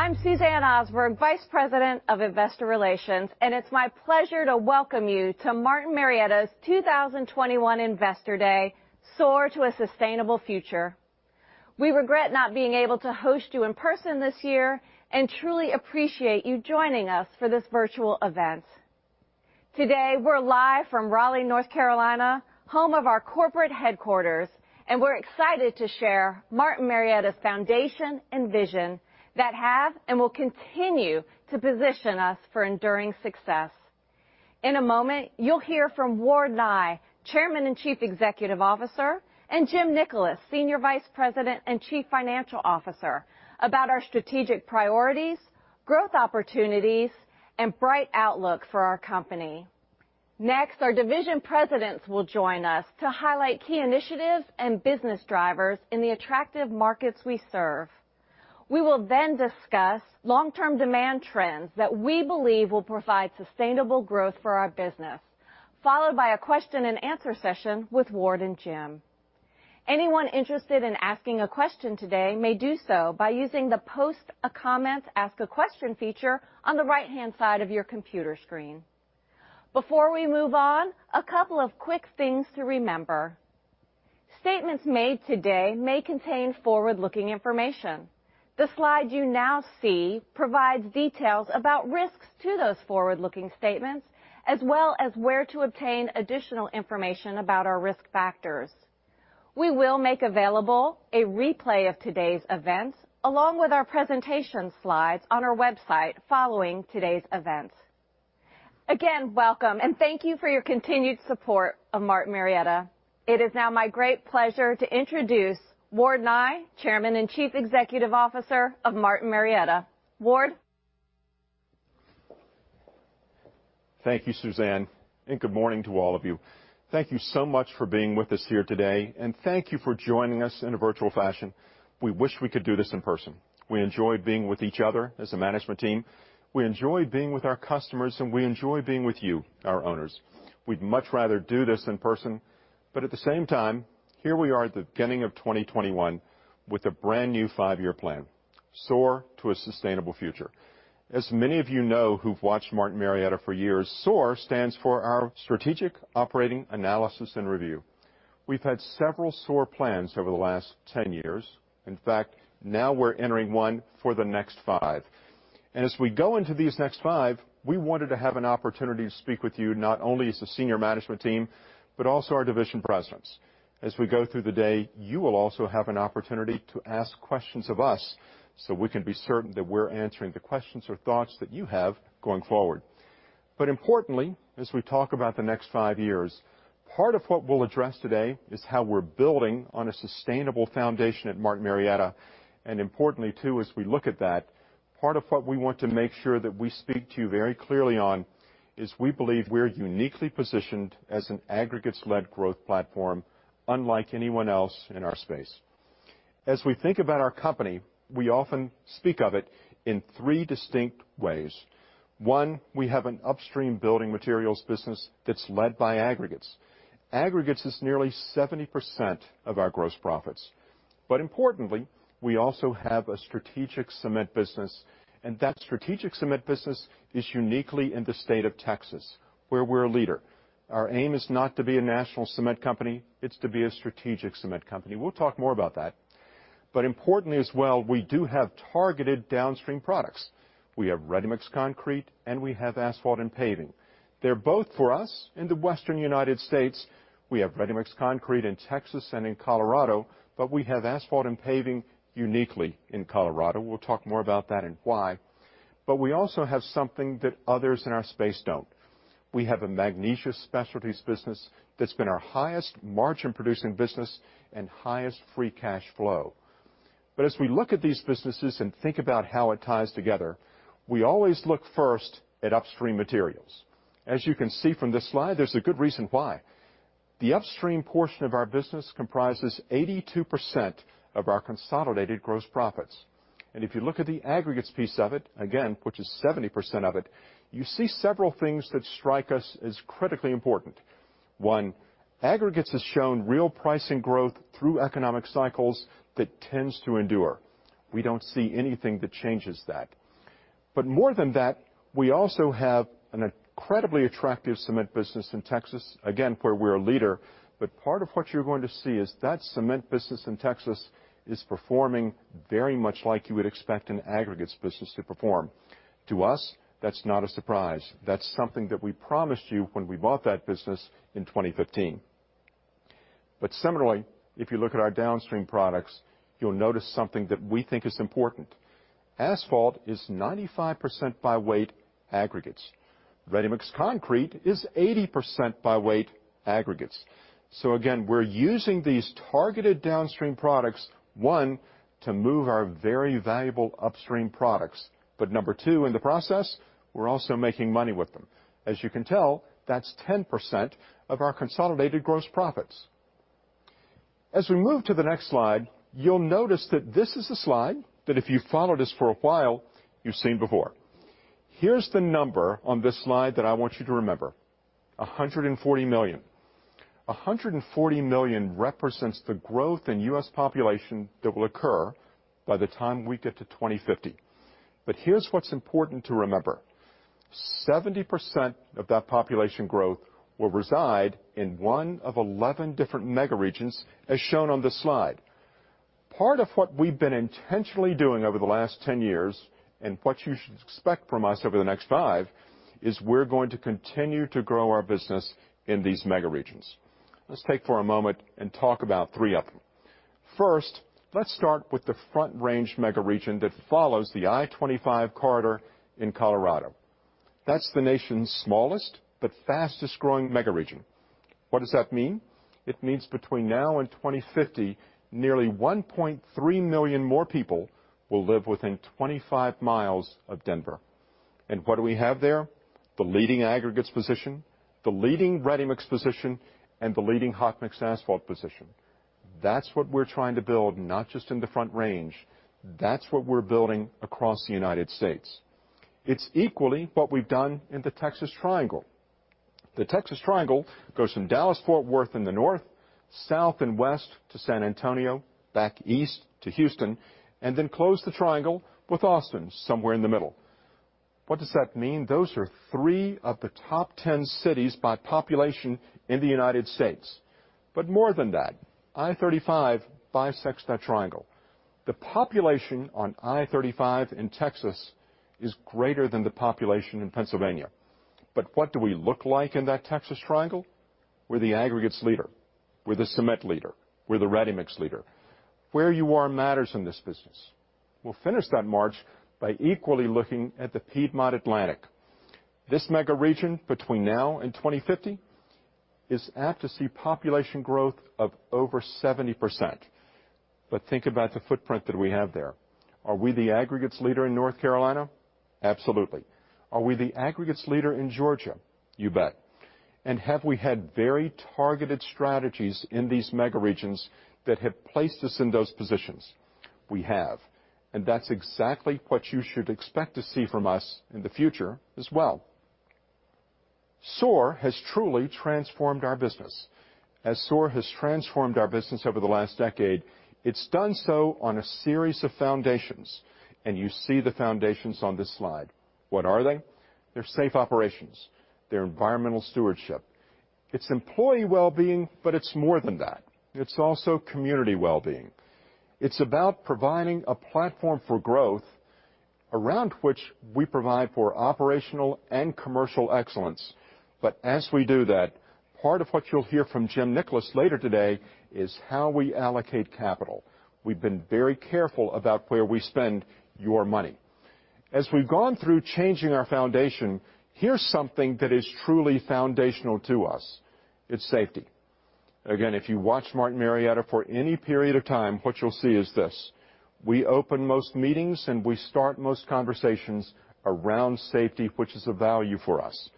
Good morning. I'm Suzanne Osberg, Vice President of Investor Relations, and it's my pleasure to welcome you to Martin Marietta's 2021 Investor Day, SOAR to a Sustainable Future. We regret not being able to host you in person this year and truly appreciate you joining us for this virtual event. Today, we're live from Raleigh, North Carolina, home of our corporate headquarters, and we're excited to share Martin Marietta's foundation and vision that have and will continue to position us for enduring success. In a moment, you'll hear from Ward Nye, Chairman and Chief Executive Officer, and Jim Nickolas, Senior Vice President and Chief Financial Officer, about our strategic priorities, growth opportunities, and bright outlook for our company. Next, our division presidents will join us to highlight key initiatives and business drivers in the attractive markets we serve. We will then discuss long-term demand trends that we believe will provide sustainable growth for our business, followed by a question-and-answer session with Ward and Jim. Anyone interested in asking a question today may do so by using the Post a Comment/Ask a Question feature on the right-hand side of your computer screen. Before we move on, a couple of quick things to remember. Statements made today may contain forward-looking information. The slide you now see provides details about risks to those forward-looking statements, as well as where to obtain additional information about our risk factors. We will make available a replay of today's events, along with our presentation slides, on our website following today's events. Again, welcome, and thank you for your continued support of Martin Marietta. It is now my great pleasure to introduce Ward Nye, Chairman and Chief Executive Officer of Martin Marietta. Ward? Thank you, Suzanne, and good morning to all of you. Thank you so much for being with us here today, and thank you for joining us in a virtual fashion. We wish we could do this in person. We enjoy being with each other as a management team. We enjoy being with our customers, and we enjoy being with you, our owners. We'd much rather do this in person, but at the same time, here we are at the beginning of 2021 with a brand-new five-year plan: SOAR to a Sustainable Future. As many of you know who've watched Martin Marietta for years, SOAR stands for our Strategic Operating Analysis and Review. We've had several SOAR plans over the last 10 years. In fact, now we're entering one for the next five. And as we go into these next five, we wanted to have an opportunity to speak with you not only as the senior management team, but also our division presidents. As we go through the day, you will also have an opportunity to ask questions of us so we can be certain that we're answering the questions or thoughts that you have going forward. But importantly, as we talk about the next five years, part of what we'll address today is how we're building on a sustainable foundation at Martin Marietta. And importantly, too, as we look at that, part of what we want to make sure that we speak to you very clearly on is we believe we're uniquely positioned as an aggregates-led growth platform, unlike anyone else in our space. As we think about our company, we often speak of it in three distinct ways. One, we have an upstream building materials business that's led by aggregates. Aggregates is nearly 70% of our gross profits. But importantly, we also have a strategic cement business, and that strategic cement business is uniquely in the state of Texas, where we're a leader. Our aim is not to be a national cement company. It's to be a strategic cement company. We'll talk more about that. But importantly as well, we do have targeted downstream products. We have ready-mix concrete, and we have asphalt and paving. They're both for us in the western United States. We have ready-mix concrete in Texas and in Colorado, but we have asphalt and paving uniquely in Colorado. We'll talk more about that and why. But we also have something that others in our space don't. We have a Magnesia Specialties business that's been our highest margin-producing business and highest free cash flow. But as we look at these businesses and think about how it ties together, we always look first at upstream materials. As you can see from this slide, there's a good reason why. The upstream portion of our business comprises 82% of our consolidated gross profits. And if you look at the aggregates piece of it, again, which is 70% of it, you see several things that strike us as critically important. One, aggregates has shown real pricing growth through economic cycles that tends to endure. We don't see anything that changes that. But more than that, we also have an incredibly attractive cement business in Texas, again, where we're a leader. But part of what you're going to see is that cement business in Texas is performing very much like you would expect an aggregates business to perform. To us, that's not a surprise. That's something that we promised you when we bought that business in 2015. But similarly, if you look at our downstream products, you'll notice something that we think is important. Asphalt is 95% by weight aggregates. Ready-mix concrete is 80% by weight aggregates. So again, we're using these targeted downstream products, one, to move our very valuable upstream products. But number two, in the process, we're also making money with them. As you can tell, that's 10% of our consolidated gross profits. As we move to the next slide, you'll notice that this is a slide that if you followed us for a while, you've seen before. Here's the number on this slide that I want you to remember: 140 million. 140 million represents the growth in U.S. population that will occur by the time we get to 2050. Here's what's important to remember: 70% of that population growth will reside in one of 11 different megaregions, as shown on this slide. Part of what we've been intentionally doing over the last 10 years, and what you should expect from us over the next five, is we're going to continue to grow our business in these megaregions. Let's take for a moment and talk about three of them. First, let's start with the Front Range megaregion that follows the I-25 corridor in Colorado. That's the nation's smallest but fastest-growing megaregion. What does that mean? It means between now and 2050, nearly 1.3 million more people will live within 25 miles of Denver. And what do we have there? The leading aggregates position, the leading ready-mix position, and the leading hot-mix asphalt position. That's what we're trying to build, not just in the Front Range. That's what we're building across the United States. It's equally what we've done in the Texas Triangle. The Texas Triangle goes from Dallas-Fort Worth in the north, south and west to San Antonio, back east to Houston, and then closed the triangle with Austin somewhere in the middle. What does that mean? Those are three of the top 10 cities by population in the United States. But more than that, I-35 bisects that triangle. The population on I-35 in Texas is greater than the population in Pennsylvania. But what do we look like in that Texas Triangle? We're the aggregates leader. We're the cement leader. We're the ready-mix leader. Where you are matters in this business. We'll finish that March by equally looking at the Piedmont Atlantic. This megaregion, between now and 2050, is apt to see population growth of over 70%. But think about the footprint that we have there. Are we the aggregates leader in North Carolina? Absolutely. Are we the aggregates leader in Georgia? You bet. And have we had very targeted strategies in these megaregions that have placed us in those positions? We have. And that's exactly what you should expect to see from us in the future as well. SOAR has truly transformed our business. As SOAR has transformed our business over the last decade, it's done so on a series of foundations, and you see the foundations on this slide. What are they? They're safe operations. They're environmental stewardship. It's employee well-being, but it's more than that. It's also community well-being. It's about providing a platform for growth around which we provide for operational and commercial excellence. But as we do that, part of what you'll hear from Jim Nickolas later today is how we allocate capital. We've been very careful about where we spend your money. As we've gone through changing our foundation, here's something that is truly foundational to us. It's safety. Again, if you watch Martin Marietta for any period of time, what you'll see is this: we open most meetings, and we start most conversations around safety, which is a value for us.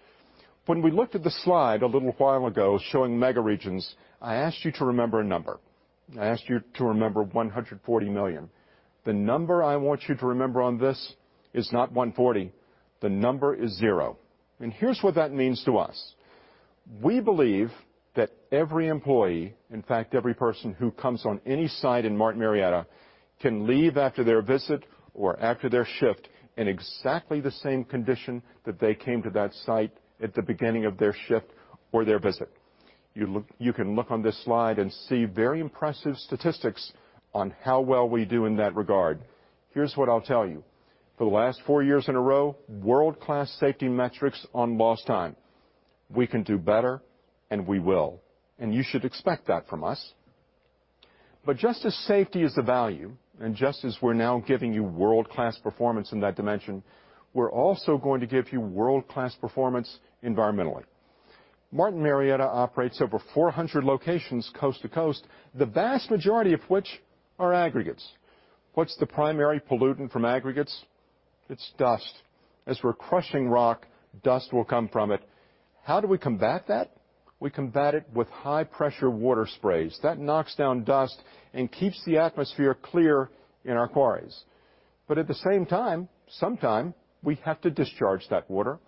When we looked at the slide a little while ago showing megaregions, I asked you to remember a number. I asked you to remember 140 million. The number I want you to remember on this is not 140. The number is zero. And here's what that means to us. We believe that every employee, in fact every person who comes on any site in Martin Marietta, can leave after their visit or after their shift in exactly the same condition that they came to that site at the beginning of their shift or their visit. You can look on this slide and see very impressive statistics on how well we do in that regard. Here's what I'll tell you: for the last four years in a row, world-class safety metrics on lost time. We can do better, and we will. And you should expect that from us. But just as safety is a value, and just as we're now giving you world-class performance in that dimension, we're also going to give you world-class performance environmentally. Martin Marietta operates over 400 locations coast to coast, the vast majority of which are aggregates. What's the primary pollutant from aggregates? It's dust. As we're crushing rock, dust will come from it. How do we combat that? We combat it with high-pressure water sprays. That knocks down dust and keeps the atmosphere clear in our quarries. But at the same time, sometimes we have to discharge that water.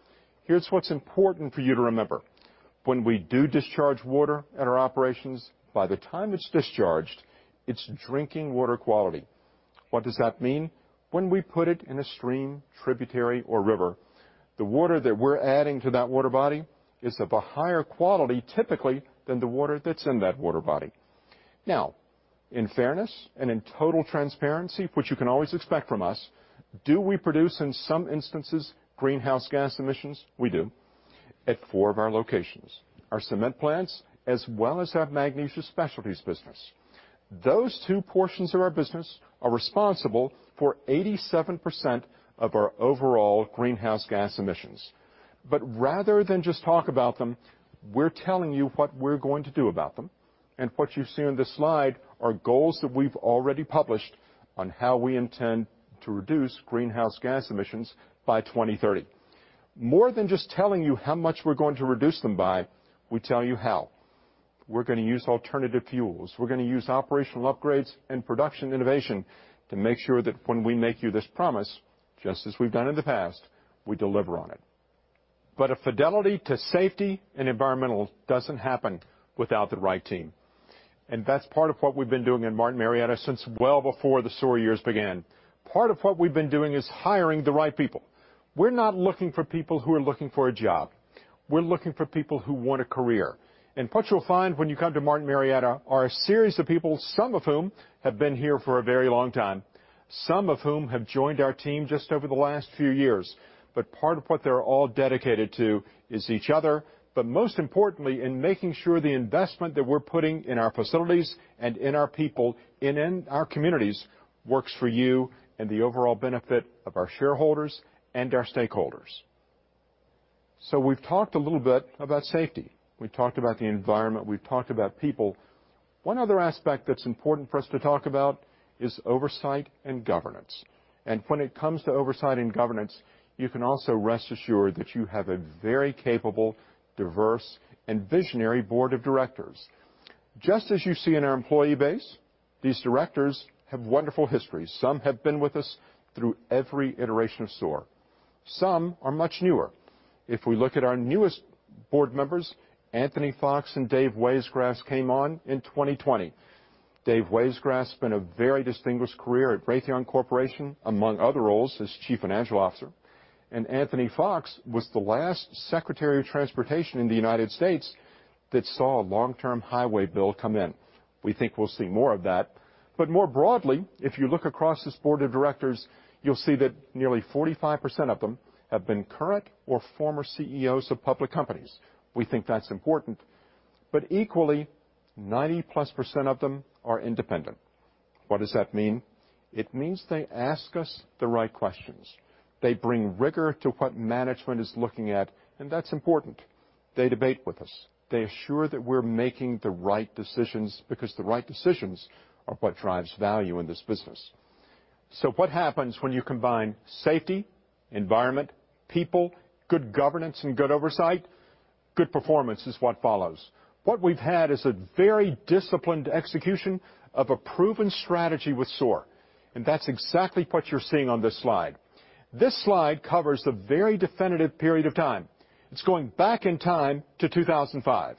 Here's what's important for you to remember: when we do discharge water at our operations, by the time it's discharged, it's drinking water quality. What does that mean? When we put it in a stream, tributary, or river, the water that we're adding to that water body is of a higher quality typically than the water that's in that water body. Now, in fairness and in total transparency, which you can always expect from us, do we produce in some instances greenhouse gas emissions? We do. At four of our locations, our cement plants, as well as our Magnesia Specialties business. Those two portions of our business are responsible for 87% of our overall greenhouse gas emissions. But rather than just talk about them, we're telling you what we're going to do about them. And what you see on this slide are goals that we've already published on how we intend to reduce greenhouse gas emissions by 2030. More than just telling you how much we're going to reduce them by, we tell you how. We're going to use alternative fuels. We're going to use operational upgrades and production innovation to make sure that when we make you this promise, just as we've done in the past, we deliver on it. But a fidelity to safety and environmental doesn't happen without the right team. And that's part of what we've been doing at Martin Marietta since well before the SOAR years began. Part of what we've been doing is hiring the right people. We're not looking for people who are looking for a job. We're looking for people who want a career, and what you'll find when you come to Martin Marietta are a series of people, some of whom have been here for a very long time, some of whom have joined our team just over the last few years, but part of what they're all dedicated to is each other, but most importantly, in making sure the investment that we're putting in our facilities and in our people, and in our communities, works for you and the overall benefit of our shareholders and our stakeholders, so we've talked a little bit about safety. We've talked about the environment. We've talked about people. One other aspect that's important for us to talk about is oversight and governance. And when it comes to oversight and governance, you can also rest assured that you have a very capable, diverse, and visionary board of directors. Just as you see in our employee base, these directors have wonderful histories. Some have been with us through every iteration of SOAR. Some are much newer. If we look at our newest board members, Anthony Foxx and David Wajsgras came on in 2020. David Wajsgras spent a very distinguished career at Raytheon Corporation, among other roles as Chief Financial Officer. And Anthony Foxx was the last Secretary of Transportation in the United States that saw a long-term highway bill come in. We think we'll see more of that. But more broadly, if you look across this board of directors, you'll see that nearly 45% of them have been current or former CEOs of public companies. We think that's important. But equally, 90%+ of them are independent. What does that mean? It means they ask us the right questions. They bring rigor to what management is looking at, and that's important. They debate with us. They assure that we're making the right decisions because the right decisions are what drives value in this business. So what happens when you combine safety, environment, people, good governance, and good oversight? Good performance is what follows. What we've had is a very disciplined execution of a proven strategy with SOAR. And that's exactly what you're seeing on this slide. This slide covers a very definitive period of time. It's going back in time to 2005.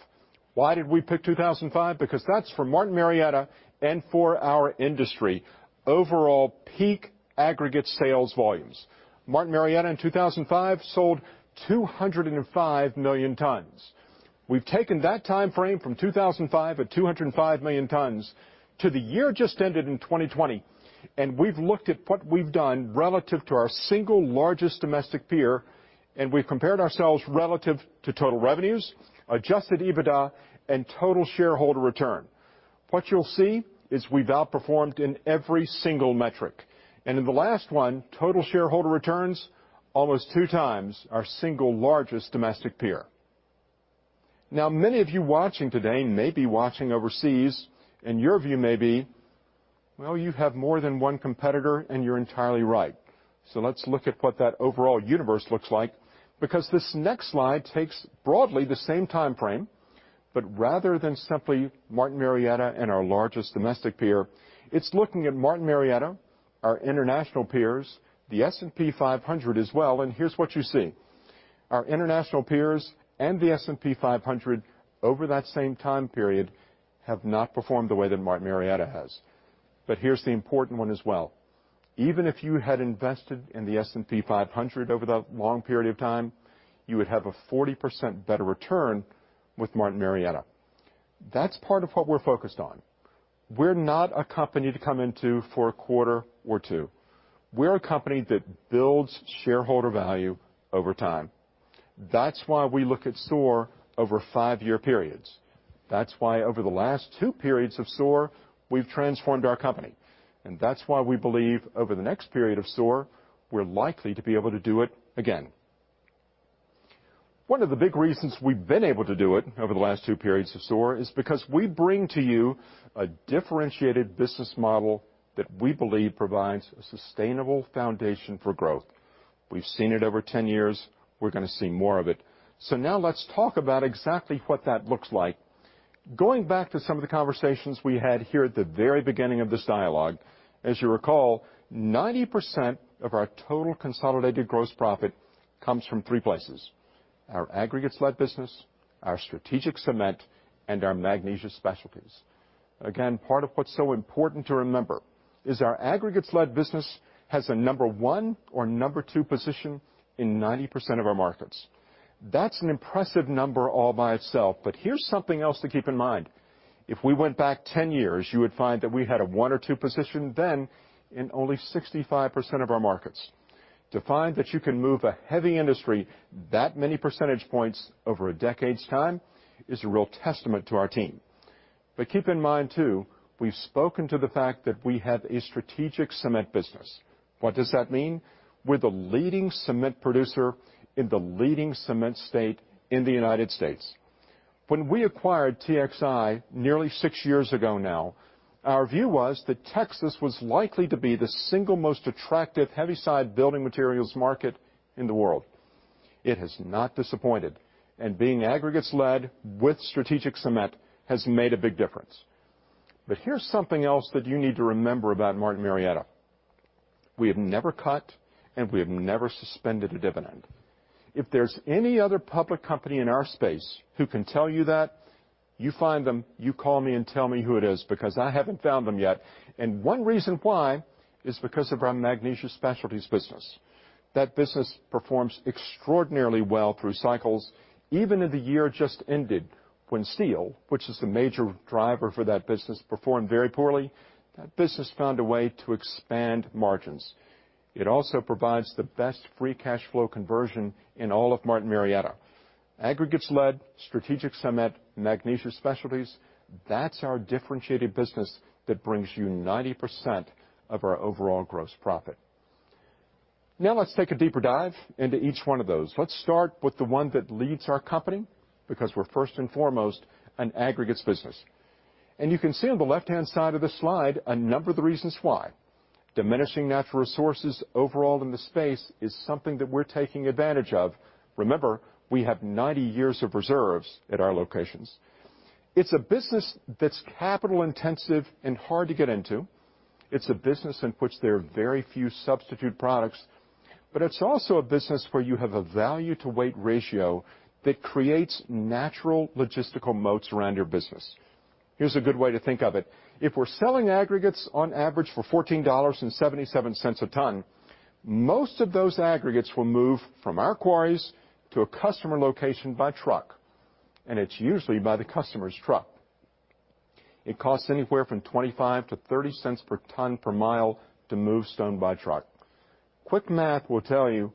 Why did we pick 2005? Because that's for Martin Marietta and for our industry overall peak aggregate sales volumes. Martin Marietta in 2005 sold 205 million tons. We've taken that time frame from 2005 at 205 million tons to the year just ended in 2020. And we've looked at what we've done relative to our single largest domestic peer, and we've compared ourselves relative to total revenues, adjusted EBITDA, and total shareholder return. What you'll see is we've outperformed in every single metric. And in the last one, total shareholder returns almost two times our single largest domestic peer. Now, many of you watching today may be watching overseas, and your view may be, "Well, you have more than one competitor, and you're entirely right." So let's look at what that overall universe looks like because this next slide takes broadly the same time frame. But rather than simply Martin Marietta and our largest domestic peer, it's looking at Martin Marietta, our international peers, the S&P 500 as well. And here's what you see. Our international peers and the S&P 500 over that same time period have not performed the way that Martin Marietta has. But here's the important one as well. Even if you had invested in the S&P 500 over that long period of time, you would have a 40% better return with Martin Marietta. That's part of what we're focused on. We're not a company to come into for a quarter or two. We're a company that builds shareholder value over time. That's why we look at SOAR over five-year periods. That's why over the last two periods of SOAR, we've transformed our company. And that's why we believe over the next period of SOAR, we're likely to be able to do it again. One of the big reasons we've been able to do it over the last two periods of SOAR is because we bring to you a differentiated business model that we believe provides a sustainable foundation for growth. We've seen it over 10 years. We're going to see more of it. So now let's talk about exactly what that looks like. Going back to some of the conversations we had here at the very beginning of this dialogue, as you recall, 90% of our total consolidated gross profit comes from three places: our aggregates-led business, our strategic cement, and our Magnesia Specialties. Again, part of what's so important to remember is our aggregates-led business has a number one or number two position in 90% of our markets. That's an impressive number all by itself. But here's something else to keep in mind. If we went back 10 years, you would find that we had a one or two position then in only 65% of our markets. To find that you can move a heavy industry that many percentage points over a decade's time is a real testament to our team. But keep in mind too, we've spoken to the fact that we have a strategic cement business. What does that mean? We're the leading cement producer in the leading cement state in the United States. When we acquired TXI nearly six years ago now, our view was that Texas was likely to be the single most attractive heavy-side building materials market in the world. It has not disappointed. And being aggregates-led with strategic cement has made a big difference. But here's something else that you need to remember about Martin Marietta. We have never cut, and we have never suspended a dividend. If there's any other public company in our space who can tell you that, you find them, you call me and tell me who it is because I haven't found them yet, and one reason why is because of our Magnesia Specialties business. That business performs extraordinarily well through cycles. Even in the year just ended when steel, which is the major driver for that business, performed very poorly, that business found a way to expand margins. It also provides the best free cash flow conversion in all of Martin Marietta. Aggregates-led, strategic cement, Magnesia Specialties, that's our differentiated business that brings you 90% of our overall gross profit. Now let's take a deeper dive into each one of those. Let's start with the one that leads our company because we're first and foremost an aggregates business. You can see on the left-hand side of the slide a number of the reasons why. Diminishing natural resources overall in the space is something that we're taking advantage of. Remember, we have 90 years of reserves at our locations. It's a business that's capital-intensive and hard to get into. It's a business in which there are very few substitute products. But it's also a business where you have a value-to-weight ratio that creates natural logistical moats around your business. Here's a good way to think of it. If we're selling aggregates on average for $14.77 a ton, most of those aggregates will move from our quarries to a customer location by truck. And it's usually by the customer's truck. It costs anywhere from $0.25 to $0.30 per ton per mile to move stone by truck. Quick math will tell you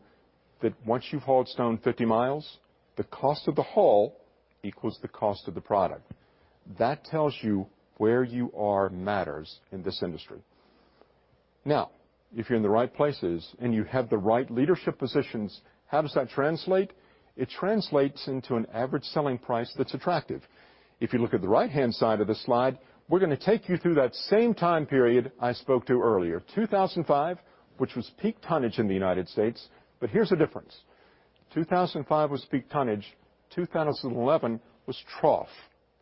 that once you've hauled stone 50 miles, the cost of the haul equals the cost of the product. That tells you where you are matters in this industry. Now, if you're in the right places and you have the right leadership positions, how does that translate? It translates into an average selling price that's attractive. If you look at the right-hand side of the slide, we're going to take you through that same time period I spoke to earlier, 2005, which was peak tonnage in the United States. But here's the difference. 2005 was peak tonnage. 2011 was trough.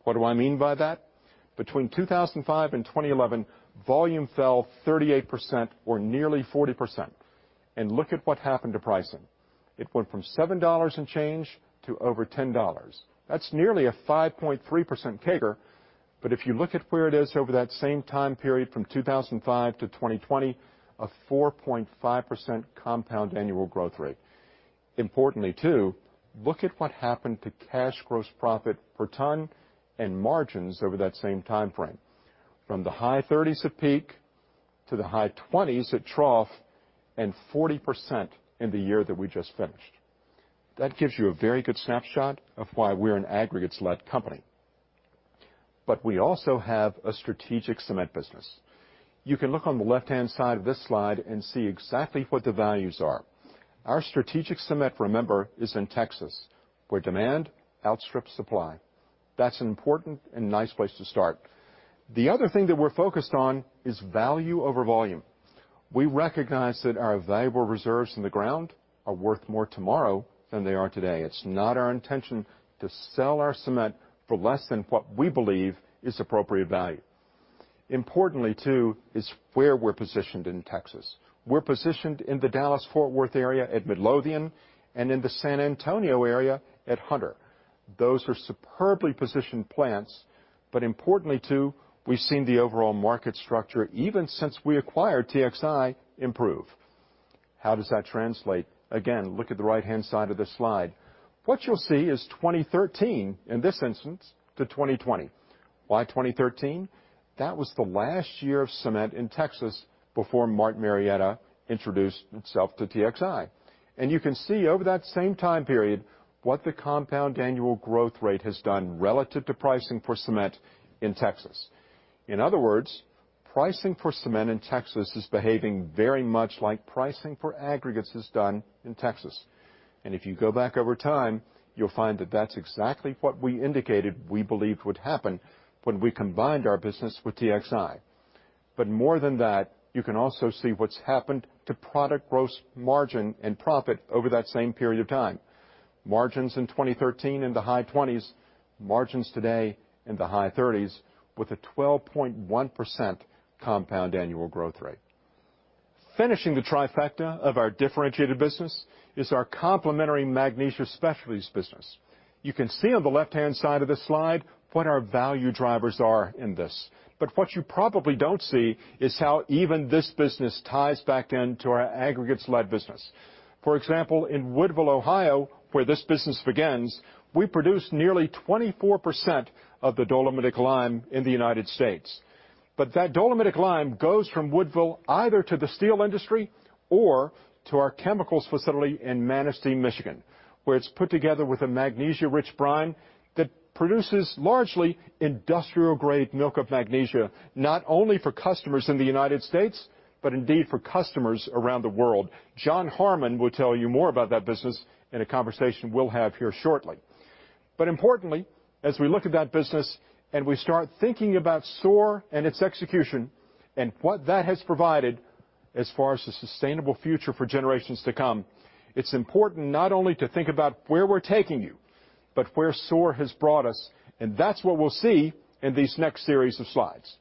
What do I mean by that? Between 2005 and 2011, volume fell 38% or nearly 40%. And look at what happened to pricing. It went from $7 and change to over $10. That's nearly a 5.3% CAGR. But if you look at where it is over that same time period from 2005 to 2020, a 4.5% compound annual growth rate. Importantly too, look at what happened to cash gross profit per ton and margins over that same time frame from the high 30s at peak to the high 20s at trough and 40% in the year that we just finished. That gives you a very good snapshot of why we're an aggregates-led company. But we also have a strategic cement business. You can look on the left-hand side of this slide and see exactly what the values are. Our strategic cement, remember, is in Texas, where demand outstrips supply. That's an important and nice place to start. The other thing that we're focused on is value over volume. We recognize that our valuable reserves in the ground are worth more tomorrow than they are today. It's not our intention to sell our cement for less than what we believe is appropriate value. Importantly too is where we're positioned in Texas. We're positioned in the Dallas-Fort Worth area at Midlothian and in the San Antonio area at Hunter. Those are superbly positioned plants. But importantly too, we've seen the overall market structure even since we acquired TXI improve. How does that translate? Again, look at the right-hand side of the slide. What you'll see is 2013 in this instance to 2020. Why 2013? That was the last year of cement in Texas before Martin Marietta introduced itself to TXI. And you can see over that same time period what the compound annual growth rate has done relative to pricing for cement in Texas. In other words, pricing for cement in Texas is behaving very much like pricing for aggregates has done in Texas. If you go back over time, you'll find that that's exactly what we indicated we believed would happen when we combined our business with TXI. More than that, you can also see what's happened to product gross margin and profit over that same period of time. Margins in 2013 in the high 20s, margins today in the high 30s with a 12.1% compound annual growth rate. Finishing the trifecta of our differentiated business is our complementary Magnesia Specialties business. You can see on the left-hand side of the slide what our value drivers are in this. What you probably don't see is how even this business ties back then to our aggregates-led business. For example, in Woodville, Ohio, where this business begins, we produce nearly 24% of the dolomitic lime in the United States. But that dolomitic lime goes from Woodville either to the steel industry or to our chemicals facility in Manistee, Michigan, where it's put together with a magnesium-rich brine that produces largely industrial-grade milk of magnesia, not only for customers in the United States, but indeed for customers around the world. John Harmon will tell you more about that business in a conversation we'll have here shortly. But importantly, as we look at that business and we start thinking about SOAR and its execution and what that has provided as far as a sustainable future for generations to come, it's important not only to think about where we're taking you, but where SOAR has brought us. And that's what we'll see in these next series of slides.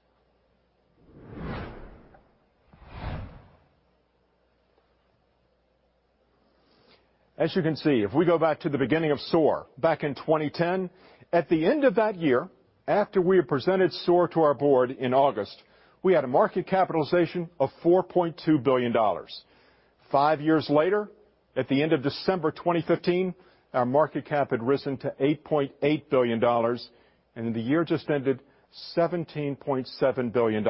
As you can see, if we go back to the beginning of SOAR back in 2010, at the end of that year, after we had presented SOAR to our board in August, we had a market capitalization of $4.2 billion. Five years later, at the end of December 2015, our market cap had risen to $8.8 billion, and in the year just ended, $17.7 billion.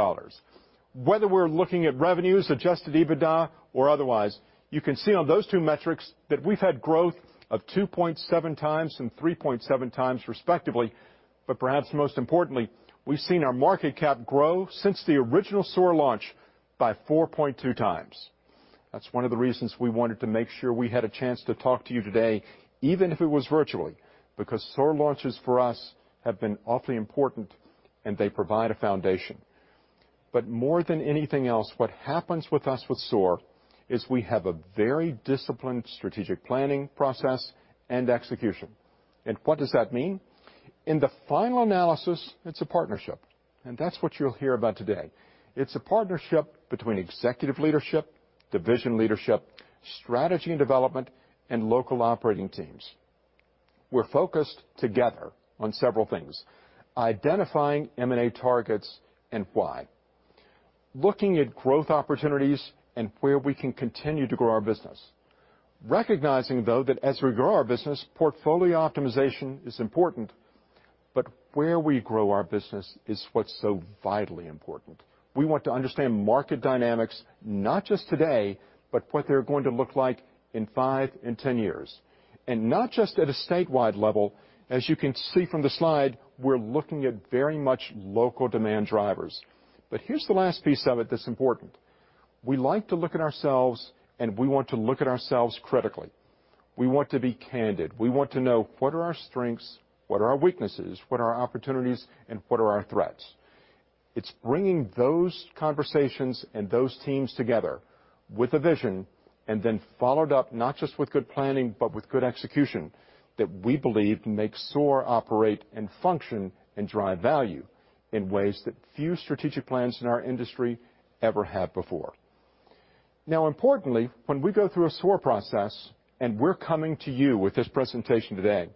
Whether we're looking at revenues, adjusted EBITDA, or otherwise, you can see on those two metrics that we've had growth of 2.7 times and 3.7 times respectively, but perhaps most importantly, we've seen our market cap grow since the original SOAR launch by 4.2x. That's one of the reasons we wanted to make sure we had a chance to talk to you today, even if it was virtually, because SOAR launches for us have been awfully important and they provide a foundation. But more than anything else, what happens with us with SOAR is we have a very disciplined strategic planning process and execution. And what does that mean? In the final analysis, it's a partnership. And that's what you'll hear about today. It's a partnership between executive leadership, division leadership, strategy and development, and local operating teams. We're focused together on several things: identifying M&A targets and why, looking at growth opportunities and where we can continue to grow our business. Recognizing, though, that as we grow our business, portfolio optimization is important. But where we grow our business is what's so vitally important. We want to understand market dynamics, not just today, but what they're going to look like in five and 10 years. And not just at a statewide level. As you can see from the slide, we're looking at very much local demand drivers. But here's the last piece of it that's important. We like to look at ourselves and we want to look at ourselves critically. We want to be candid. We want to know what are our strengths, what are our weaknesses, what are our opportunities, and what are our threats. It's bringing those conversations and those teams together with a vision and then followed up not just with good planning, but with good execution that we believe makes SOAR operate and function and drive value in ways that few strategic plans in our industry ever have before. Now, importantly, when we go through a SOAR process and we're coming to you with this presentation today,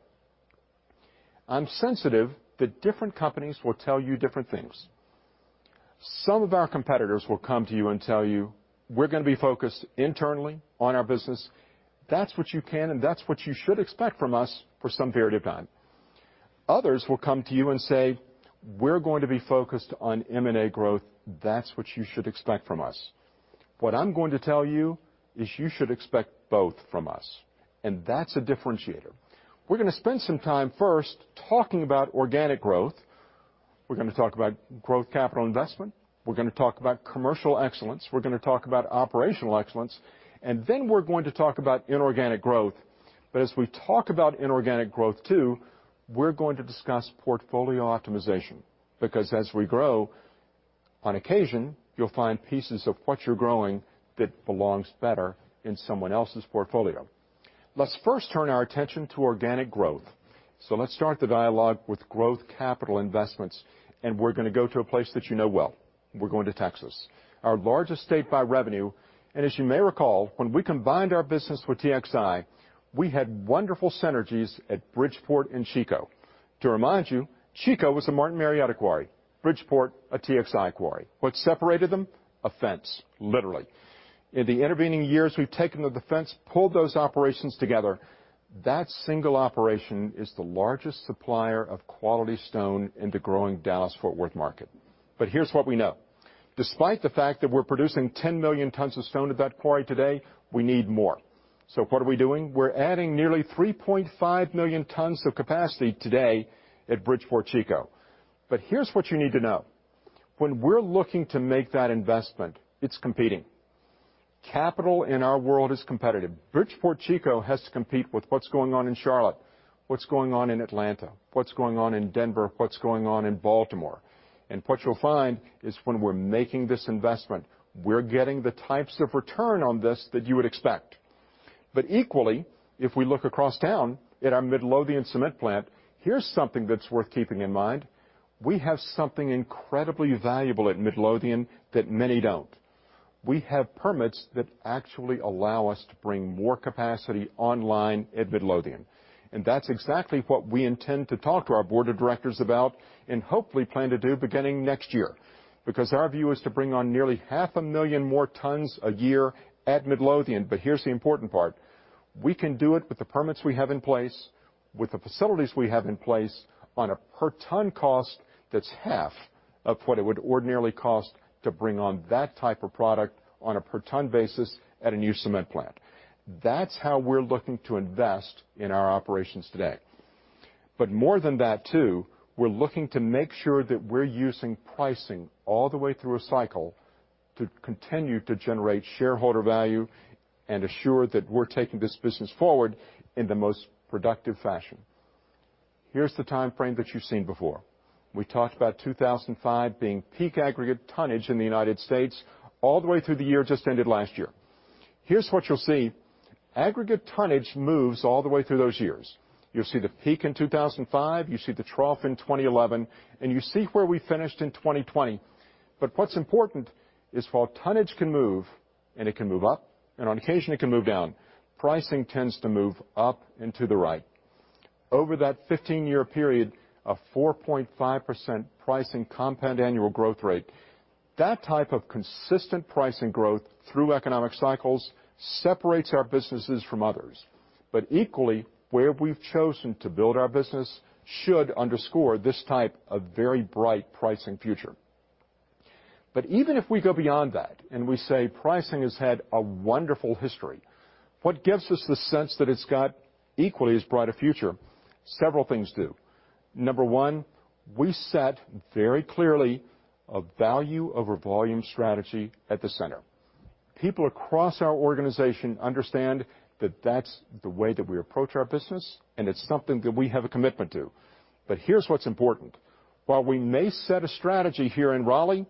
I'm sensitive that different companies will tell you different things. Some of our competitors will come to you and tell you, "We're going to be focused internally on our business. That's what you can and that's what you should expect from us for some period of time." Others will come to you and say, "We're going to be focused on M&A growth. That's what you should expect from us." What I'm going to tell you is you should expect both from us. And that's a differentiator. We're going to spend some time first talking about organic growth. We're going to talk about growth capital investment. We're going to talk about commercial excellence. We're going to talk about operational excellence. And then we're going to talk about inorganic growth. But as we talk about inorganic growth too, we're going to discuss portfolio optimization. Because as we grow, on occasion, you'll find pieces of what you're growing that belongs better in someone else's portfolio. Let's first turn our attention to organic growth. So let's start the dialogue with growth capital investments. We're going to go to a place that you know well. We're going to Texas, our largest state by revenue. As you may recall, when we combined our business with TXI, we had wonderful synergies at Bridgeport and Chico. To remind you, Chico was a Martin Marietta quarry, Bridgeport a TXI quarry. What separated them? A fence, literally. In the intervening years, we've taken the fence, pulled those operations together. That single operation is the largest supplier of quality stone in the growing Dallas-Fort Worth market. Here's what we know. Despite the fact that we're producing 10 million tons of stone at that quarry today, we need more. What are we doing? We're adding nearly 3.5 million tons of capacity today at Bridgeport-Chico. Here's what you need to know. When we're looking to make that investment, it's competing. Capital in our world is competitive. Bridgeport-Chico has to compete with what's going on in Charlotte, what's going on in Atlanta, what's going on in Denver, what's going on in Baltimore. And what you'll find is when we're making this investment, we're getting the types of return on this that you would expect. But equally, if we look across town at our Midlothian cement plant, here's something that's worth keeping in mind. We have something incredibly valuable at Midlothian that many don't. We have permits that actually allow us to bring more capacity online at Midlothian. And that's exactly what we intend to talk to our board of directors about and hopefully plan to do beginning next year. Because our view is to bring on nearly 500,000 more tons a year at Midlothian. But here's the important part. We can do it with the permits we have in place, with the facilities we have in place on a per ton cost that's half of what it would ordinarily cost to bring on that type of product on a per ton basis at a new cement plant. That's how we're looking to invest in our operations today. But more than that too, we're looking to make sure that we're using pricing all the way through a cycle to continue to generate shareholder value and assure that we're taking this business forward in the most productive fashion. Here's the time frame that you've seen before. We talked about 2005 being peak aggregate tonnage in the United States all the way through the year just ended last year. Here's what you'll see. Aggregate tonnage moves all the way through those years. You'll see the peak in 2005. You see the trough in 2011. And you see where we finished in 2020. But what's important is while tonnage can move and it can move up and on occasion it can move down, pricing tends to move up and to the right. Over that 15-year period of 4.5% pricing compound annual growth rate, that type of consistent pricing growth through economic cycles separates our businesses from others. But equally, where we've chosen to build our business should underscore this type of very bright pricing future. But even if we go beyond that and we say pricing has had a wonderful history, what gives us the sense that it's got equally as bright a future? Several things do. Number one, we set very clearly a value over volume strategy at the center. People across our organization understand that that's the way that we approach our business and it's something that we have a commitment to. But here's what's important. While we may set a strategy here in Raleigh,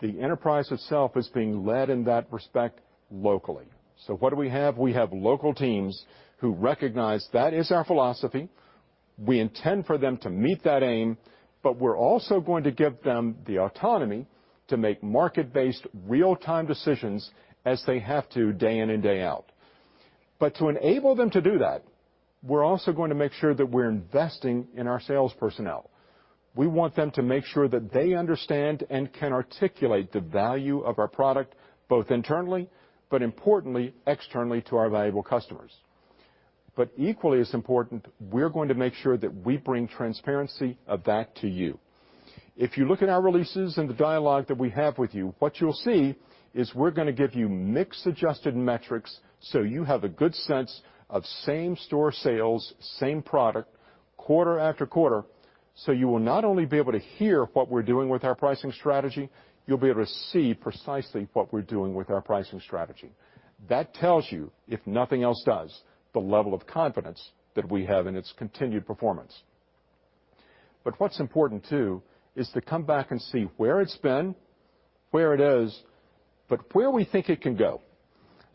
the enterprise itself is being led in that respect locally. So what do we have? We have local teams who recognize that is our philosophy. We intend for them to meet that aim, but we're also going to give them the autonomy to make market-based real-time decisions as they have to day in and day out. But to enable them to do that, we're also going to make sure that we're investing in our sales personnel. We want them to make sure that they understand and can articulate the value of our product both internally, but importantly, externally to our valuable customers. But equally as important, we're going to make sure that we bring transparency of that to you. If you look at our releases and the dialogue that we have with you, what you'll see is we're going to give you mix-adjusted metrics so you have a good sense of same store sales, same product quarter after quarter. So you will not only be able to hear what we're doing with our pricing strategy, you'll be able to see precisely what we're doing with our pricing strategy. That tells you, if nothing else does, the level of confidence that we have in its continued performance. But what's important too is to come back and see where it's been, where it is, but where we think it can go.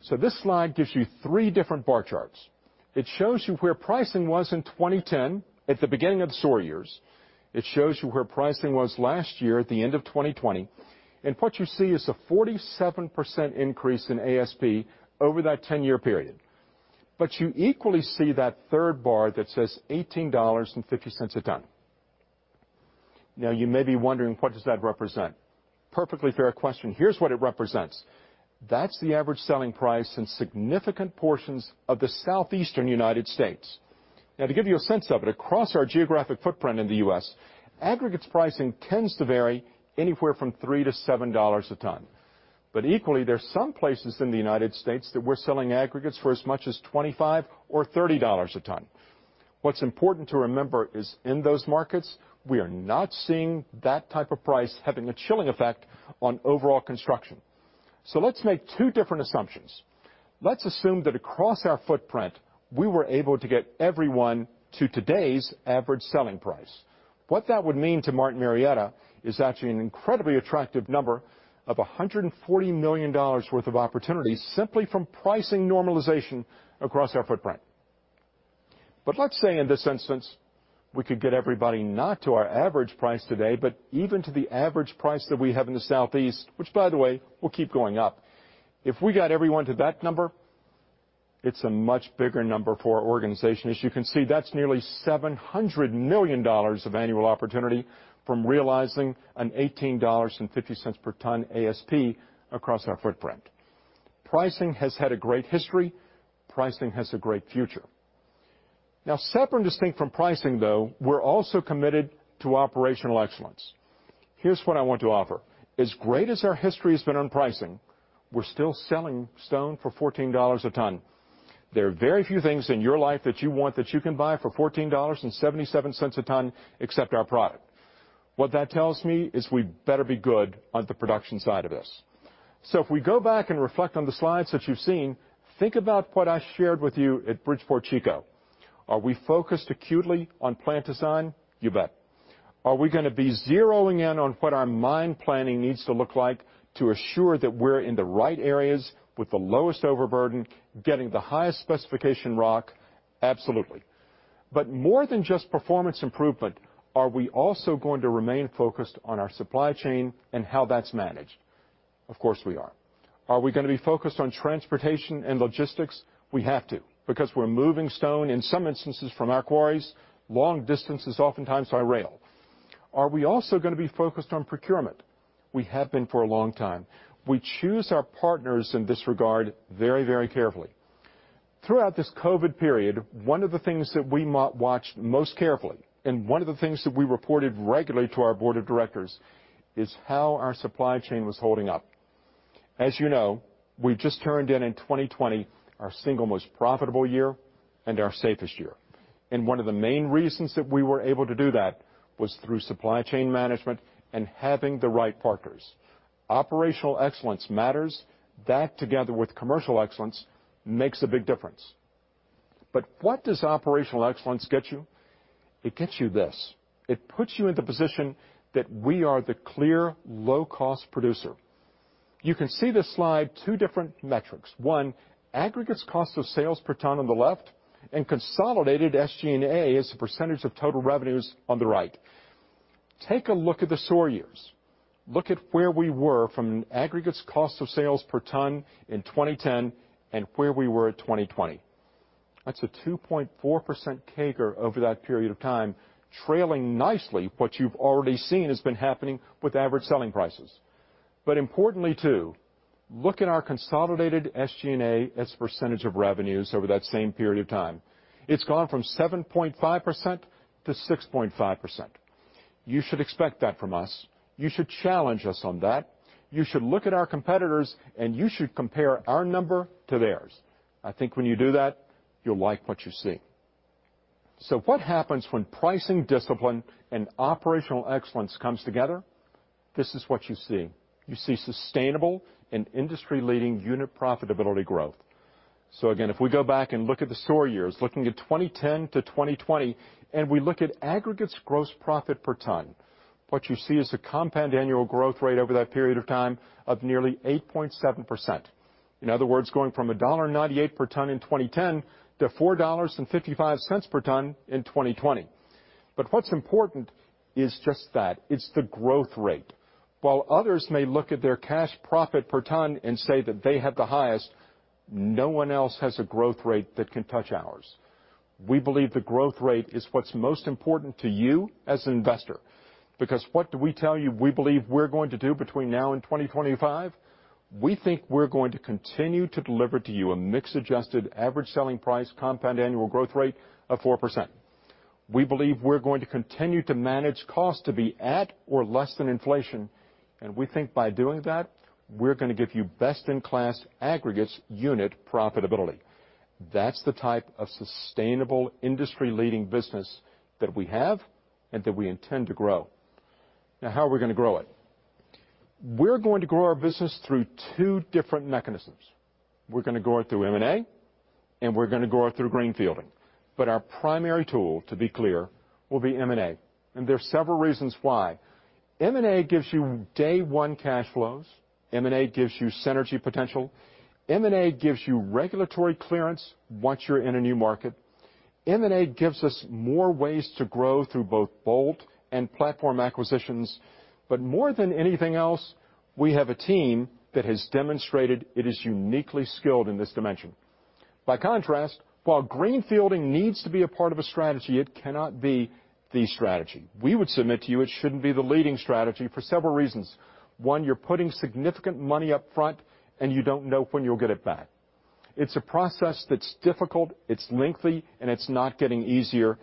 So this slide gives you three different bar charts. It shows you where pricing was in 2010 at the beginning of the SOAR years. It shows you where pricing was last year at the end of 2020. And what you see is a 47% increase in ASP over that 10-year period. But you equally see that third bar that says $18.50 a ton. Now, you may be wondering, what does that represent? Perfectly fair question. Here's what it represents. That's the average selling price in significant portions of the Southeastern United States. Now, to give you a sense of it, across our geographic footprint in the U.S., aggregates pricing tends to vary anywhere from $3 to $7 a ton. But equally, there are some places in the United States that we're selling aggregates for as much as $25 or $30 a ton. What's important to remember is in those markets, we are not seeing that type of price having a chilling effect on overall construction. So let's make two different assumptions. Let's assume that across our footprint, we were able to get everyone to today's average selling price. What that would mean to Martin Marietta is actually an incredibly attractive number of $140 million worth of opportunities simply from pricing normalization across our footprint. But let's say in this instance, we could get everybody not to our average price today, but even to the average price that we have in the Southeast, which by the way, will keep going up. If we got everyone to that number, it's a much bigger number for our organization. As you can see, that's nearly $700 million of annual opportunity from realizing an $18.50 per ton ASP across our footprint. Pricing has had a great history. Pricing has a great future. Now, separate and distinct from pricing though, we're also committed to operational excellence. Here's what I want to offer. As great as our history has been on pricing, we're still selling stone for $14 a ton. There are very few things in your life that you want that you can buy for $14.77 a ton except our product. What that tells me is we better be good on the production side of this. So if we go back and reflect on the slides that you've seen, think about what I shared with you at Bridgeport-Chico. Are we focused acutely on plant design? You bet. Are we going to be zeroing in on what our mine planning needs to look like to assure that we're in the right areas with the lowest overburden, getting the highest specification rock? Absolutely. But more than just performance improvement, are we also going to remain focused on our supply chain and how that's managed? Of course, we are. Are we going to be focused on transportation and logistics? We have to because we're moving stone in some instances from our quarries long distances, oftentimes by rail. Are we also going to be focused on procurement? We have been for a long time. We choose our partners in this regard very, very carefully. Throughout this COVID period, one of the things that we watched most carefully and one of the things that we reported regularly to our board of directors is how our supply chain was holding up. As you know, we just turned in 2020 our single most profitable year and our safest year. And one of the main reasons that we were able to do that was through supply chain management and having the right partners. Operational excellence matters. That together with commercial excellence makes a big difference. But what does operational excellence get you? It gets you this. It puts you in the position that we are the clear low-cost producer. You can see this slide, two different metrics. One, aggregates cost of sales per ton on the left and consolidated SG&A as a percentage of total revenues on the right. Take a look at the SOAR years. Look at where we were from aggregates cost of sales per ton in 2010 and where we were at 2020. That's a 2.4% CAGR over that period of time, trailing nicely what you've already seen has been happening with average selling prices. But importantly too, look at our consolidated SG&A as a percentage of revenues over that same period of time. It's gone from 7.5% to 6.5%. You should expect that from us. You should challenge us on that. You should look at our competitors and you should compare our number to theirs. I think when you do that, you'll like what you see. So what happens when pricing discipline and operational excellence comes together? This is what you see. You see sustainable and industry-leading unit profitability growth. So again, if we go back and look at the SOAR years, looking at 2010 to 2020 and we look at aggregates gross profit per ton, what you see is a compound annual growth rate over that period of time of nearly 8.7%. In other words, going from $1.98 per ton in 2010 to $4.55 per ton in 2020. But what's important is just that. It's the growth rate. While others may look at their cash profit per ton and say that they have the highest, no one else has a growth rate that can touch ours. We believe the growth rate is what's most important to you as an investor. Because what do we tell you we believe we're going to do between now and 2025? We think we're going to continue to deliver to you a mix-adjusted average selling price compound annual growth rate of 4%. We believe we're going to continue to manage costs to be at or less than inflation. And we think by doing that, we're going to give you best in class aggregates unit profitability. That's the type of sustainable industry-leading business that we have and that we intend to grow. Now, how are we going to grow it? We're going to grow our business through two different mechanisms. We're going to grow it through M&A and we're going to grow it through greenfielding. But our primary tool, to be clear, will be M&A. And there are several reasons why. M&A gives you day one cash flows. M&A gives you synergy potential. M&A gives you regulatory clearance once you're in a new market. M&A gives us more ways to grow through both bolt-on and platform acquisitions. But more than anything else, we have a team that has demonstrated it is uniquely skilled in this dimension. By contrast, while greenfielding needs to be a part of a strategy, it cannot be the strategy. We would submit to you it shouldn't be the leading strategy for several reasons. One, you're putting significant money upfront and you don't know when you'll get it back. It's a process that's difficult, it's lengthy, and it's not getting easier,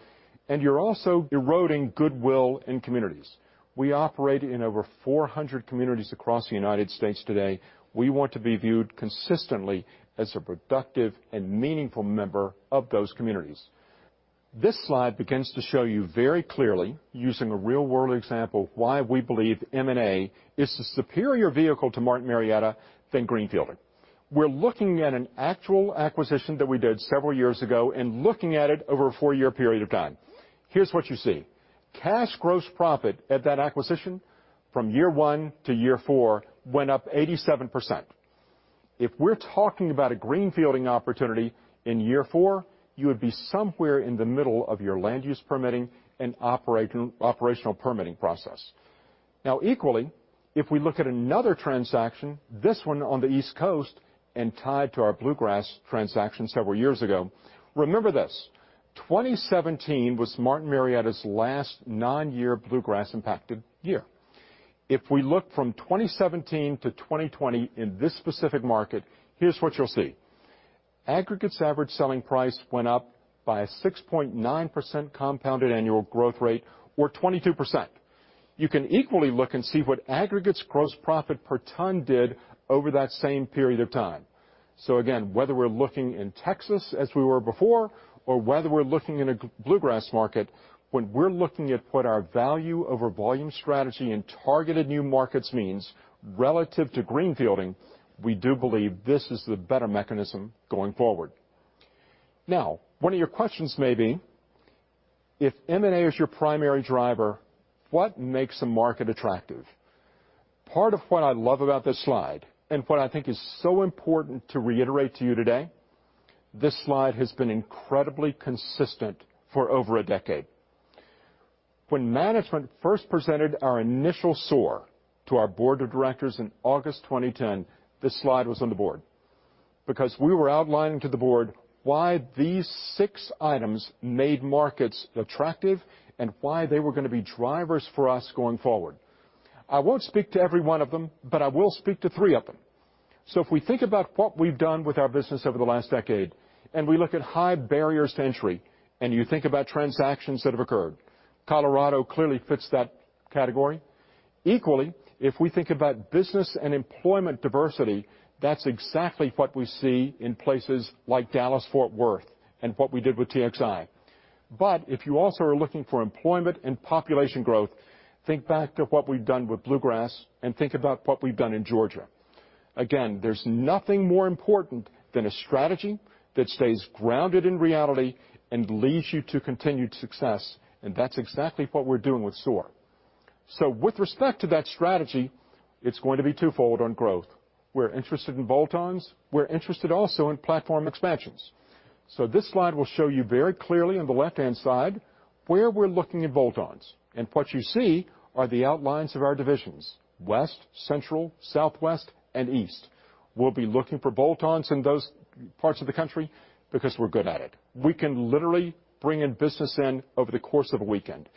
and you're also eroding goodwill in communities. We operate in over 400 communities across the United States today. We want to be viewed consistently as a productive and meaningful member of those communities. This slide begins to show you very clearly, using a real-world example, why we believe M&A is the superior vehicle to Martin Marietta than greenfielding. We're looking at an actual acquisition that we did several years ago and looking at it over a four-year period of time. Here's what you see. Cash gross profit at that acquisition from year one to year four went up 87%. If we're talking about a greenfielding opportunity in year four, you would be somewhere in the middle of your land use permitting and operational permitting process. Now, equally, if we look at another transaction, this one on the East Coast and tied to our Bluegrass transaction several years ago, remember this: 2017 was Martin Marietta's last nine-year Bluegrass impacted year. If we look from 2017 to 2020 in this specific market, here's what you'll see. Aggregates average selling price went up by a 6.9% compounded annual growth rate or 22%. You can equally look and see what aggregates gross profit per ton did over that same period of time. So again, whether we're looking in Texas as we were before or whether we're looking in a Bluegrass market, when we're looking at what our value over volume strategy and targeted new markets means relative to greenfielding, we do believe this is the better mechanism going forward. Now, one of your questions may be, if M&A is your primary driver, what makes a market attractive? Part of what I love about this slide and what I think is so important to reiterate to you today, this slide has been incredibly consistent for over a decade. When management first presented our initial SOAR to our board of directors in August 2010, this slide was on the board because we were outlining to the board why these six items made markets attractive and why they were going to be drivers for us going forward. I won't speak to every one of them, but I will speak to three of them. So if we think about what we've done with our business over the last decade and we look at high barriers to entry and you think about transactions that have occurred, Colorado clearly fits that category. Equally, if we think about business and employment diversity, that's exactly what we see in places like Dallas-Fort Worth and what we did with TXI. But if you also are looking for employment and population growth, think back to what we've done with Bluegrass and think about what we've done in Georgia. Again, there's nothing more important than a strategy that stays grounded in reality and leads you to continued success. And that's exactly what we're doing with SOAR. So with respect to that strategy, it's going to be twofold on growth. We're interested in bolt-ons. We're interested also in platform expansions. So this slide will show you very clearly on the left-hand side where we're looking at bolt-ons. And what you see are the outlines of our divisions: West, Central, Southwest, and East. We'll be looking for bolt-ons in those parts of the country because we're good at it. We can literally bring in business in over the course of a weekend.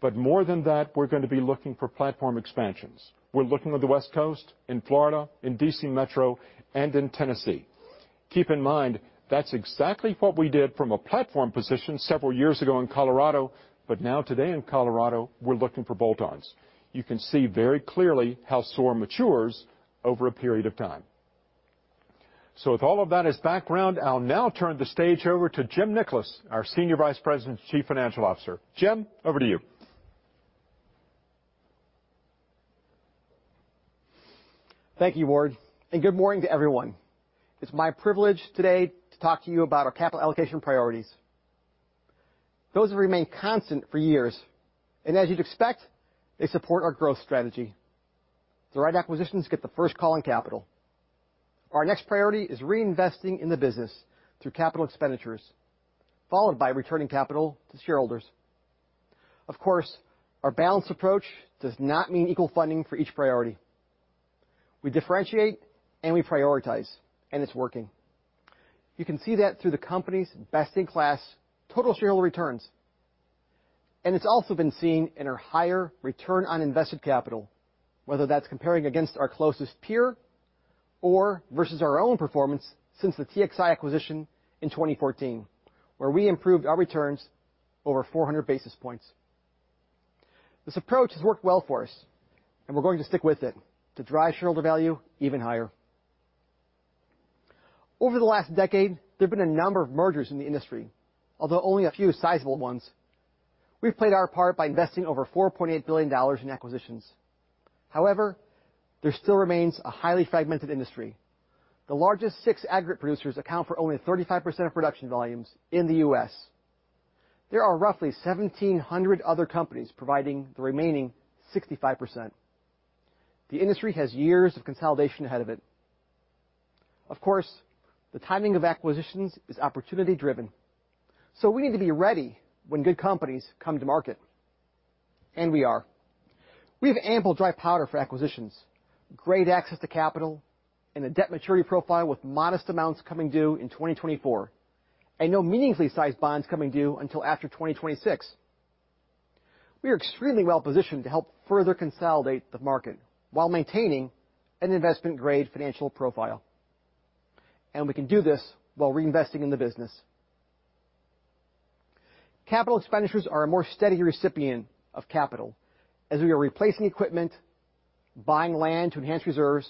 But more than that, we're going to be looking for platform expansions. We're looking on the West Coast, in Florida, in DC Metro, and in Tennessee. Keep in mind, that's exactly what we did from a platform position several years ago in Colorado. But now today in Colorado, we're looking for bolt-ons. You can see very clearly how SOAR matures over a period of time. So with all of that as background, I'll now turn the stage over to Jim Nickolas, our Senior Vice President and Chief Financial Officer. Jim, over to you. Thank you, Ward. And good morning to everyone. It's my privilege today to talk to you about our capital allocation priorities. Those have remained constant for years. And as you'd expect, they support our growth strategy. The right acquisitions get the first call on capital. Our next priority is reinvesting in the business through capital expenditures, followed by returning capital to shareholders. Of course, our balanced approach does not mean equal funding for each priority. We differentiate and we prioritize, and it's working. You can see that through the company's best-in-class total shareholder returns. And it's also been seen in our higher return on invested capital, whether that's comparing against our closest peer or versus our own performance since the TXI acquisition in 2014, where we improved our returns over 400 basis points. This approach has worked well for us, and we're going to stick with it to drive shareholder value even higher. Over the last decade, there have been a number of mergers in the industry, although only a few sizable ones. We've played our part by investing over $4.8 billion in acquisitions. However, there still remains a highly fragmented industry. The largest six aggregate producers account for only 35% of production volumes in the U.S. There are roughly 1,700 other companies providing the remaining 65%. The industry has years of consolidation ahead of it. Of course, the timing of acquisitions is opportunity-driven, so we need to be ready when good companies come to market, and we are. We have ample dry powder for acquisitions, great access to capital, and a debt maturity profile with modest amounts coming due in 2024, and no meaningfully sized bonds coming due until after 2026. We are extremely well positioned to help further consolidate the market while maintaining an investment-grade financial profile. And we can do this while reinvesting in the business. Capital expenditures are a more steady recipient of capital as we are replacing equipment, buying land to enhance reserves,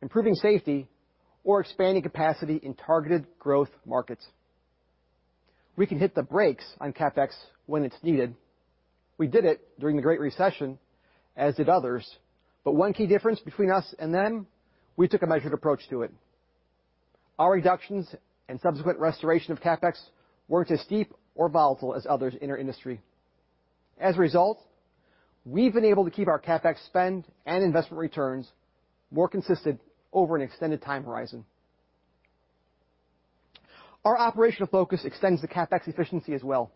improving safety, or expanding capacity in targeted growth markets. We can hit the brakes on CapEx when it's needed. We did it during the Great Recession, as did others. But one key difference between us and them, we took a measured approach to it. Our reductions and subsequent restoration of CapEx weren't as steep or volatile as others in our industry. As a result, we've been able to keep our CapEx spend and investment returns more consistent over an extended time horizon. Our operational focus extends to CapEx efficiency as well.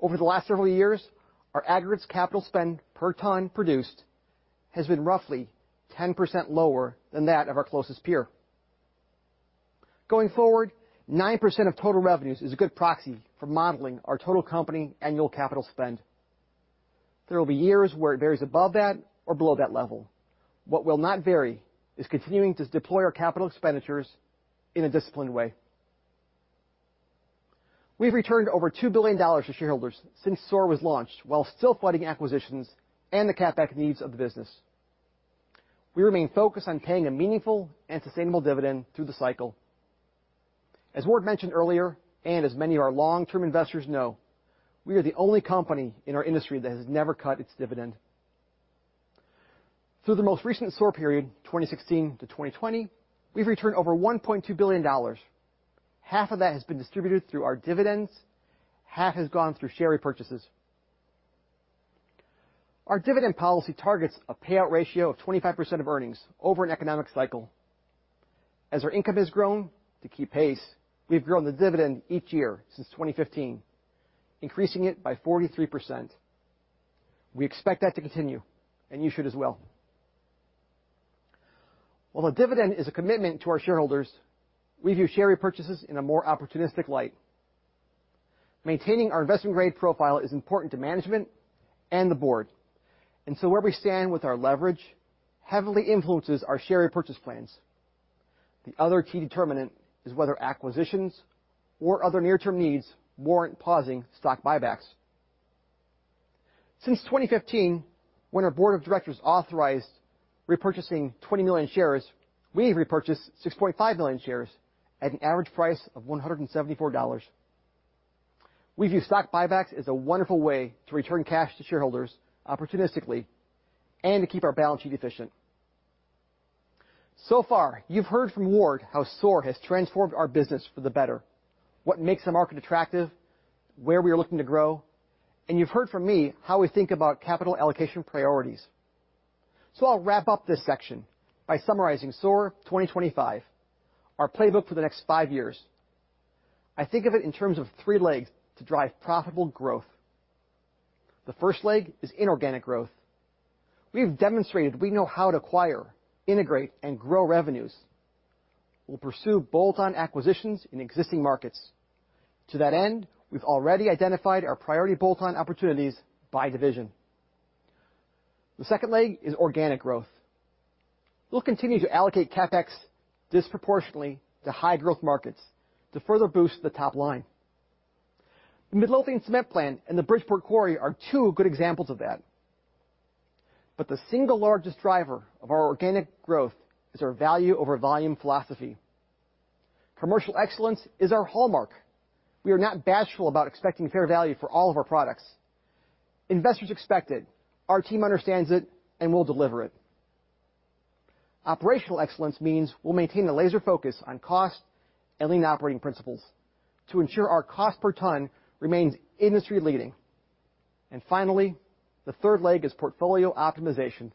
Over the last several years, our aggregates capital spend per ton produced has been roughly 10% lower than that of our closest peer. Going forward, 9% of total revenues is a good proxy for modeling our total company annual capital spend. There will be years where it varies above that or below that level. What will not vary is continuing to deploy our capital expenditures in a disciplined way. We've returned over $2 billion to shareholders since SOAR was launched while still funding acquisitions and the CapEx needs of the business. We remain focused on paying a meaningful and sustainable dividend through the cycle. As Ward mentioned earlier, and as many of our long-term investors know, we are the only company in our industry that has never cut its dividend. Through the most recent SOAR period, 2016 to 2020, we've returned over $1.2 billion. Half of that has been distributed through our dividends. Half has gone through share repurchases. Our dividend policy targets a payout ratio of 25% of earnings over an economic cycle. As our income has grown to keep pace, we've grown the dividend each year since 2015, increasing it by 43%. We expect that to continue, and you should as well. While a dividend is a commitment to our shareholders, we view share repurchases in a more opportunistic light. Maintaining our investment-grade profile is important to management and the board, and so where we stand with our leverage heavily influences our share repurchase plans. The other key determinant is whether acquisitions or other near-term needs warrant pausing stock buybacks. Since 2015, when our board of directors authorized repurchasing 20 million shares, we've repurchased 6.5 million shares at an average price of $174. We view stock buybacks as a wonderful way to return cash to shareholders opportunistically and to keep our balance sheet efficient. So far, you've heard from Ward how SOAR has transformed our business for the better, what makes the market attractive, where we are looking to grow, and you've heard from me how we think about capital allocation priorities. So I'll wrap up this section by summarizing SOAR 2025, our playbook for the next five years. I think of it in terms of three legs to drive profitable growth. The first leg is inorganic growth. We've demonstrated we know how to acquire, integrate, and grow revenues. We'll pursue bolt-on acquisitions in existing markets. To that end, we've already identified our priority bolt-on opportunities by division. The second leg is organic growth. We'll continue to allocate CapEx disproportionately to high-growth markets to further boost the top line. The Midlothian Cement Plant and the Bridgeport Quarry are two good examples of that. But the single largest driver of our organic growth is our value-over-volume philosophy. Commercial excellence is our hallmark. We are not bashful about expecting fair value for all of our products. Investors expect it. Our team understands it, and we'll deliver it. Operational excellence means we'll maintain a laser focus on cost and lean operating principles to ensure our cost per ton remains industry-leading. And finally, the third leg is portfolio optimization,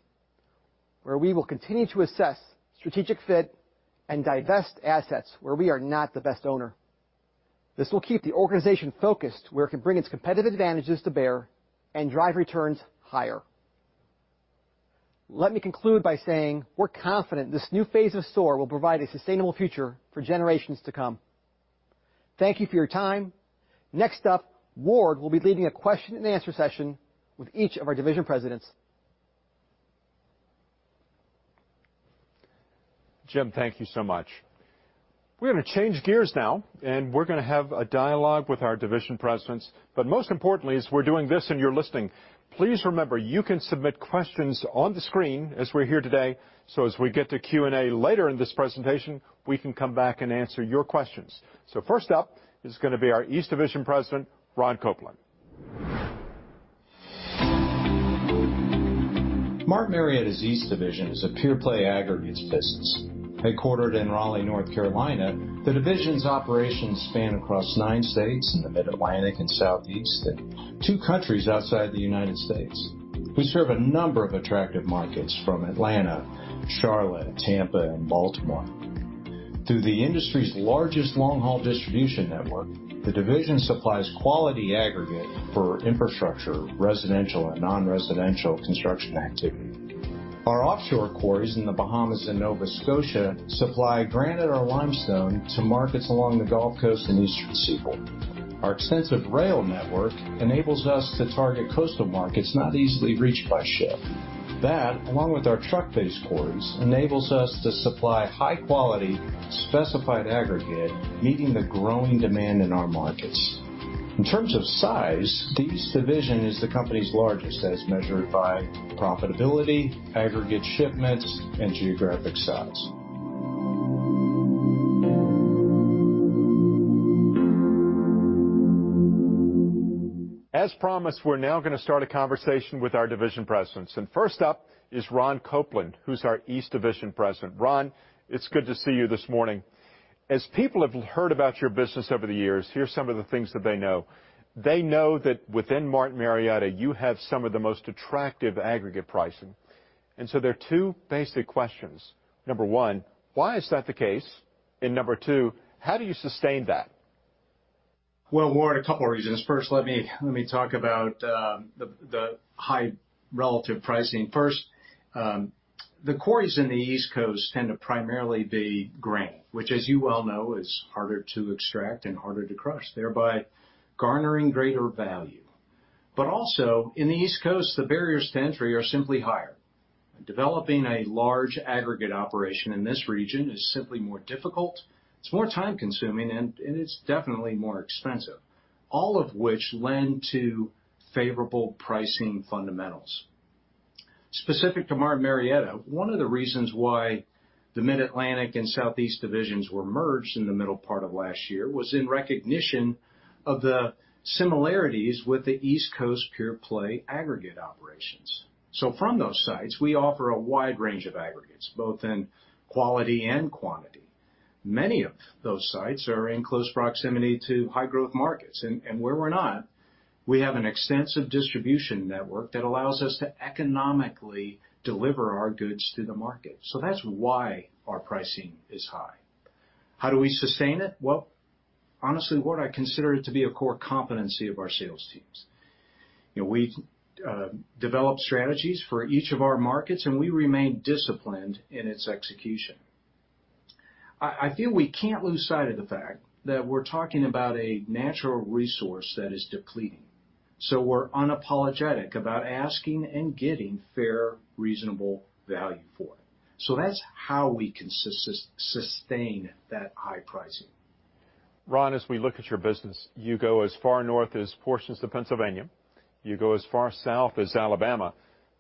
where we will continue to assess strategic fit and divest assets where we are not the best owner. This will keep the organization focused where it can bring its competitive advantages to bear and drive returns higher. Let me conclude by saying we're confident this new phase of SOAR will provide a sustainable future for generations to come. Thank you for your time. Next up, Ward will be leading a question-and-answer session with each of our division presidents. Jim, thank you so much. We're going to change gears now, and we're going to have a dialogue with our division presidents. But most importantly, as we're doing this while you're listening, please remember you can submit questions on the screen as we're here today. So as we get to Q&A later in this presentation, we can come back and answer your questions. So first up is going to be our East Division President, Ron Kopplin. Martin Marietta's East Division is a pure-play aggregates business. HeaDquartered in Raleigh, North Carolina, the division's operations span across nine states in the Mid-Atlantic and Southeast and two countries outside the United States. We serve a number of attractive markets from Atlanta, Charlotte, Tampa, and Baltimore. Through the industry's largest long-haul distribution network, the division supplies quality aggregate for infrastructure, residential, and non-residential construction activity. Our offshore quarries in the Bahamas and Nova Scotia supply granite or limestone to markets along the Gulf Coast and Eastern Seaboard. Our extensive rail network enables us to target coastal markets not easily reached by ship. That, along with our truck-based quarries, enables us to supply high-quality specified aggregate, meeting the growing demand in our markets. In terms of size, the East Division is the company's largest, as measured by profitability, aggregate shipments, and geographic size. As promised, we're now going to start a conversation with our division presidents. And first up is Ron Kopplin, who's our East Division President. Ron, it's good to see you this morning. As people have heard about your business over the years, here's some of the things that they know. They know that within Martin Marietta, you have some of the most attractive aggregate pricing. And so there are two basic questions. Number one, why is that the case? And number two, how do you sustain that? Ward, a couple of reasons. First, let me talk about the high relative pricing. First, the quarries in the East Coast tend to primarily be granite, which, as you well know, is harder to extract and harder to crush, thereby garnering greater value. But also, in the East Coast, the barriers to entry are simply higher. Developing a large aggregate operation in this region is simply more difficult. It's more time-consuming, and it's definitely more expensive, all of which lend to favorable pricing fundamentals. Specific to Martin Marietta, one of the reasons why the Mid-Atlantic and Southeast divisions were merged in the middle part of last year was in recognition of the similarities with the East Coast pure-play aggregate operations. So from those sites, we offer a wide range of aggregates, both in quality and quantity. Many of those sites are in close proximity to high-growth markets. And where we're not, we have an extensive distribution network that allows us to economically deliver our goods to the market. So that's why our pricing is high. How do we sustain it? Well, honestly, Ward, I consider it to be a core competency of our sales teams. We develop strategies for each of our markets, and we remain disciplined in its execution. I feel we can't lose sight of the fact that we're talking about a natural resource that is depleting. So we're unapologetic about asking and getting fair, reasonable value for it. So that's how we can sustain that high pricing. Ron, as we look at your business, you go as far north as portions of Pennsylvania. You go as far south as Alabama,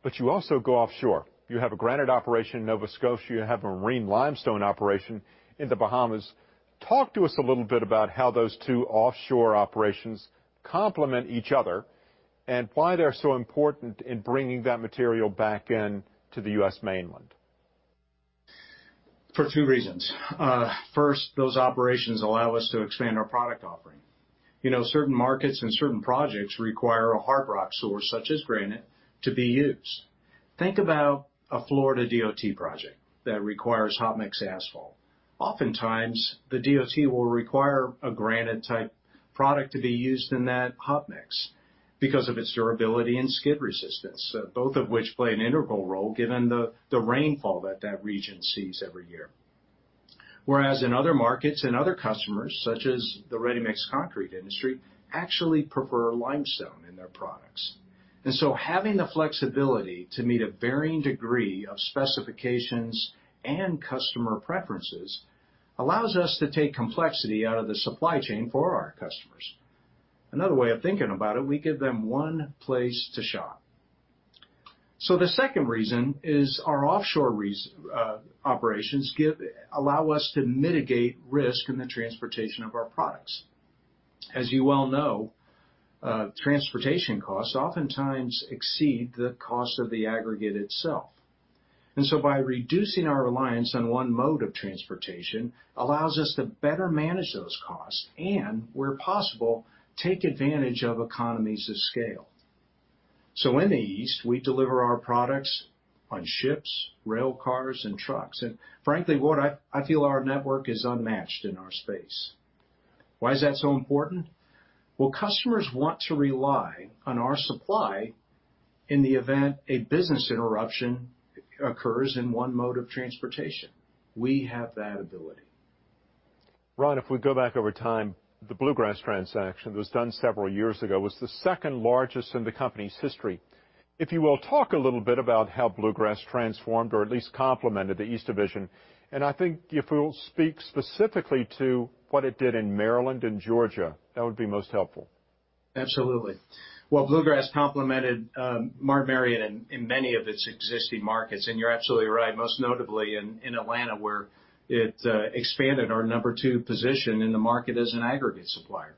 but you also go offshore. You have a granite operation in Nova Scotia. You have a marine limestone operation in the Bahamas. Talk to us a little bit about how those two offshore operations complement each other and why they're so important in bringing that material back into the U.S. mainland. For two reasons. First, those operations allow us to expand our product offering. Certain markets and certain projects require a hard rock source such as granite to be used. Think about a Florida DOT project that requires hot mix asphalt. Oftentimes, the DOT will require a granite-type product to be used in that hot mix because of its durability and skid resistance, both of which play an integral role given the rainfall that that region sees every year. Whereas in other markets and other customers, such as the ready-mix concrete industry, actually prefer limestone in their products. And so having the flexibility to meet a varying degree of specifications and customer preferences allows us to take complexity out of the supply chain for our customers. Another way of thinking about it, we give them one place to shop. The second reason is our offshore operations allow us to mitigate risk in the transportation of our products. As you well know, transportation costs oftentimes exceed the cost of the aggregate itself. By reducing our reliance on one mode of transportation allows us to better manage those costs and, where possible, take advantage of economies of scale. In the East, we deliver our products on ships, rail cars, and trucks. Frankly, Ward, I feel our network is unmatched in our space. Why is that so important? Customers want to rely on our supply in the event a business interruption occurs in one mode of transportation. We have that ability. Ron, if we go back over time, the Bluegrass transaction that was done several years ago was the second largest in the company's history. If you will talk a little bit about how Bluegrass transformed or at least complemented the East Division. I think if we will speak specifically to what it did in Maryland and Georgia, that would be most helpful. Absolutely. Well, Bluegrass complemented Martin Marietta in many of its existing markets, and you're absolutely right, most notably in Atlanta, where it expanded our number two position in the market as an aggregate supplier.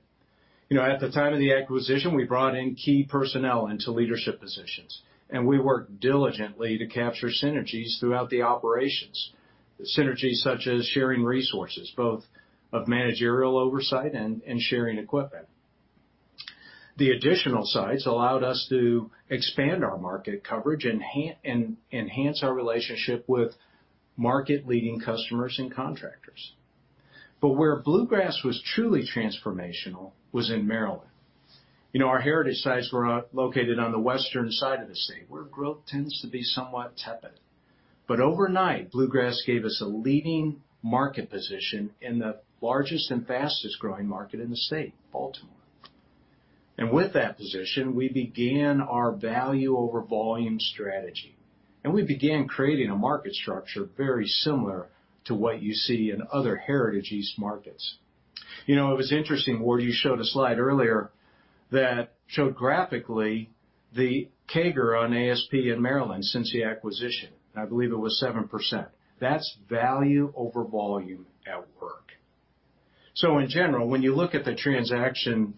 At the time of the acquisition, we brought in key personnel into leadership positions, and we worked diligently to capture synergies throughout the operations, synergies such as sharing resources, both of managerial oversight and sharing equipment. The additional sites allowed us to expand our market coverage and enhance our relationship with market-leading customers and contractors, but where Bluegrass was truly transformational was in Maryland. Our heritage sites were located on the western side of the state, where growth tends to be somewhat tepid, but overnight, Bluegrass gave us a leading market position in the largest and fastest-growing market in the state, Baltimore, and with that position, we began our value-over-volume strategy. And we began creating a market structure very similar to what you see in other heritage East markets. It was interesting, Ward. You showed a slide earlier that showed graphically the CAGR on ASP in Maryland since the acquisition. I believe it was 7%. That's value-over-volume at work. So in general, when you look at the transaction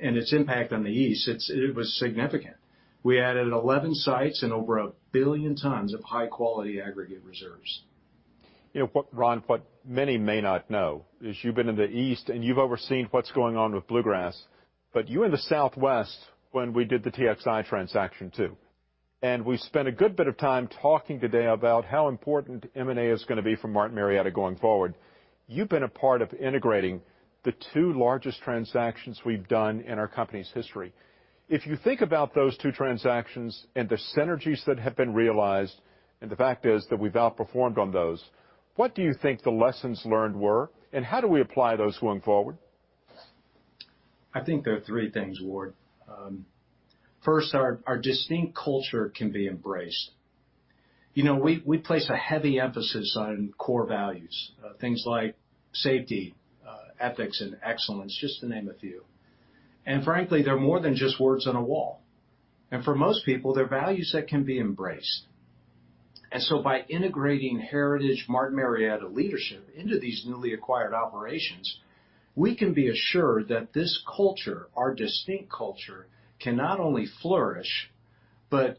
and its impact on the East, it was significant. We added 11 sites and over a billion tons of high-quality aggregate reserves. Ron, what many may not know is you've been in the East and you've overseen what's going on with Bluegrass. But you were in the Southwest when we did the TXI transaction too. And we spent a good bit of time talking today about how important M&A is going to be for Martin Marietta going forward. You've been a part of integrating the two largest transactions we've done in our company's history. If you think about those two transactions and the synergies that have been realized, and the fact is that we've outperformed on those, what do you think the lessons learned were and how do we apply those going forward? I think there are three things, Ward. First, our distinct culture can be embraced. We place a heavy emphasis on core values, things like safety, ethics, and excellence, just to name a few. And frankly, they're more than just words on a wall. And for most people, they're values that can be embraced. And so by integrating heritage Martin Marietta leadership into these newly acquired operations, we can be assured that this culture, our distinct culture, can not only flourish but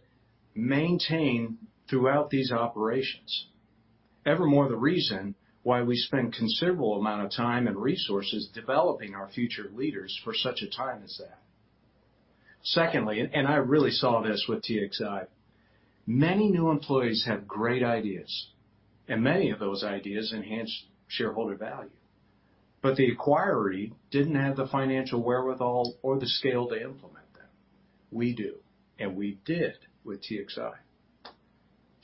maintain throughout these operations. Evermore the reason why we spend a considerable amount of time and resources developing our future leaders for such a time as that. Secondly, and I really saw this with TXI, many new employees have great ideas. And many of those ideas enhance shareholder value. But the acquirer didn't have the financial wherewithal or the scale to implement them. We do. And we did with TXI.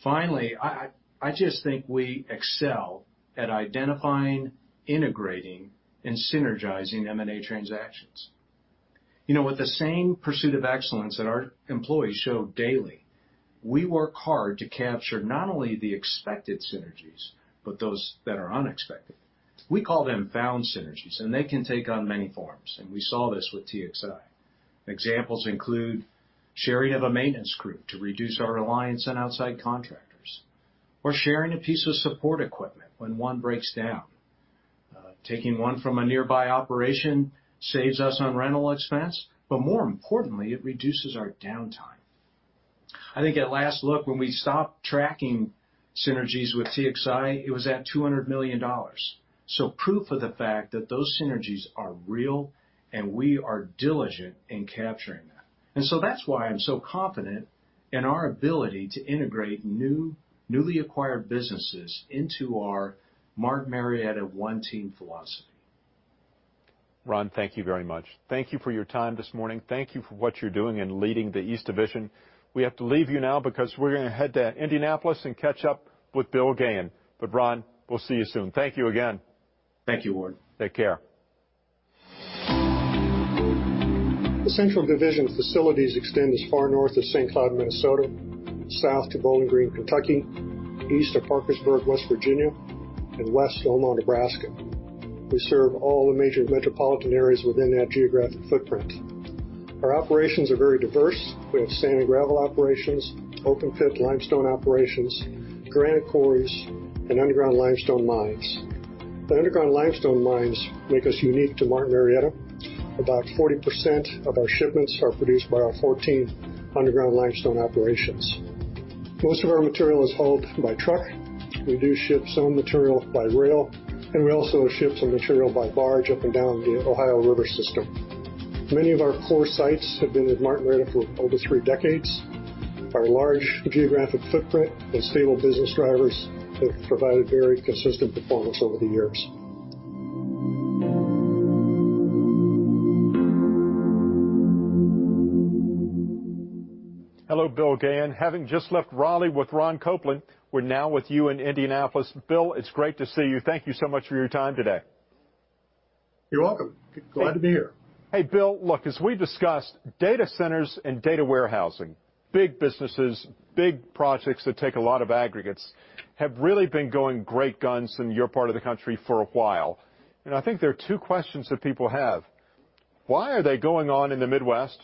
Finally, I just think we excel at identifying, integrating, and synergizing M&A transactions. With the same pursuit of excellence that our employees show daily, we work hard to capture not only the expected synergies but those that are unexpected. We call them found synergies. And they can take on many forms. And we saw this with TXI. Examples include sharing of a maintenance crew to reduce our reliance on outside contractors, or sharing a piece of support equipment when one breaks down. Taking one from a nearby operation saves us on rental expense. But more importantly, it reduces our downtime. I think at last look, when we stopped tracking synergies with TXI, it was at $200 million. So proof of the fact that those synergies are real and we are diligent in capturing them. And so that's why I'm so confident in our ability to integrate newly acquired businesses into our Martin Marietta One Team philosophy. Ron, thank you very much. Thank you for your time this morning. Thank you for what you're doing in leading the East Division. We have to leave you now because we're going to head to Indianapolis and catch up with Bill Gahan. But Ron, we'll see you soon. Thank you again. Thank you, Ward. Take care. The Central Division facilities extend as far north as St. Cloud, Minnesota, south to Bowling Green, Kentucky, east to Parkersburg, West Virginia, and west to Omaha, Nebraska. We serve all the major metropolitan areas within that geographic footprint. Our operations are very diverse. We have sand and gravel operations, open-pit limestone operations, granite quarries, and underground limestone mines. The underground limestone mines make us unique to Martin Marietta. About 40% of our shipments are produced by our 14 underground limestone operations. Most of our material is hauled by truck. We do ship some material by rail. And we also ship some material by barge up and down the Ohio River system. Many of our core sites have been in Martin Marietta for over three decades. Our large geographic footprint and stable business drivers have provided very consistent performance over the years. Hello, Bill Gahan. Having just left Raleigh with Ron Kopplin, we're now with you in Indianapolis. Bill, it's great to see you. Thank you so much for your time today. You're welcome. Glad to be here. Hey, Bill, look, as we discussed data centers and data warehousing, big businesses, big projects that take a lot of aggregates have really been going great guns in your part of the country for a while. And I think there are two questions that people have. Why are they going on in the Midwest?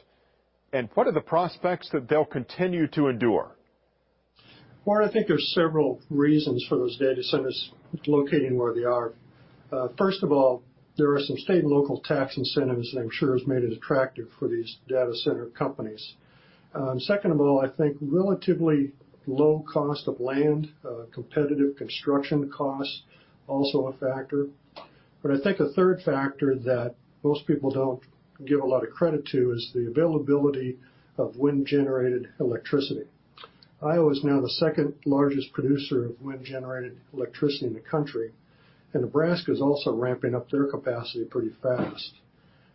And what are the prospects that they'll continue to endure? Ward, I think there are several reasons for those data centers locating where they are. First of all, there are some state and local tax incentives, and I'm sure it's made it attractive for these data center companies. Second of all, I think relatively low cost of land, competitive construction costs are also a factor. But I think a third factor that most people don't give a lot of credit to is the availability of wind-generated electricity. Iowa is now the second largest producer of wind-generated electricity in the country. And Nebraska is also ramping up their capacity pretty fast.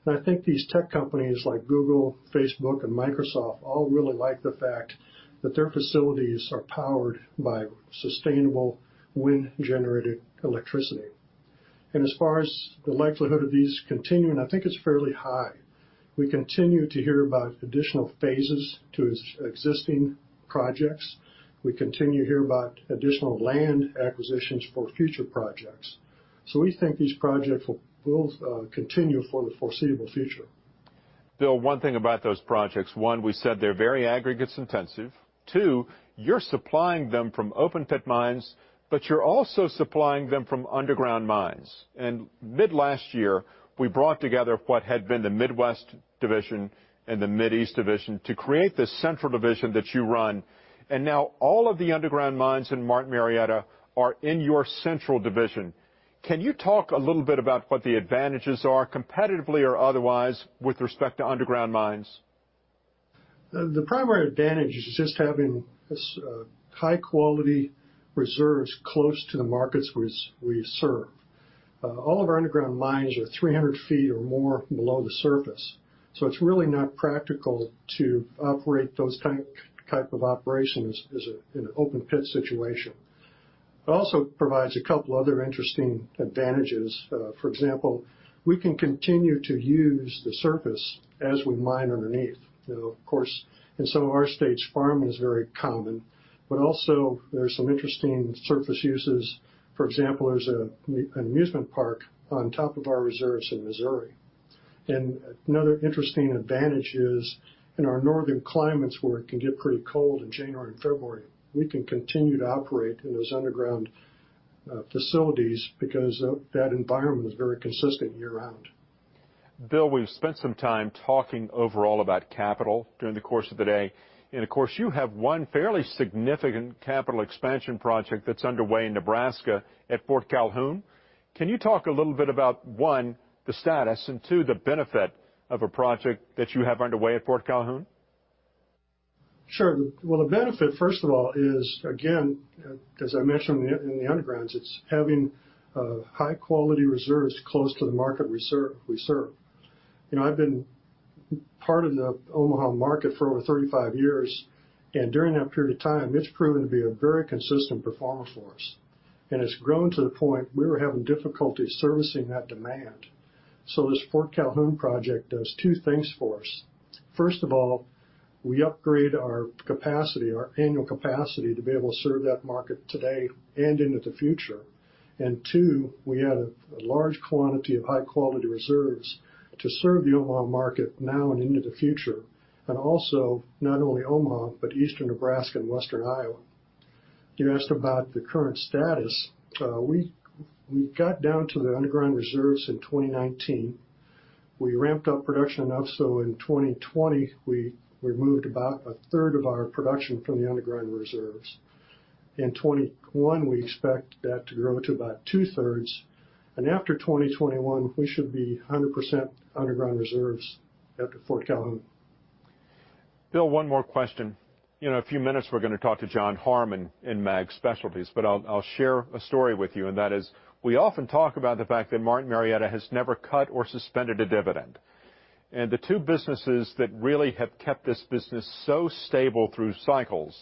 And I think these tech companies like Google, Facebook, and Microsoft all really like the fact that their facilities are powered by sustainable wind-generated electricity. And as far as the likelihood of these continuing, I think it's fairly high. We continue to hear about additional phases to existing projects. We continue to hear about additional land acquisitions for future projects. So we think these projects will continue for the foreseeable future. Bill, one thing about those projects. One, we said they're very aggregate intensive. Two, you're supplying them from open-pit mines, but you're also supplying them from underground mines, and mid-last year, we brought together what had been the Midwest Division and the Mideast Division to create the Central Division that you run, and now all of the underground mines in Martin Marietta are in your Central Division. Can you talk a little bit about what the advantages are, competitively or otherwise, with respect to underground mines? The primary advantage is just having high-quality reserves close to the markets we serve. All of our underground mines are 300 feet or more below the surface. So it's really not practical to operate those types of operations in an open-pit situation. It also provides a couple of other interesting advantages. For example, we can continue to use the surface as we mine underneath. Of course, in some of our states, farming is very common. But also, there are some interesting surface uses. For example, there's an amusement park on top of our reserves in Missouri. And another interesting advantage is in our northern climates, where it can get pretty cold in January and February, we can continue to operate in those underground facilities because that environment is very consistent year-round. Bill, we've spent some time talking overall about capital during the course of the day. And of course, you have one fairly significant capital expansion project that's underway in Nebraska at Fort Calhoun. Can you talk a little bit about, one, the status, and two, the benefit of a project that you have underway at Fort Calhoun? Sure, well, the benefit, first of all, is, again, as I mentioned in the undergrounds, it's having high-quality reserves close to the market we serve. I've been part of the Omaha market for over 35 years, and during that period of time, it's proven to be a very consistent performer for us, and it's grown to the point we were having difficulty servicing that demand, so this Fort Calhoun project does two things for us. First of all, we upgrade our capacity, our annual capacity, to be able to serve that market today and into the future, and two, we have a large quantity of high-quality reserves to serve the Omaha market now and into the future, and also not only Omaha, but Eastern Nebraska and Western Iowa. You asked about the current status. We got down to the underground reserves in 2019. We ramped up production enough so in 2020, we removed about a 1/3 of our production from the underground reserves. In 2021, we expect that to grow to about two-thirds. And after 2021, we should be 100% underground reserves at Fort Calhoun. Bill, one more question. In a few minutes, we're going to talk to John Harmon in Magnesia Specialties. But I'll share a story with you, and that is we often talk about the fact that Martin Marietta has never cut or suspended a dividend, and the two businesses that really have kept this business so stable through cycles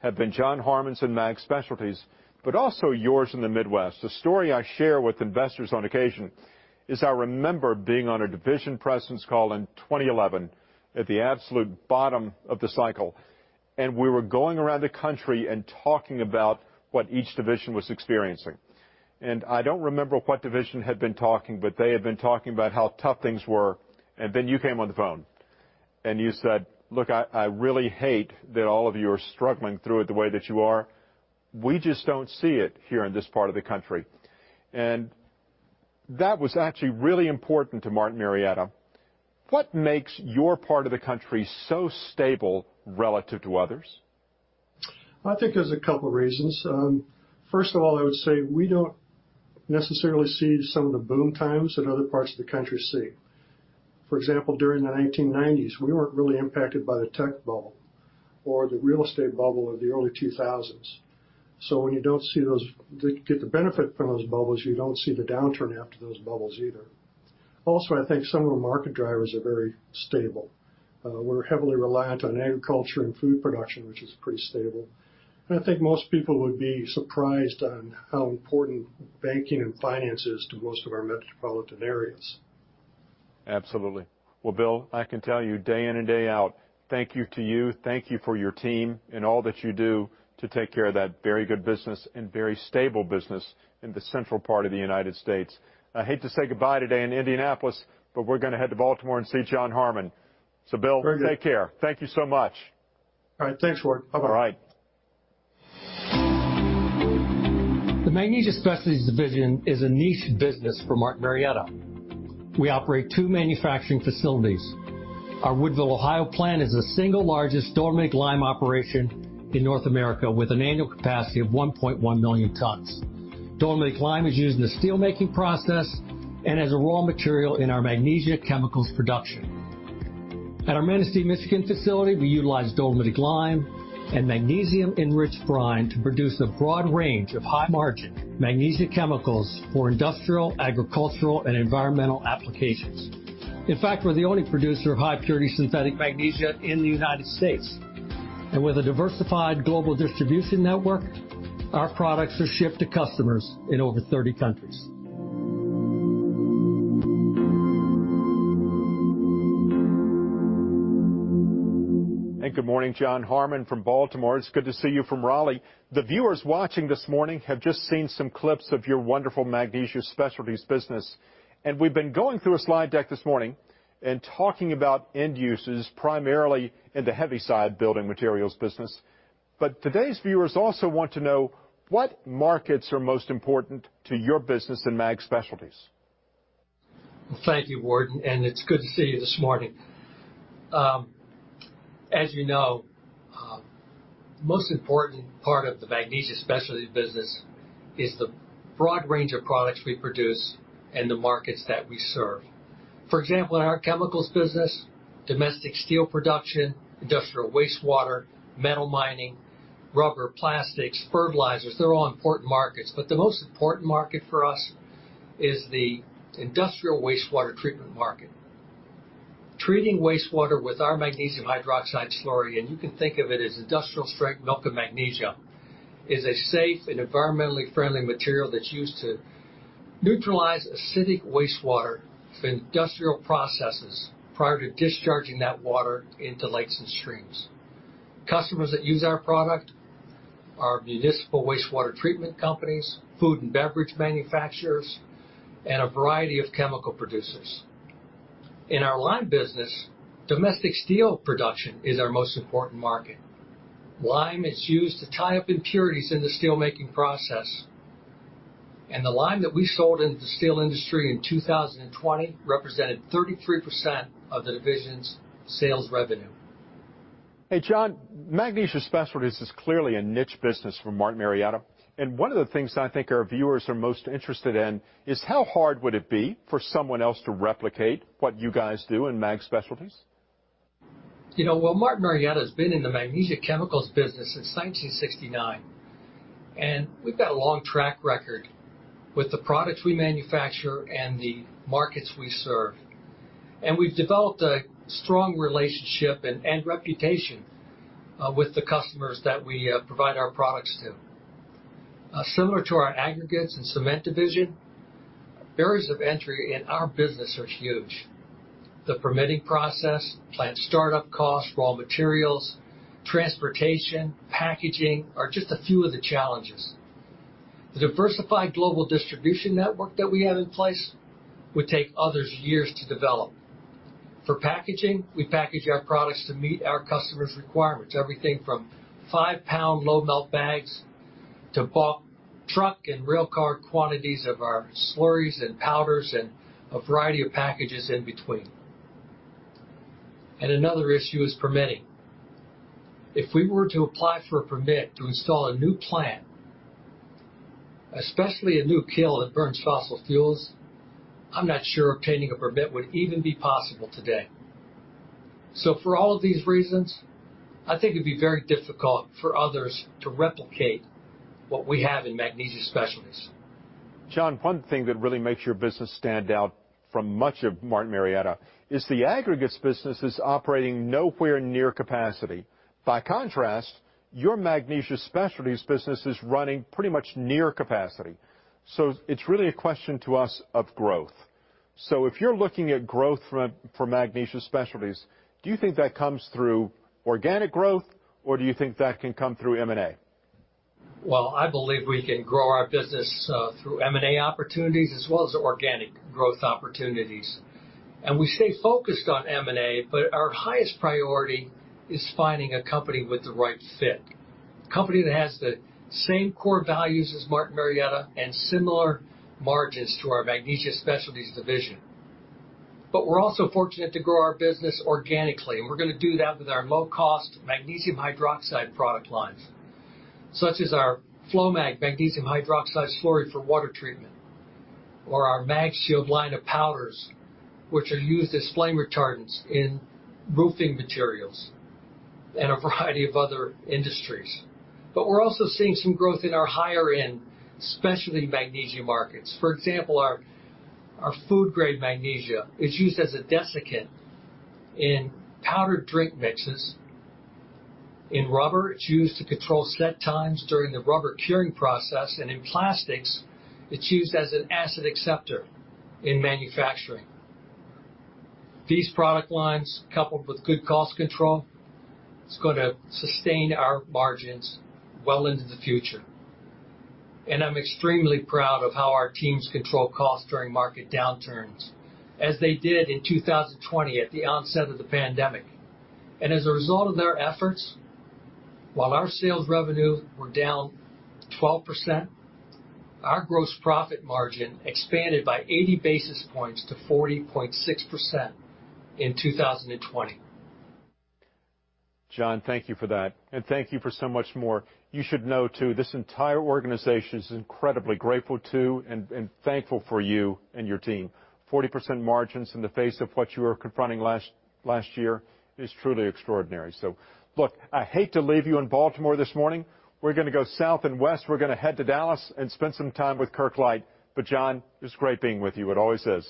have been John Harmon's and Magnesia Specialties, but also yours in the Midwest. The story I share with investors on occasion is I remember being on a division presidents call in 2011 at the absolute bottom of the cycle, and we were going around the country and talking about what each division was experiencing, and I don't remember what division had been talking, but they had been talking about how tough things were, and then you came on the phone. And you said, "Look, I really hate that all of you are struggling through it the way that you are. We just don't see it here in this part of the country." And that was actually really important to Martin Marietta. What makes your part of the country so stable relative to others? I think there's a couple of reasons. First of all, I would say we don't necessarily see some of the boom times that other parts of the country see. For example, during the 1990s, we weren't really impacted by the tech bubble or the real estate bubble of the early 2000s. So when you don't see those get the benefit from those bubbles, you don't see the downturn after those bubbles either. Also, I think some of the market drivers are very stable. We're heavily reliant on agriculture and food production, which is pretty stable. And I think most people would be surprised on how important banking and finance is to most of our metropolitan areas. Absolutely. Well, Bill, I can tell you day in and day out, thank you to you. Thank you for your team and all that you do to take care of that very good business and very stable business in the central part of the United States. I hate to say goodbye today in Indianapolis, but we're going to head to Baltimore and see John Harmon. So Bill, take care. Thank you so much. All right. Thanks, Ward. Bye-bye. All right. The Magnesia Specialties Division is a niche business for Martin Marietta. We operate two manufacturing facilities. Our Woodville, Ohio plant is the single largest dolomitic lime operation in North America with an annual capacity of 1.1 million tons. Dolomitic lime is used in the steelmaking process and as a raw material in our magnesia chemicals production. At our Manistee, Michigan facility, we utilize dolomitic lime and magnesium-enriched brine to produce a broad range of high-margin magnesia chemicals for industrial, agricultural, and environmental applications. In fact, we're the only producer of high-purity synthetic magnesia in the United States. And with a diversified global distribution network, our products are shipped to customers in over 30 countries. Good morning, John Harmon from Baltimore. It's good to see you from Raleigh. The viewers watching this morning have just seen some clips of your wonderful Magnesia Specialties business. We've been going through a slide deck this morning and talking about end uses primarily in the heavy-side building materials business. Today's viewers also want to know what markets are most important to your business in Mag Specialties. Thank you, Ward, and it's good to see you this morning. As you know, the most important part of the Magnesia Specialties business is the broad range of products we produce and the markets that we serve. For example, in our chemicals business, domestic steel production, industrial wastewater, metal mining, rubber, plastics, fertilizers, they're all important markets. But the most important market for us is the industrial wastewater treatment market. Treating wastewater with our magnesium hydroxide slurry, and you can think of it as industrial-strength milk of magnesia, is a safe and environmentally friendly material that's used to neutralize acidic wastewater for industrial processes prior to discharging that water into lakes and streams. Customers that use our product are municipal wastewater treatment companies, food and beverage manufacturers, and a variety of chemical producers. In our lime business, domestic steel production is our most important market. Lime is used to tie up impurities in the steelmaking process, and the lime that we sold in the steel industry in 2020 represented 33% of the division's sales revenue. Hey, John, Magnesia Specialties is clearly a niche business for Martin Marietta. And one of the things I think our viewers are most interested in is how hard would it be for someone else to replicate what you guys do in Mag Specialties? Martin Marietta has been in the magnesia chemicals business since 1969. We've got a long track record with the products we manufacture and the markets we serve. We've developed a strong relationship and reputation with the customers that we provide our products to. Similar to our aggregates and cement division, barriers of entry in our business are huge. The permitting process, plant startup costs, raw materials, transportation, packaging are just a few of the challenges. The diversified global distribution network that we have in place would take others years to develop. For packaging, we package our products to meet our customers' requirements, everything from five-pound low-melt bags to bulk truck and railcar quantities of our slurries and powders and a variety of packages in between. Another issue is permitting. If we were to apply for a permit to install a new plant, especially a new kiln that burns fossil fuels, I'm not sure obtaining a permit would even be possible today. So for all of these reasons, I think it'd be very difficult for others to replicate what we have in Magnesia Specialties. John, one thing that really makes your business stand out from much of Martin Marietta is the aggregates business is operating nowhere near capacity. By contrast, your Magnesia Specialties business is running pretty much near capacity. So it's really a question to us of growth. So if you're looking at growth for Magnesia Specialties, do you think that comes through organic growth, or do you think that can come through M&A? I believe we can grow our business through M&A opportunities as well as organic growth opportunities. And we stay focused on M&A, but our highest priority is finding a company with the right fit, a company that has the same core values as Martin Marietta and similar margins to our Magnesia Specialties Division. But we're also fortunate to grow our business organically. And we're going to do that with our low-cost magnesium hydroxide product lines, such as our FloMag magnesium hydroxide slurry for water treatment or our MagShield line of powders, which are used as flame retardants in roofing materials and a variety of other industries. But we're also seeing some growth in our higher-end specialty magnesia markets. For example, our food-grade magnesia is used as a desiccant in powdered drink mixes. In rubber, it's used to control set times during the rubber curing process. And in plastics, it's used as an acid acceptor in manufacturing. These product lines, coupled with good cost control, are going to sustain our margins well into the future. And I'm extremely proud of how our teams control costs during market downturns, as they did in 2020 at the onset of the pandemic. And as a result of their efforts, while our sales revenues were down 12%, our gross profit margin expanded by 80 basis points to 40.6% in 2020. John, thank you for that, and thank you for so much more. You should know, too, this entire organization is incredibly grateful to and thankful for you and your team. 40% margins in the face of what you were confronting last year is truly extraordinary, so look, I hate to leave you in Baltimore this morning. We're going to go south and west. We're going to head to Dallas and spend some time with Kirk Light, but John, it's great being with you. It always is.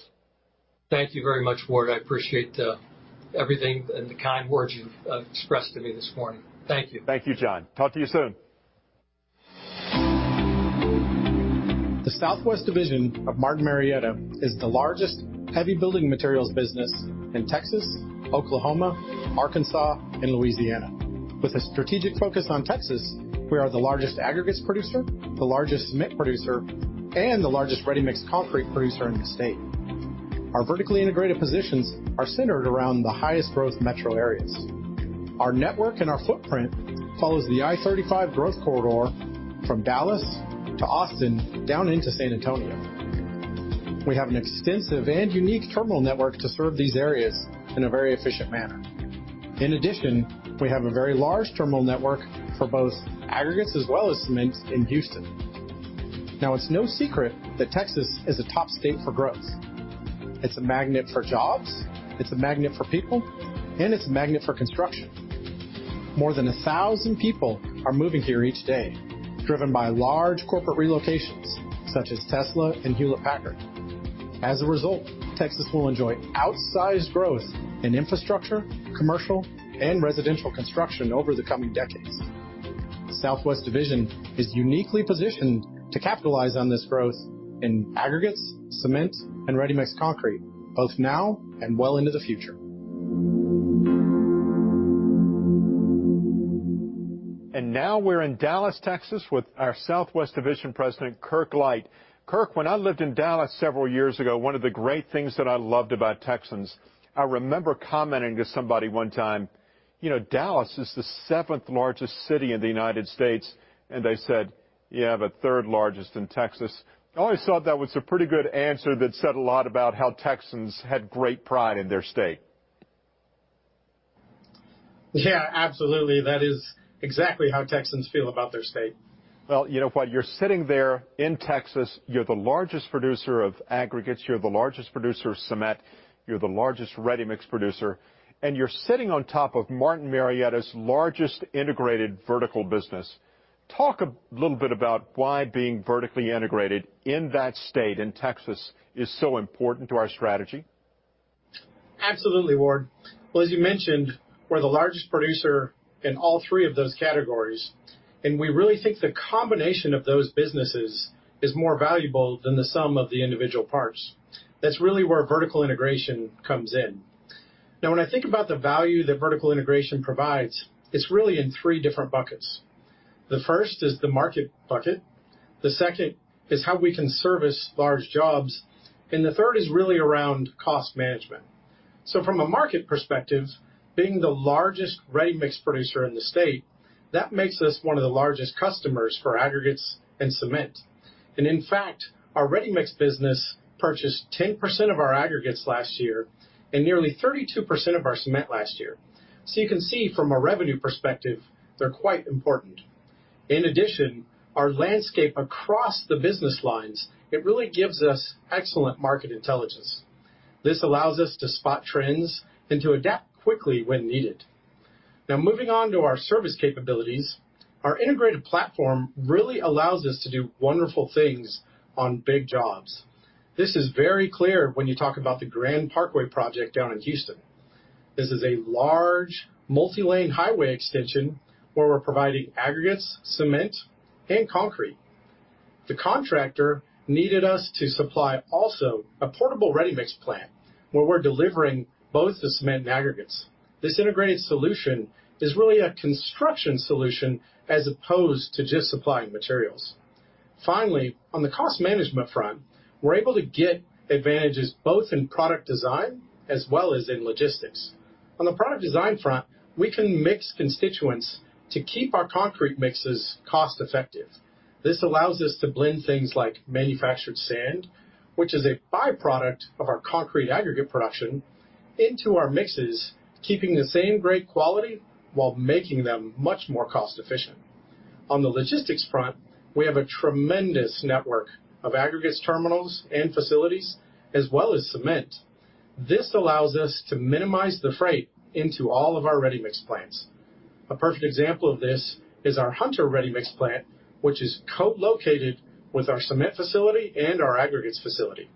Thank you very much, Ward. I appreciate everything and the kind words you've expressed to me this morning. Thank you. Thank you, John. Talk to you soon. The Southwest Division of Martin Marietta is the largest heavy building materials business in Texas, Oklahoma, Arkansas, and Louisiana. With a strategic focus on Texas, we are the largest aggregates producer, the largest cement producer, and the largest ready-mix concrete producer in the state. Our vertically integrated positions are centered around the highest growth metro areas. Our network and our footprint follows the I-35 growth corridor from Dallas to Austin down into San Antonio. We have an extensive and unique terminal network to serve these areas in a very efficient manner. In addition, we have a very large terminal network for both aggregates as well as cement in Houston. Now, it's no secret that Texas is a top state for growth. It's a magnet for jobs. It's a magnet for people. And it's a magnet for construction. More than 1,000 people are moving here each day, driven by large corporate relocations, such as Tesla and Hewlett-Packard. As a result, Texas will enjoy outsized growth in infrastructure, commercial, and residential construction over the coming decades. The Southwest Division is uniquely positioned to capitalize on this growth in aggregates, cement, and ready-mix concrete, both now and well into the future. Now we're in Dallas, Texas, with our Southwest Division President, Kirk Light. Kirk, when I lived in Dallas several years ago, one of the great things that I loved about Texans, I remember commenting to somebody one time, "Dallas is the seventh largest city in the United States." And they said, "Yeah, but third largest in Texas." I always thought that was a pretty good answer that said a lot about how Texans had great pride in their state. Yeah, absolutely. That is exactly how Texans feel about their state. You know what? You're sitting there in Texas. You're the largest producer of aggregates. You're the largest producer of cement. You're the largest ready-mix producer. And you're sitting on top of Martin Marietta's largest integrated vertical business. Talk a little bit about why being vertically integrated in that state in Texas is so important to our strategy. Absolutely, Ward. Well, as you mentioned, we're the largest producer in all three of those categories. And we really think the combination of those businesses is more valuable than the sum of the individual parts. That's really where vertical integration comes in. Now, when I think about the value that vertical integration provides, it's really in three different buckets. The first is the market bucket. The second is how we can service large jobs. And the third is really around cost management. So from a market perspective, being the largest ready-mix producer in the state, that makes us one of the largest customers for aggregates and cement. And in fact, our ready-mix business purchased 10% of our aggregates last year and nearly 32% of our cement last year. So you can see from a revenue perspective, they're quite important. In addition, our landscape across the business lines, it really gives us excellent market intelligence. This allows us to spot trends and to adapt quickly when needed. Now, moving on to our service capabilities, our integrated platform really allows us to do wonderful things on big jobs. This is very clear when you talk about the Grand Parkway project down in Houston. This is a large multi-lane highway extension where we're providing aggregates, cement, and concrete. The contractor needed us to supply also a portable ready-mix plant where we're delivering both the cement and aggregates. This integrated solution is really a construction solution as opposed to just supplying materials. Finally, on the cost management front, we're able to get advantages both in product design as well as in logistics. On the product design front, we can mix constituents to keep our concrete mixes cost-effective. This allows us to blend things like manufactured sand, which is a byproduct of our concrete aggregate production, into our mixes, keeping the same great quality while making them much more cost-efficient. On the logistics front, we have a tremendous network of aggregates terminals and facilities, as well as cement. This allows us to minimize the freight into all of our ready-mix plants. A perfect example of this is our Hunter ready-mix plant, which is co-located with our cement facility and our aggregates facility.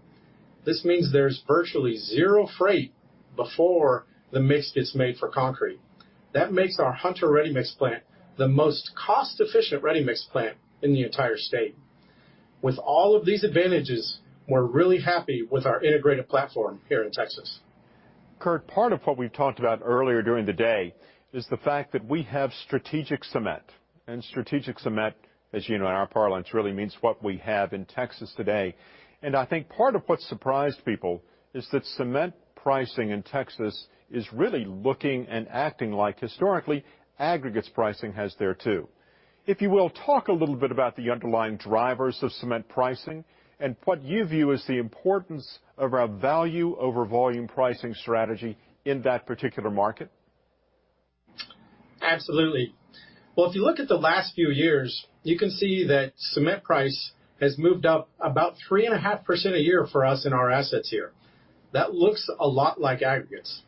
This means there's virtually zero freight before the mix gets made for concrete. That makes our Hunter ready-mix plant the most cost-efficient ready-mix plant in the entire state. With all of these advantages, we're really happy with our integrated platform here in Texas. Kirk, part of what we've talked about earlier during the day is the fact that we have strategic cement. And strategic cement, as you know, in our parlance, really means what we have in Texas today. And I think part of what surprised people is that cement pricing in Texas is really looking and acting like historically aggregates pricing has there, too. If you will, talk a little bit about the underlying drivers of cement pricing and what you view as the importance of our value-over-volume pricing strategy in that particular market. Absolutely. Well, if you look at the last few years, you can see that cement price has moved up about 3.5% a year for us in our assets here. That looks a lot like aggregates.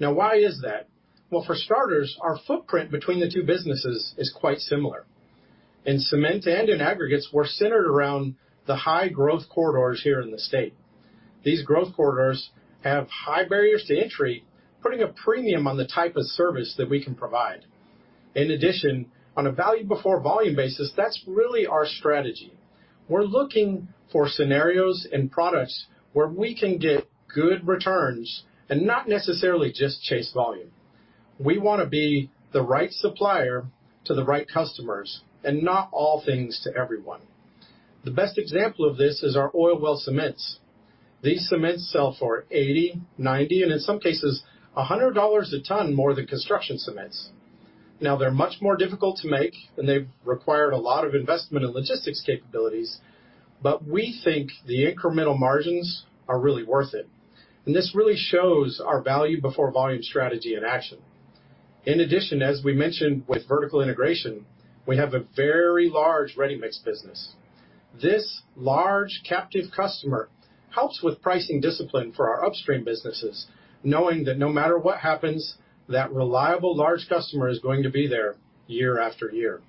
Now, why is that? Well, for starters, our footprint between the two businesses is quite similar. In cement and in aggregates, we're centered around the high growth corridors here in the state. These growth corridors have high barriers to entry, putting a premium on the type of service that we can provide. In addition, on a value-over-volume basis, that's really our strategy. We're looking for scenarios and products where we can get good returns and not necessarily just chase volume. We want to be the right supplier to the right customers and not all things to everyone. The best example of this is our oil well cements. These cements sell for 80, 90, and in some cases, $100 a ton more than construction cements. Now, they're much more difficult to make, and they've required a lot of investment and logistics capabilities, but we think the incremental margins are really worth it, and this really shows our value-over-volume strategy in action. In addition, as we mentioned with vertical integration, we have a very large ready-mix business. This large captive customer helps with pricing discipline for our upstream businesses, knowing that no matter what happens, that reliable large customer is going to be there year after year,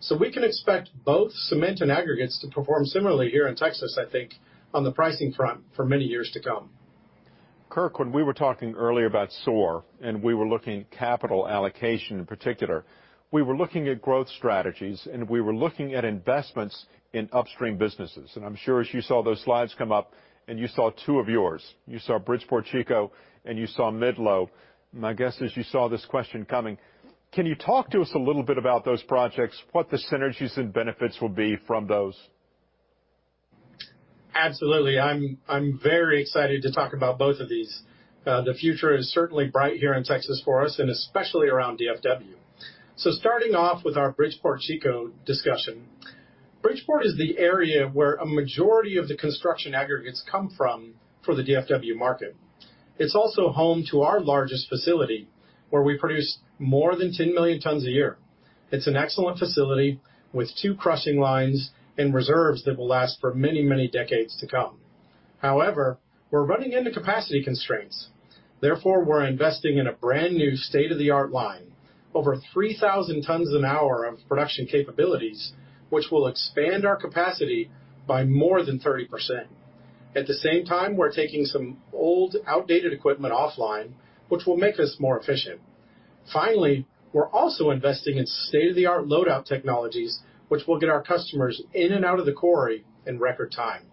so we can expect both cement and aggregates to perform similarly here in Texas, I think, on the pricing front for many years to come. Kirk, when we were talking earlier about SOAR and we were looking at capital allocation in particular, we were looking at growth strategies, and we were looking at investments in upstream businesses. And I'm sure as you saw those slides come up and you saw two of yours, you saw Bridgeport, Chico, and you saw Midlothian. My guess is you saw this question coming. Can you talk to us a little bit about those projects, what the synergies and benefits will be from those? Absolutely. I'm very excited to talk about both of these. The future is certainly bright here in Texas for us, and especially around DFW, so starting off with our Bridgeport-Chico discussion, Bridgeport is the area where a majority of the construction aggregates come from for the DFW market. It's also home to our largest facility, where we produce more than 10 million tons a year. It's an excellent facility with two crushing lines and reserves that will last for many, many decades to come. However, we're running into capacity constraints. Therefore, we're investing in a brand new state-of-the-art line, over 3,000 tons an hour of production capabilities, which will expand our capacity by more than 30%. At the same time, we're taking some old, outdated equipment offline, which will make us more efficient. Finally, we're also investing in state-of-the-art loadout technologies, which will get our customers in and out of the quarry in record time.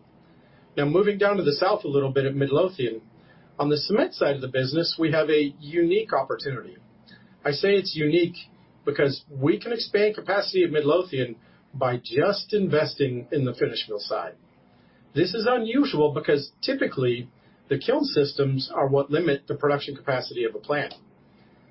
Now, moving down to the south a little bit at Midlothian, on the cement side of the business, we have a unique opportunity. I say it's unique because we can expand capacity at Midlothian by just investing in the finish mill side. This is unusual because typically, the kiln systems are what limit the production capacity of a plant.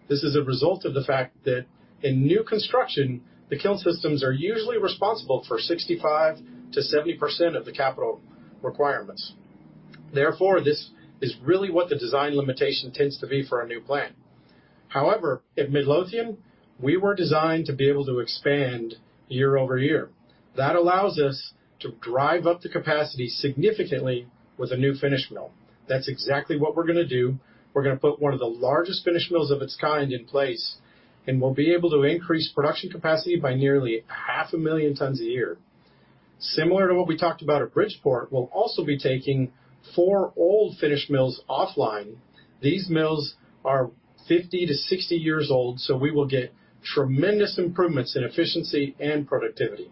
This is a result of the fact that in new construction, the kiln systems are usually responsible for 65%-70% of the capital requirements. Therefore, this is really what the design limitation tends to be for a new plant. However, at Midlothian, we were designed to be able to expand year over year. That allows us to drive up the capacity significantly with a new finish mill. That's exactly what we're going to do. We're going to put one of the largest finish mills of its kind in place, and we'll be able to increase production capacity by nearly 500,000 tons a year. Similar to what we talked about at Bridgeport, we'll also be taking four old finish mills offline. These mills are 50-60 years old, so we will get tremendous improvements in efficiency and productivity.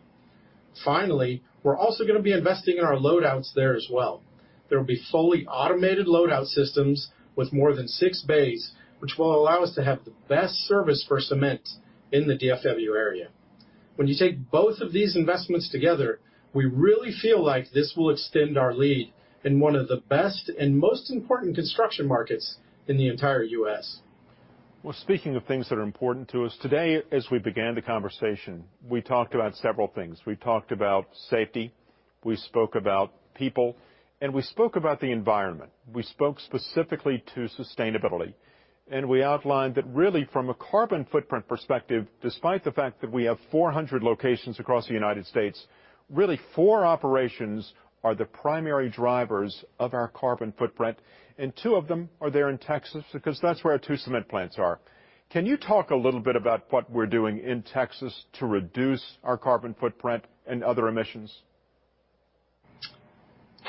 Finally, we're also going to be investing in our loadouts there as well. There will be fully automated loadout systems with more than six bays, which will allow us to have the best service for cement in the DFW area. When you take both of these investments together, we really feel like this will extend our lead in one of the best and most important construction markets in the entire U.S. Well, speaking of things that are important to us, today, as we began the conversation, we talked about several things. We talked about safety. We spoke about people, and we spoke about the environment. We spoke specifically to sustainability. And we outlined that really, from a carbon footprint perspective, despite the fact that we have 400 locations across the United States, really four operations are the primary drivers of our carbon footprint, and two of them are there in Texas because that's where our two cement plants are. Can you talk a little bit about what we're doing in Texas to reduce our carbon footprint and other emissions?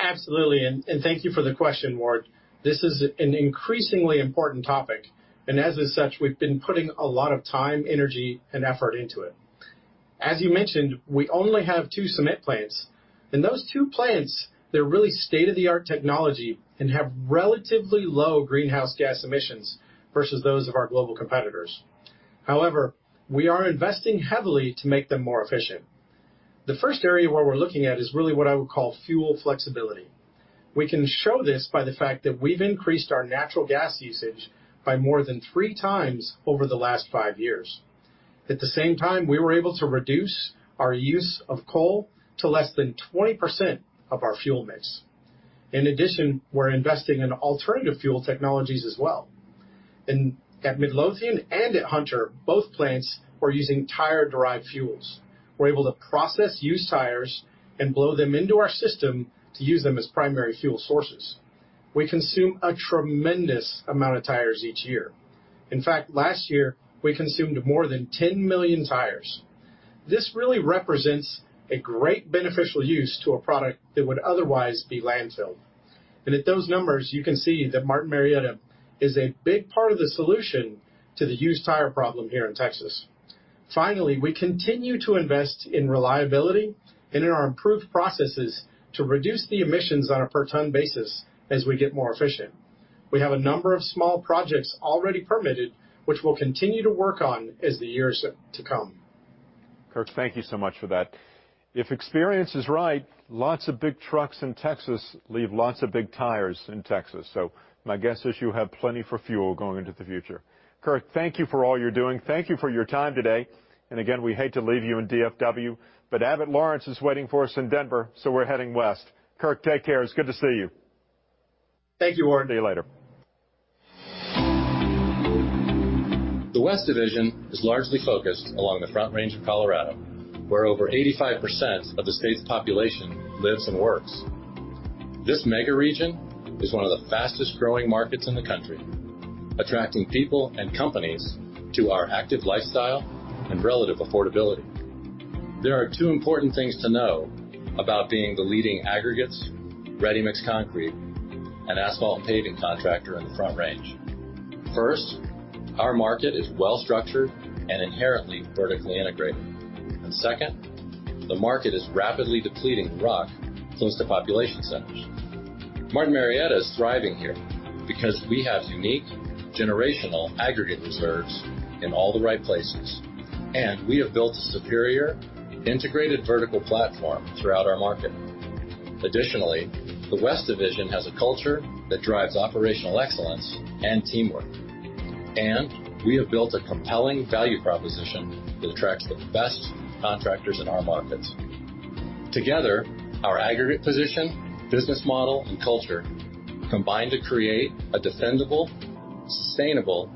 Absolutely. And thank you for the question, Ward. This is an increasingly important topic. And as such, we've been putting a lot of time, energy, and effort into it. As you mentioned, we only have two cement plants. And those two plants, they're really state-of-the-art technology and have relatively low greenhouse gas emissions versus those of our global competitors. However, we are investing heavily to make them more efficient. The first area where we're looking at is really what I would call fuel flexibility. We can show this by the fact that we've increased our natural gas usage by more than three times over the last five years. At the same time, we were able to reduce our use of coal to less than 20% of our fuel mix. In addition, we're investing in alternative fuel technologies as well. At Midlothian and at Hunter, both plants were using tire-derived fuels. We're able to process used tires and blow them into our system to use them as primary fuel sources. We consume a tremendous amount of tires each year. In fact, last year, we consumed more than 10 million tires. This really represents a great beneficial use to a product that would otherwise be landfilled. And at those numbers, you can see that Martin Marietta is a big part of the solution to the used tire problem here in Texas. Finally, we continue to invest in reliability and in our improved processes to reduce the emissions on a per-ton basis as we get more efficient. We have a number of small projects already permitted, which we'll continue to work on as the years to come. Kirk, thank you so much for that. If experience is right, lots of big trucks in Texas leave lots of big tires in Texas. So my guess is you have plenty for fuel going into the future. Kirk, thank you for all you're doing. Thank you for your time today. And again, we hate to leave you in DFW, but Abbott Lawrence is waiting for us in Denver, so we're heading west. Kirk, take care. It's good to see you. Thank you, Ward. See you later. The West Division is largely focused along the Front Range of Colorado, where over 85% of the state's population lives and works. This megaregion is one of the fastest-growing markets in the country, attracting people and companies to our active lifestyle and relative affordability. There are two important things to know about being the leading aggregates, ready-mix concrete, and asphalt and paving contractor in the Front Range. First, our market is well-structured and inherently vertically integrated, and second, the market is rapidly depleting rock close to population centers. Martin Marietta is thriving here because we have unique generational aggregate reserves in all the right places, and we have built a superior integrated vertical platform throughout our market. Additionally, the West Division has a culture that drives operational excellence and teamwork, and we have built a compelling value proposition that attracts the best contractors in our markets. Together, our aggregate position, business model, and culture combine to create a defendable, sustainable,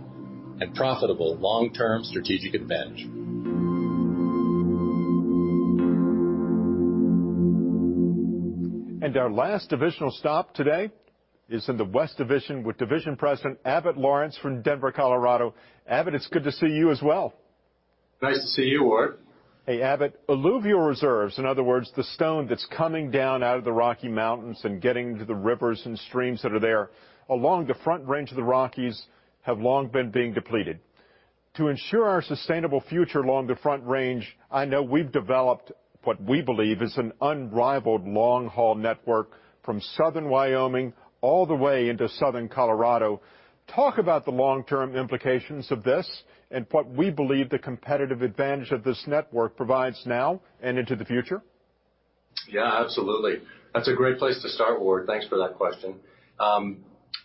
and profitable long-term strategic advantage. Our last divisional stop today is in the West Division with Division President Abbott Lawrence from Denver, Colorado. Abbott, it's good to see you as well. Nice to see you, Ward. Hey, Abbott, alluvial reserves, in other words, the stone that's coming down out of the Rocky Mountains and getting into the rivers and streams that are there along the Front Range of the Rockies, have long been being depleted. To ensure our sustainable future along the Front Range, I know we've developed what we believe is an unrivaled long-haul network from Southern Wyoming all the way into Southern Colorado. Talk about the long-term implications of this and what we believe the competitive advantage of this network provides now and into the future. Yeah, absolutely. That's a great place to start, Ward. Thanks for that question.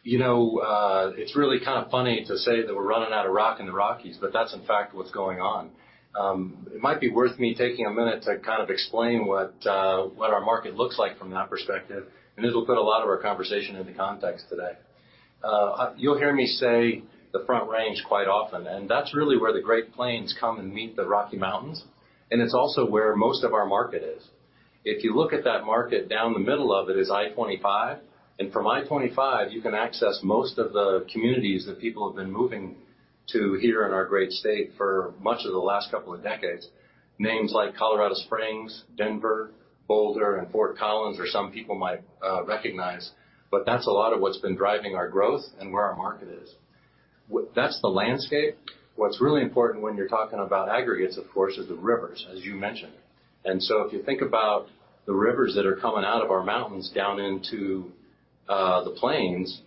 You know, it's really kind of funny to say that we're running out of rock in the Rockies, but that's, in fact, what's going on. It might be worth me taking a minute to kind of explain what our market looks like from that perspective, and it'll put a lot of our conversation into context today. You'll hear me say the Front Range quite often, and that's really where the Great Plains come and meet the Rocky Mountains, and it's also where most of our market is. If you look at that market, down the middle of it is I-25, and from I-25, you can access most of the communities that people have been moving to here in our great state for much of the last couple of decades. Names like Colorado Springs, Denver, Boulder, and Fort Collins are some people might recognize, but that's a lot of what's been driving our growth and where our market is. That's the landscape. What's really important when you're talking about aggregates, of course, is the rivers, as you mentioned, and so if you think about the rivers that are coming out of our mountains down into the plains,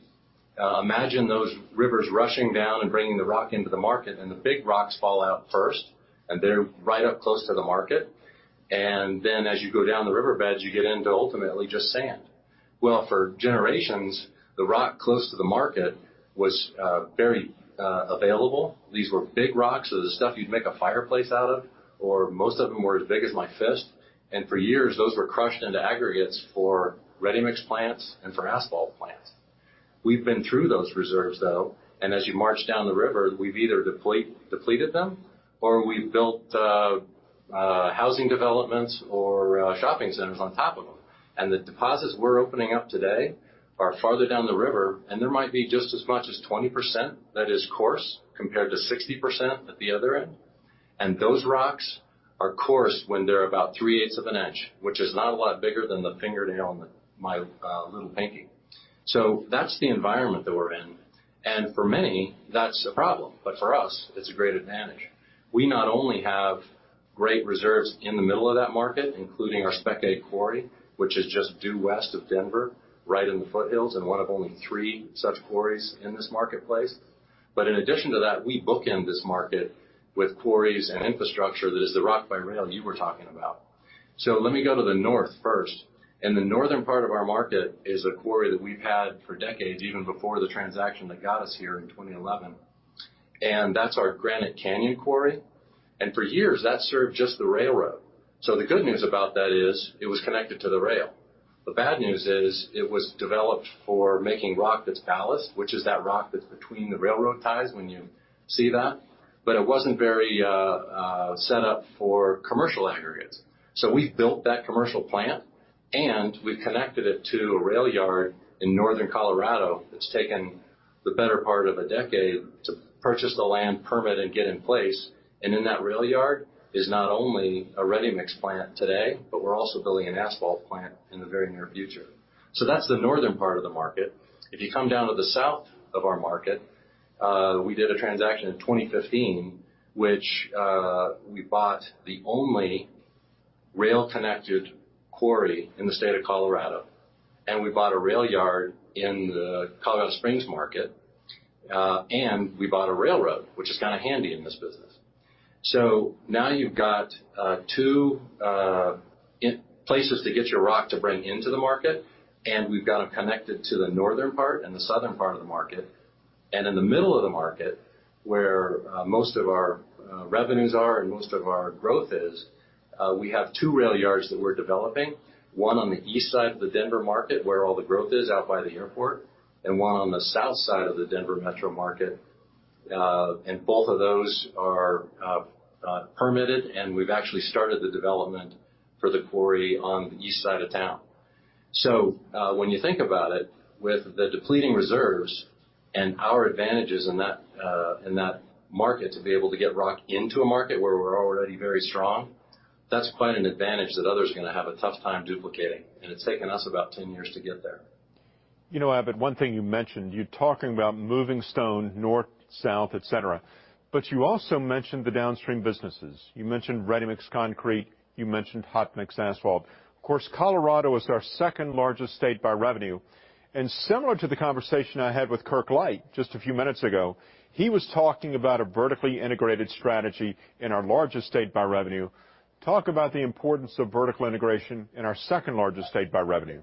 imagine those rivers rushing down and bringing the rock into the market, and the big rocks fall out first, and they're right up close to the market, and then as you go down the riverbeds, you get into ultimately just sand, well, for generations, the rock close to the market was very available. These were big rocks, the stuff you'd make a fireplace out of, or most of them were as big as my fist. And for years, those were crushed into aggregates for ready-mix plants and for asphalt plants. We've been through those reserves, though, and as you march down the river, we've either depleted them or we've built housing developments or shopping centers on top of them. And the deposits we're opening up today are farther down the river, and there might be just as much as 20% that is coarse compared to 60% at the other end. And those rocks are coarse when they're about three-eighths of an inch, which is not a lot bigger than the fingernail on my little pinky. So that's the environment that we're in. And for many, that's a problem, but for us, it's a great advantage. We not only have great reserves in the middle of that market, including our Spec Agg Quarry, which is just due west of Denver, right in the foothills and one of only three such quarries in this marketplace. But in addition to that, we bookend this market with quarries and infrastructure that is the rock by rail you were talking about. So let me go to the north first. And the northern part of our market is a quarry that we've had for decades, even before the transaction that got us here in 2011. And that's our Granite Canyon Quarry. And for years, that served just the railroad. So the good news about that is it was connected to the rail. The bad news is it was developed for making rock that's ballast, which is that rock that's between the railroad ties when you see that. But it wasn't very set up for commercial aggregates. So we've built that commercial plant, and we've connected it to a rail yard in northern Colorado. It's taken the better part of a decade to purchase the land, permit, and get in place. And in that rail yard is not only a ready-mix plant today, but we're also building an asphalt plant in the very near future. So that's the northern part of the market. If you come down to the south of our market, we did a transaction in 2015, which we bought the only rail-connected quarry in the state of Colorado. And we bought a rail yard in the Colorado Springs market, and we bought a railroad, which is kind of handy in this business. So now you've got two places to get your rock to bring into the market, and we've got them connected to the northern part and the southern part of the market. And in the middle of the market, where most of our revenues are and most of our growth is, we have two rail yards that we're developing, one on the east side of the Denver market, where all the growth is out by the airport, and one on the south side of the Denver metro market. And both of those are permitted, and we've actually started the development for the quarry on the east side of town. So when you think about it, with the depleting reserves and our advantages in that market to be able to get rock into a market where we're already very strong, that's quite an advantage that others are going to have a tough time duplicating. And it's taken us about 10 years to get there. You know, Abbott, one thing you mentioned, you're talking about moving stone north, south, et cetera, but you also mentioned the downstream businesses. You mentioned ready-mix concrete. You mentioned hot-mix asphalt. Of course, Colorado is our second largest state by revenue, and similar to the conversation I had with Kirk Light just a few minutes ago, he was talking about a vertically integrated strategy in our largest state by revenue. Talk about the importance of vertical integration in our second largest state by revenue.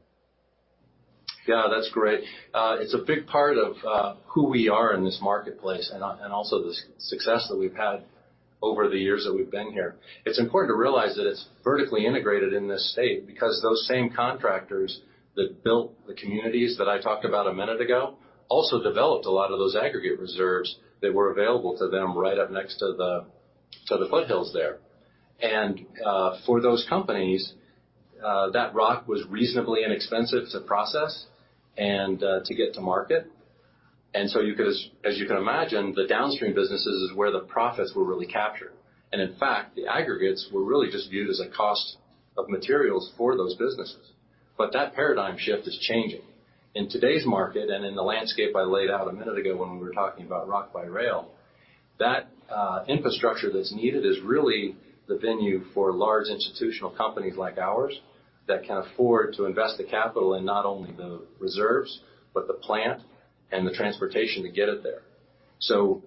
Yeah, that's great. It's a big part of who we are in this marketplace and also the success that we've had over the years that we've been here. It's important to realize that it's vertically integrated in this state because those same contractors that built the communities that I talked about a minute ago also developed a lot of those aggregate reserves that were available to them right up next to the foothills there. And for those companies, that rock was reasonably inexpensive to process and to get to market. And so as you can imagine, the downstream businesses is where the profits were really captured. And in fact, the aggregates were really just viewed as a cost of materials for those businesses. But that paradigm shift is changing. In today's market and in the landscape I laid out a minute ago when we were talking about rock by rail, that infrastructure that's needed is really the venue for large institutional companies like ours that can afford to invest the capital in not only the reserves, but the plant and the transportation to get it there. So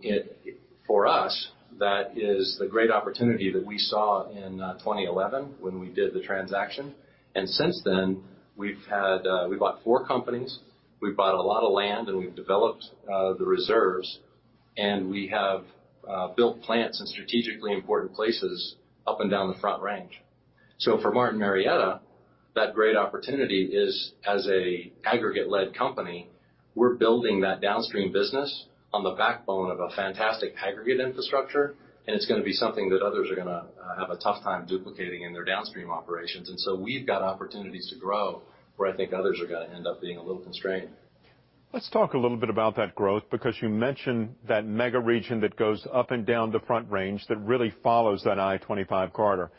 for us, that is the great opportunity that we saw in 2011 when we did the transaction. And since then, we've bought four companies. We've bought a lot of land, and we've developed the reserves, and we have built plants in strategically important places up and down the Front Range. So, for Martin Marietta, that great opportunity is as an aggregate-led company, we're building that downstream business on the backbone of a fantastic aggregate infrastructure, and it's going to be something that others are going to have a tough time duplicating in their downstream operations, and so we've got opportunities to grow where I think others are going to end up being a little constrained. Let's talk a little bit about that growth because you mentioned that megaregion that goes up and down the Front Range that really follows that I-25 Corridor,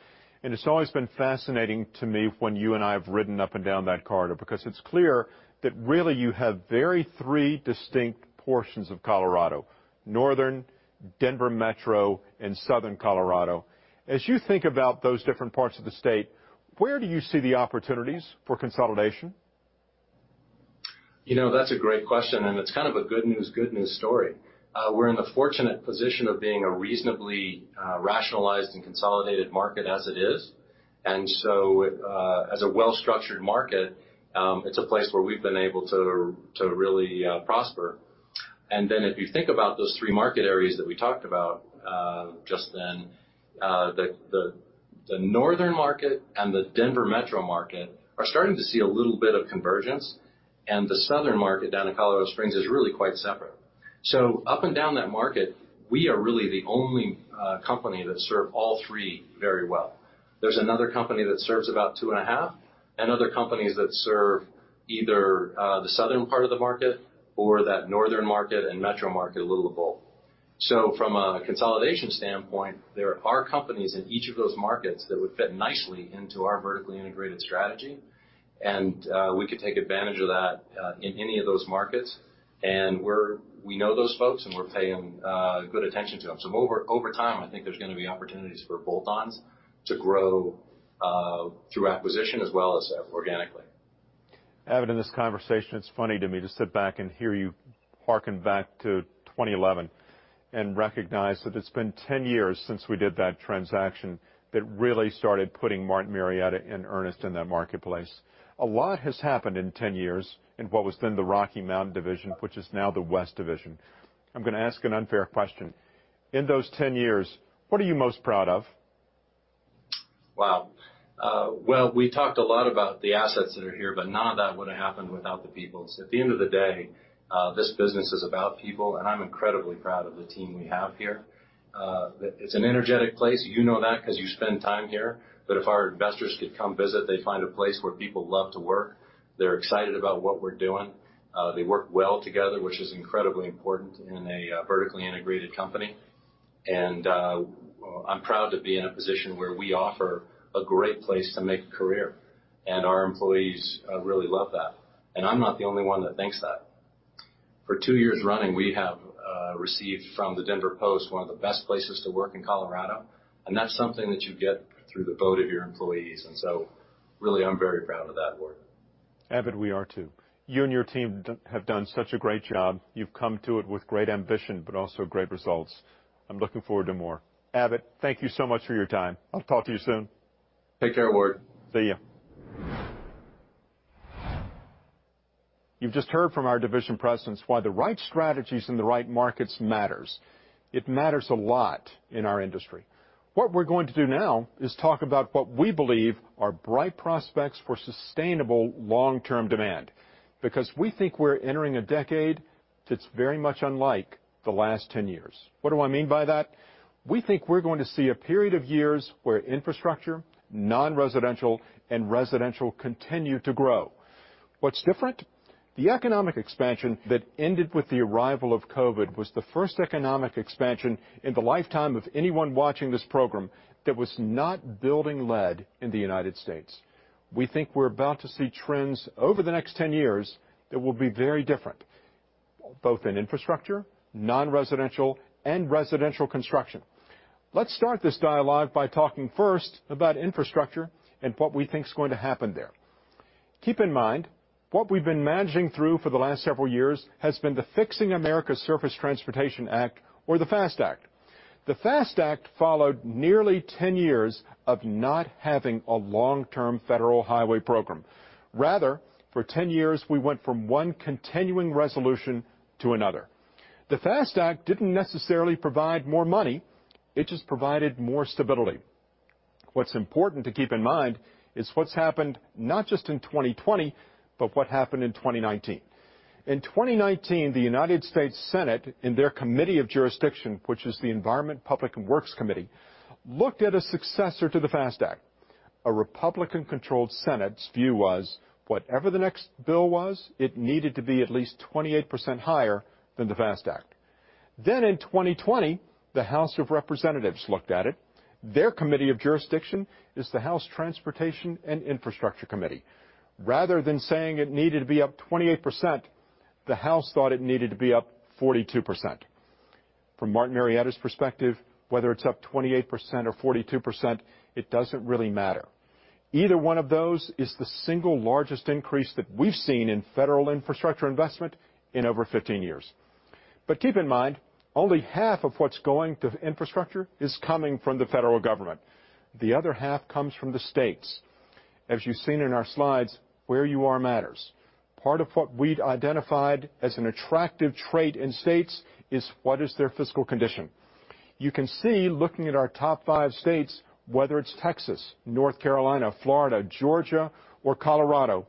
and it's always been fascinating to me when you and I have ridden up and down that corridor because it's clear that really you have three distinct portions of Colorado: northern, Denver metro, and Southern Colorado. As you think about those different parts of the state, where do you see the opportunities for consolidation? You know, that's a great question, and it's kind of a good news, good news story. We're in the fortunate position of being a reasonably rationalized and consolidated market as it is, and so as a well-structured market, it's a place where we've been able to really prosper, and then if you think about those three market areas that we talked about just then, the northern market and the Denver metro market are starting to see a little bit of convergence, and the southern market down in Colorado Springs is really quite separate, so up and down that market, we are really the only company that serve all three very well. There's another company that serves about two and a half, and other companies that serve either the southern part of the market or that northern market and metro market a little of both. So from a consolidation standpoint, there are companies in each of those markets that would fit nicely into our vertically integrated strategy, and we could take advantage of that in any of those markets. And we know those folks, and we're paying good attention to them. So over time, I think there's going to be opportunities for bolt-ons to grow through acquisition as well as organically. Abbott, in this conversation, it's funny to me to sit back and hear you harken back to 2011 and recognize that it's been 10 years since we did that transaction that really started putting Martin Marietta on the map in that marketplace. A lot has happened in 10 years in what was then the Rocky Mountain Division, which is now the West Division. I'm going to ask an unfair question. In those 10 years, what are you most proud of? Wow. Well, we talked a lot about the assets that are here, but none of that would have happened without the people. So at the end of the day, this business is about people, and I'm incredibly proud of the team we have here. It's an energetic place. You know that because you spend time here. But if our investors could come visit, they'd find a place where people love to work. They're excited about what we're doing. They work well together, which is incredibly important in a vertically integrated company. And I'm proud to be in a position where we offer a great place to make a career. And our employees really love that. And I'm not the only one that thinks that. For two years running, we have received from the Denver Post one of the best places to work in Colorado. That's something that you get through the vote of your employees. So really, I'm very proud of that, Ward. Abbott, we are too. You and your team have done such a great job. You've come to it with great ambition, but also great results. I'm looking forward to more. Abbott, thank you so much for your time. I'll talk to you soon. Take care, Ward. See you. You've just heard from our division presidents why the right strategies in the right markets matter. It matters a lot in our industry. What we're going to do now is talk about what we believe are bright prospects for sustainable long-term demand because we think we're entering a decade that's very much unlike the last 10 years. What do I mean by that? We think we're going to see a period of years where infrastructure, non-residential and residential continue to grow. What's different? The economic expansion that ended with the arrival of COVID was the first economic expansion in the lifetime of anyone watching this program that was not building-led in the United States. We think we're about to see trends over the next 10 years that will be very different, both in infrastructure, non-residential, and residential construction. Let's start this dialogue by talking first about infrastructure and what we think is going to happen there. Keep in mind, what we've been managing through for the last several years has been the Fixing America's Surface Transportation Act, or the FAST Act. The FAST Act followed nearly 10 years of not having a long-term federal highway program. Rather, for 10 years, we went from one continuing resolution to another. The FAST Act didn't necessarily provide more money. It just provided more stability. What's important to keep in mind is what's happened not just in 2020, but what happened in 2019. In 2019, the United States Senate, in their committee of jurisdiction, which is the Environment and Public Works Committee, looked at a successor to the FAST Act. A Republican-controlled Senate's view was whatever the next bill was, it needed to be at least 28% higher than the FAST Act. Then in 2020, the House of Representatives looked at it. Their committee of jurisdiction is the House Transportation and Infrastructure Committee. Rather than saying it needed to be up 28%, the House thought it needed to be up 42%. From Martin Marietta's perspective, whether it's up 28% or 42%, it doesn't really matter. Either one of those is the single largest increase that we've seen in federal infrastructure investment in over 15 years. But keep in mind, only half of what's going to infrastructure is coming from the federal government. The other half comes from the states. As you've seen in our slides, where you are matters. Part of what we'd identified as an attractive trait in states is what is their fiscal condition. You can see, looking at our top five states, whether it's Texas, North Carolina, Florida, Georgia, or Colorado,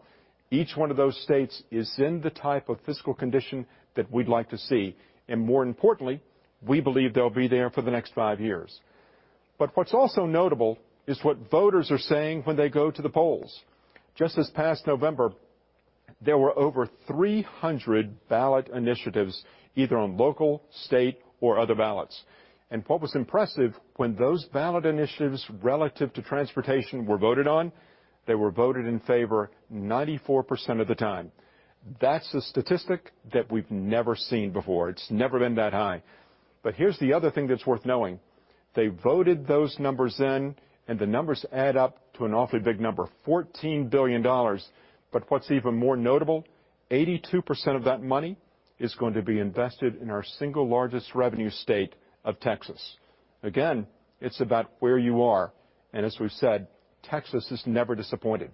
each one of those states is in the type of fiscal condition that we'd like to see. And more importantly, we believe they'll be there for the next five years. But what's also notable is what voters are saying when they go to the polls. Just this past November, there were over 300 ballot initiatives either on local, state, or other ballots. And what was impressive when those ballot initiatives relative to transportation were voted on, they were voted in favor 94% of the time. That's a statistic that we've never seen before. It's never been that high. But here's the other thing that's worth knowing. They voted those numbers in, and the numbers add up to an awfully big number, $14 billion. But what's even more notable, 82% of that money is going to be invested in our single largest revenue state of Texas. Again, it's about where you are. And as we've said, Texas is never disappointed.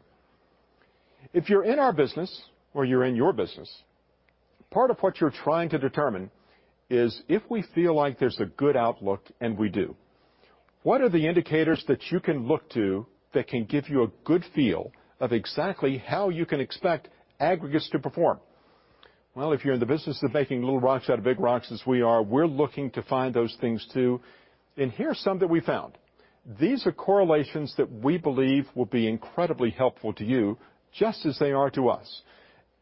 If you're in our business or you're in your business, part of what you're trying to determine is if we feel like there's a good outlook, and we do, what are the indicators that you can look to that can give you a good feel of exactly how you can expect aggregates to perform? Well, if you're in the business of making little rocks out of big rocks as we are, we're looking to find those things too. And here's some that we found. These are correlations that we believe will be incredibly helpful to you just as they are to us.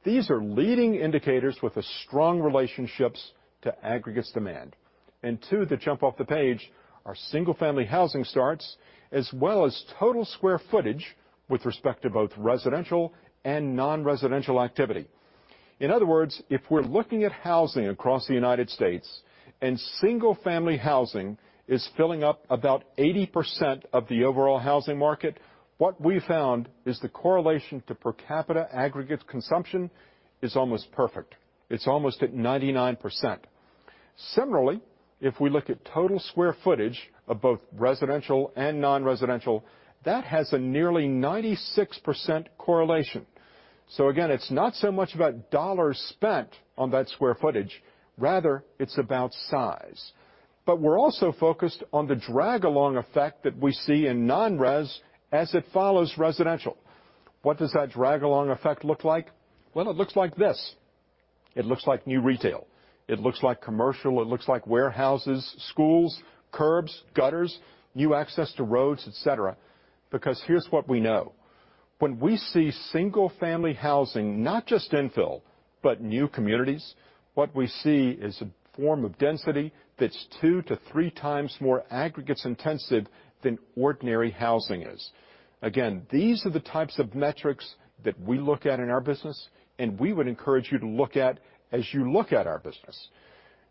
These are leading indicators with strong relationships to aggregates demand. And two that jump off the page are single-family housing starts, as well as total square footage with respect to both residential and non-residential activity. In other words, if we're looking at housing across the United States and single-family housing is filling up about 80% of the overall housing market, what we found is the correlation to per capita aggregate consumption is almost perfect. It's almost at 99%. Similarly, if we look at total square footage of both residential and non-residential, that has a nearly 96% correlation. So again, it's not so much about dollars spent on that square footage. Rather, it's about size. But we're also focused on the drag-along effect that we see in non-res as it follows residential. What does that drag-along effect look like? Well, it looks like this. It looks like new retail. It looks like commercial. It looks like warehouses, schools, curbs, gutters, new access to roads, etc. Because here's what we know. When we see single-family housing, not just infill, but new communities, what we see is a form of density that's two to three times more aggregates intensive than ordinary housing is. Again, these are the types of metrics that we look at in our business, and we would encourage you to look at as you look at our business.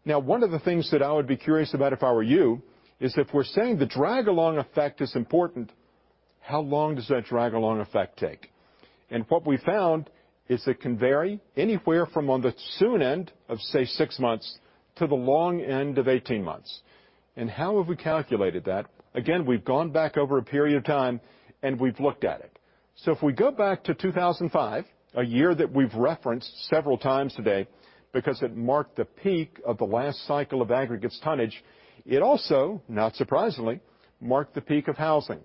Now, one of the things that I would be curious about if I were you is if we're saying the drag-along effect is important, how long does that drag-along effect take? And what we found is it can vary anywhere from on the soon end of, say, six months to the long end of 18 months. And how have we calculated that? Again, we've gone back over a period of time and we've looked at it. So if we go back to 2005, a year that we've referenced several times today because it marked the peak of the last cycle of aggregates tonnage, it also, not surprisingly, marked the peak of housing.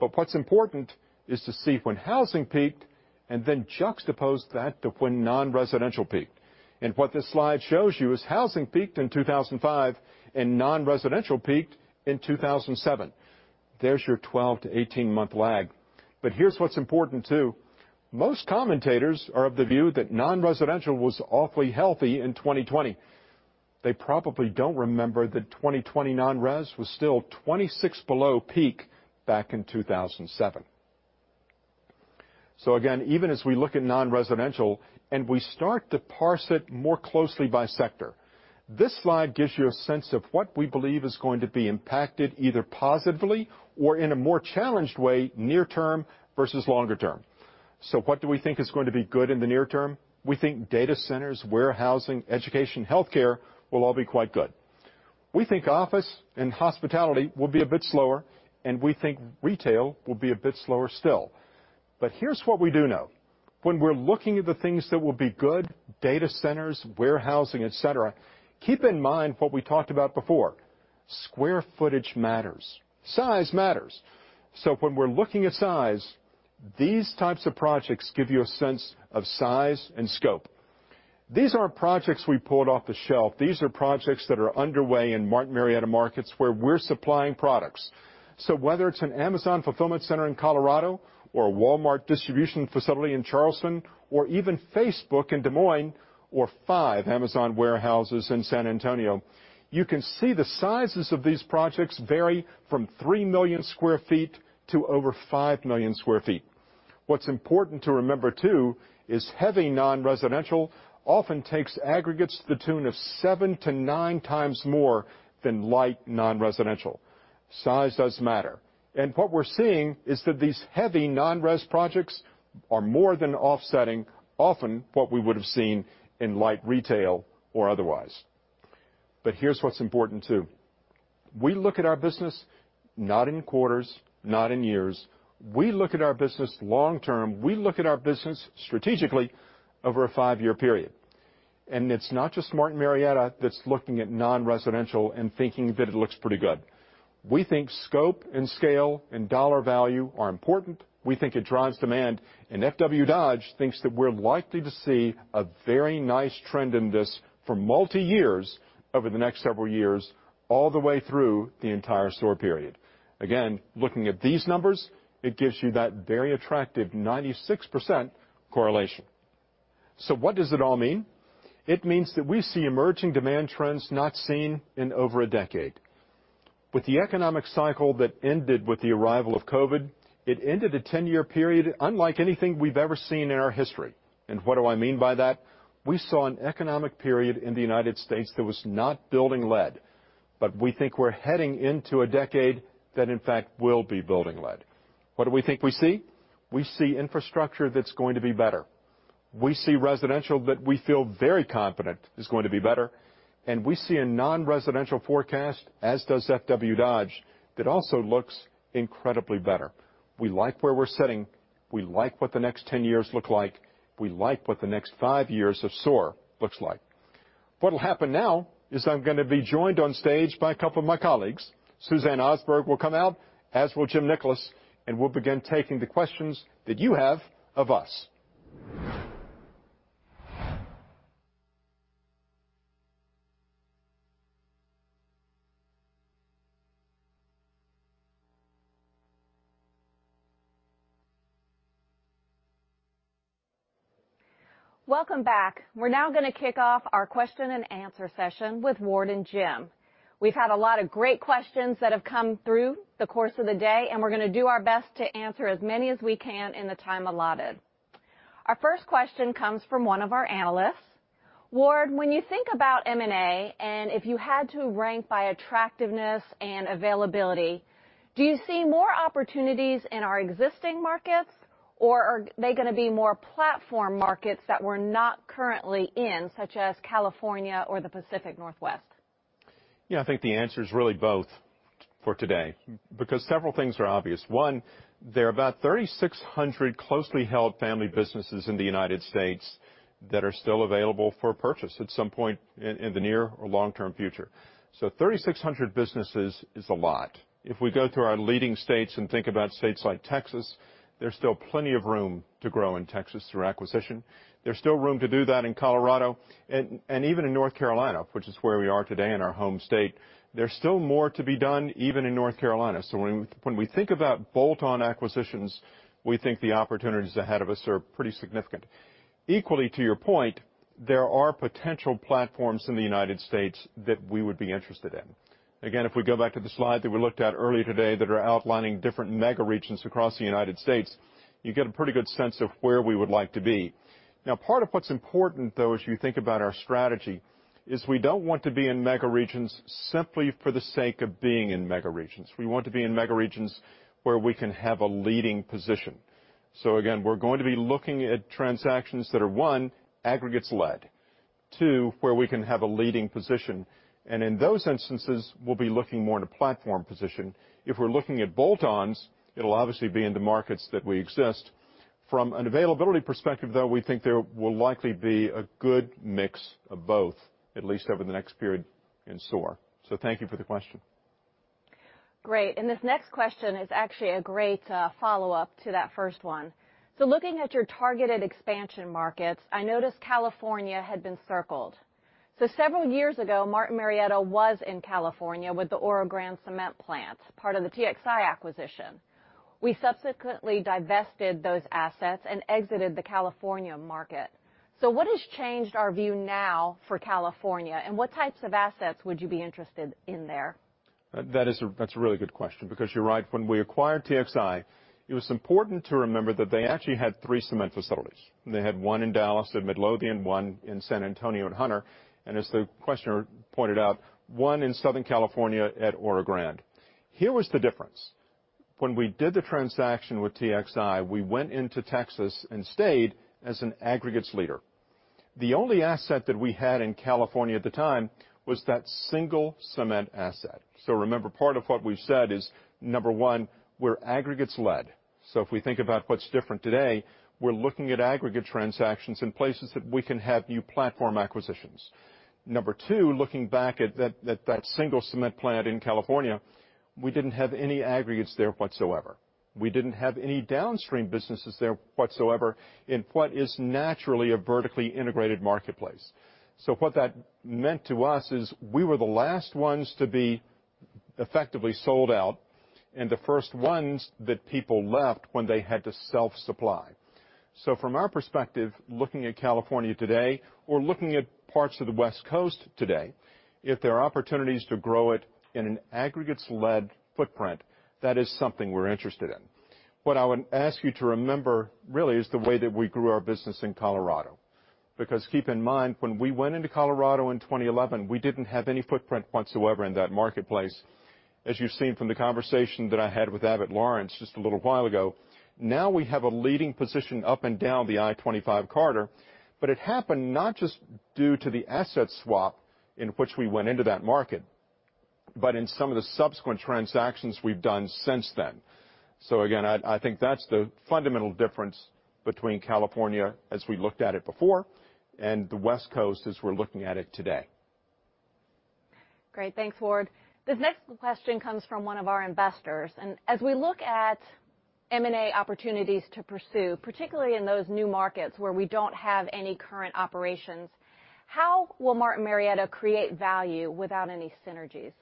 But what's important is to see when housing peaked and then juxtapose that to when non-residential peaked, and what this slide shows you is housing peaked in 2005 and non-residential peaked in 2007. There's your 12 to 18-month lag, but here's what's important too. Most commentators are of the view that non-residential was awfully healthy in 2020. They probably don't remember that 2020 non-res was still 26 below peak back in 2007. So again, even as we look at non-residential and we start to parse it more closely by sector, this slide gives you a sense of what we believe is going to be impacted either positively or in a more challenged way near-term versus longer-term. So what do we think is going to be good in the near term? We think data centers, warehousing, education, healthcare will all be quite good. We think office and hospitality will be a bit slower, and we think retail will be a bit slower still. But here's what we do know. When we're looking at the things that will be good, data centers, warehousing, etc., keep in mind what we talked about before. Square footage matters. Size matters. So when we're looking at size, these types of projects give you a sense of size and scope. These aren't projects we pulled off the shelf. These are projects that are underway in Martin Marietta markets where we're supplying products, so whether it's an Amazon fulfillment center in Colorado or a Walmart distribution facility in Charleston or even Facebook in Des Moines or five Amazon warehouses in San Antonio, you can see the sizes of these projects vary from 3 million sq ft to over 5 million sq ft. What's important to remember too is heavy non-residential often takes aggregates to the tune of seven to nine times more than light non-residential. Size does matter, and what we're seeing is that these heavy non-res projects are more than offsetting often what we would have seen in light retail or otherwise, but here's what's important too. We look at our business not in quarters, not in years. We look at our business long-term. We look at our business strategically over a five-year period. And it's not just Martin Marietta that's looking at non-residential and thinking that it looks pretty good. We think scope and scale and dollar value are important. We think it drives demand. And F.W. Dodge thinks that we're likely to see a very nice trend in this for multi-years over the next several years all the way through the entire SOAR period. Again, looking at these numbers, it gives you that very attractive 96% correlation. So what does it all mean? It means that we see emerging demand trends not seen in over a decade. With the economic cycle that ended with the arrival of COVID, it ended a 10-year period unlike anything we've ever seen in our history. And what do I mean by that? We saw an economic period in the United States that was not building-led, but we think we're heading into a decade that in fact will be building-led. What do we think we see? We see infrastructure that's going to be better. We see residential that we feel very confident is going to be better. And we see a non-residential forecast, as does F.W. Dodge, that also looks incredibly better. We like where we're sitting. We like what the next 10 years look like. We like what the next five years of SOAR looks like. What'll happen now is I'm going to be joined on stage by a couple of my colleagues. Suzanne Osberg will come out, as will Jim Nickolas, and we'll begin taking the questions that you have of us. Welcome back. We're now going to kick off our question and answer session with Ward and Jim. We've had a lot of great questions that have come through the course of the day, and we're going to do our best to answer as many as we can in the time allotted. Our first question comes from one of our analysts. Ward, when you think about M&A and if you had to rank by attractiveness and availability, do you see more opportunities in our existing markets, or are they going to be more platform markets that we're not currently in, such as California or the Pacific Northwest? Yeah, I think the answer is really both for today because several things are obvious. One, there are about 3,600 closely held family businesses in the United States that are still available for purchase at some point in the near or long-term future. So 3,600 businesses is a lot. If we go through our leading states and think about states like Texas, there's still plenty of room to grow in Texas through acquisition. There's still room to do that in Colorado. And even in North Carolina, which is where we are today in our home state, there's still more to be done even in North Carolina. So when we think about bolt-on acquisitions, we think the opportunities ahead of us are pretty significant. Equally to your point, there are potential platforms in the United States that we would be interested in. Again, if we go back to the slide that we looked at earlier today that are outlining different megaregions across the United States, you get a pretty good sense of where we would like to be. Now, part of what's important though as you think about our strategy is we don't want to be in megaregions simply for the sake of being in megaregions. We want to be in megaregions where we can have a leading position. So again, we're going to be looking at transactions that are, one, aggregates-led, two, where we can have a leading position. And in those instances, we'll be looking more in a platform position. If we're looking at bolt-ons, it'll obviously be in the markets that we exist. From an availability perspective though, we think there will likely be a good mix of both, at least over the next period in SOAR, so thank you for the question. Great. And this next question is actually a great follow-up to that first one. So looking at your targeted expansion markets, I noticed California had been circled. So several years ago, Martin Marietta was in California with the Oro Grande Cement Plant, part of the TXI acquisition. We subsequently divested those assets and exited the California market. So what has changed our view now for California? And what types of assets would you be interested in there? That's a really good question because you're right. When we acquired TXI, it was important to remember that they actually had three cement facilities. They had one in Dallas at Midlothian, one in San Antonio at Hunter, and as the questioner pointed out, one in Southern California at Oro Grande. Here was the difference. When we did the transaction with TXI, we went into Texas and stayed as an aggregates leader. The only asset that we had in California at the time was that single cement asset. So remember, part of what we've said is, number one, we're aggregates led. So if we think about what's different today, we're looking at aggregates transactions in places that we can have new platform acquisitions. Number two, looking back at that single cement plant in California, we didn't have any aggregates there whatsoever. We didn't have any downstream businesses there whatsoever in what is naturally a vertically integrated marketplace. So what that meant to us is we were the last ones to be effectively sold out and the first ones that people left when they had to self-supply. So from our perspective, looking at California today or looking at parts of the West Coast today, if there are opportunities to grow it in an aggregates-led footprint, that is something we're interested in. What I would ask you to remember really is the way that we grew our business in Colorado. Because keep in mind, when we went into Colorado in 2011, we didn't have any footprint whatsoever in that marketplace. As you've seen from the conversation that I had with Abbott Lawrence just a little while ago, now we have a leading position up and down the I-25 Corridor, but it happened not just due to the asset swap in which we went into that market, but in some of the subsequent transactions we've done since then. So again, I think that's the fundamental difference between California as we looked at it before and the West Coast as we're looking at it today. Great. Thanks, Ward. This next question comes from one of our investors. As we look at M&A opportunities to pursue, particularly in those new markets where we don't have any current operations, how will Martin Marietta create value without any synergies?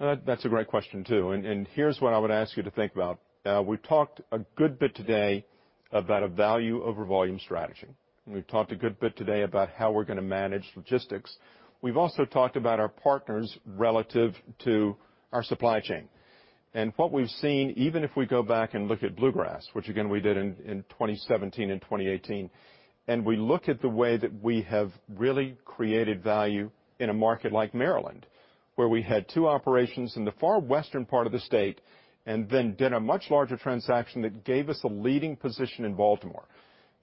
That's a great question too. And here's what I would ask you to think about. We've talked a good bit today about a value over volume strategy. We've talked a good bit today about how we're going to manage logistics. We've also talked about our partners relative to our supply chain. And what we've seen, even if we go back and look at Bluegrass, which again we did in 2017 and 2018, and we look at the way that we have really created value in a market like Maryland, where we had two operations in the far western part of the state and then did a much larger transaction that gave us a leading position in Baltimore.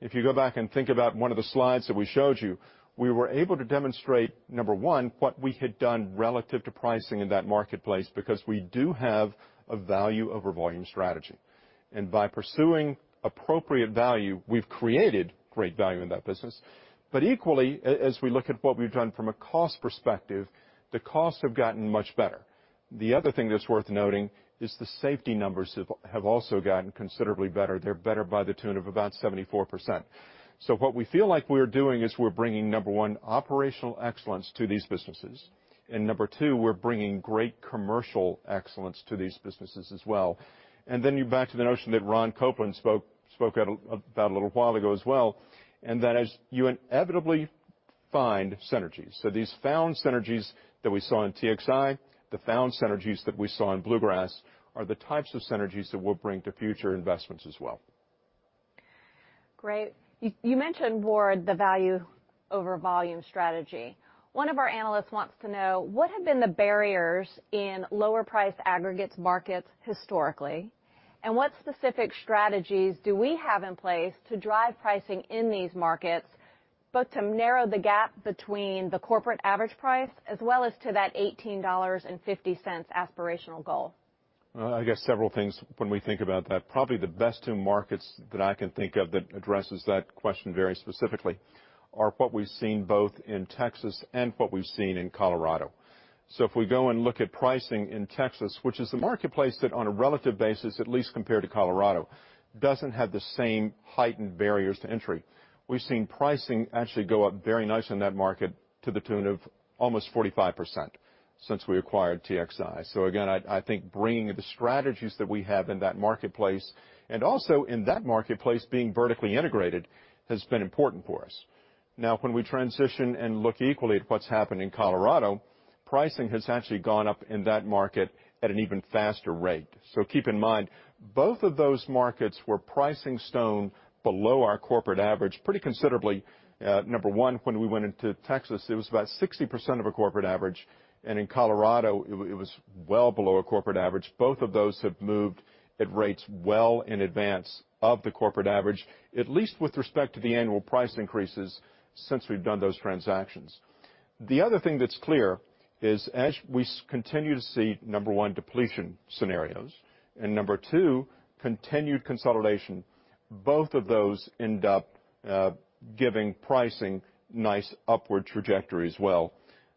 If you go back and think about one of the slides that we showed you, we were able to demonstrate, number one, what we had done relative to pricing in that marketplace because we do have a value over volume strategy. And by pursuing appropriate value, we've created great value in that business. But equally, as we look at what we've done from a cost perspective, the costs have gotten much better. The other thing that's worth noting is the safety numbers have also gotten considerably better. They're better by the tune of about 74%. So what we feel like we're doing is we're bringing, number one, operational excellence to these businesses. And number two, we're bringing great commercial excellence to these businesses as well. And then you're back to the notion that Ron Kopplin spoke about a little while ago as well, and that as you inevitably find synergies. These found synergies that we saw in TXI and Bluegrass are the types of synergies that we'll bring to future investments as well. Great. You mentioned, Ward, the value over volume strategy. One of our analysts wants to know what have been the barriers in lower-priced aggregates markets historically, and what specific strategies do we have in place to drive pricing in these markets, both to narrow the gap between the corporate average price as well as to that $18.50 aspirational goal? I guess several things when we think about that. Probably the best two markets that I can think of that addresses that question very specifically are what we've seen both in Texas and what we've seen in Colorado. So if we go and look at pricing in Texas, which is the marketplace that on a relative basis, at least compared to Colorado, doesn't have the same heightened barriers to entry, we've seen pricing actually go up very nice in that market to the tune of almost 45% since we acquired TXI. So again, I think bringing the strategies that we have in that marketplace and also in that marketplace being vertically integrated has been important for us. Now, when we transition and look equally at what's happened in Colorado, pricing has actually gone up in that market at an even faster rate. Keep in mind, both of those markets were pricing stone below our corporate average pretty considerably. Number one, when we went into Texas, it was about 60% of a corporate average. And in Colorado, it was well below a corporate average. Both of those have moved at rates well in advance of the corporate average, at least with respect to the annual price increases since we've done those transactions. The other thing that's clear is as we continue to see, number one, depletion scenarios and number two, continued consolidation, both of those end up giving pricing nice upward trajectory as well.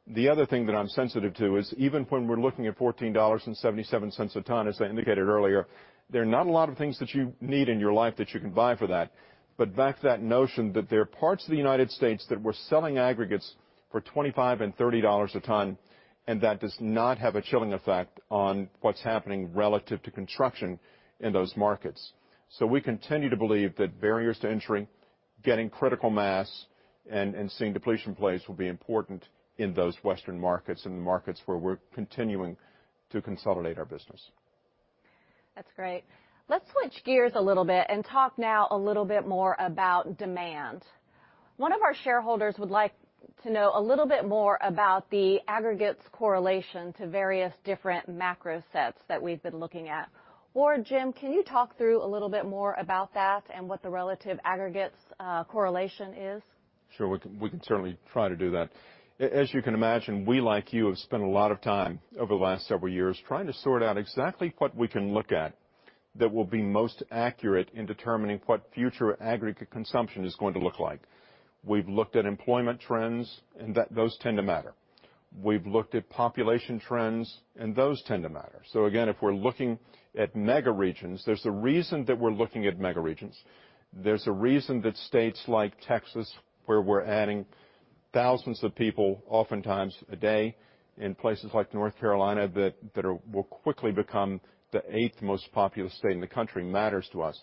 The other thing that I'm sensitive to is even when we're looking at $14.77 a ton, as I indicated earlier, there are not a lot of things that you can buy for that. But back to that notion that there are parts of the United States that were selling aggregates for $25 and $30 a ton, and that does not have a chilling effect on what's happening relative to construction in those markets. So we continue to believe that barriers to entry, getting critical mass, and seeing depletion plays will be important in those western markets and the markets where we're continuing to consolidate our business. That's great. Let's switch gears a little bit and talk now a little bit more about demand. One of our shareholders would like to know a little bit more about the aggregates correlation to various different macro sets that we've been looking at. Ward, Jim, can you talk through a little bit more about that and what the relative aggregates correlation is? Sure. We can certainly try to do that. As you can imagine, we, like you, have spent a lot of time over the last several years trying to sort out exactly what we can look at that will be most accurate in determining what future aggregate consumption is going to look like. We've looked at employment trends, and those tend to matter. We've looked at population trends, and those tend to matter. So again, if we're looking at megaregions, there's a reason that we're looking at megaregions. There's a reason that states like Texas, where we're adding thousands of people oftentimes a day in places like North Carolina that will quickly become the eighth most populous state in the country, matters to us.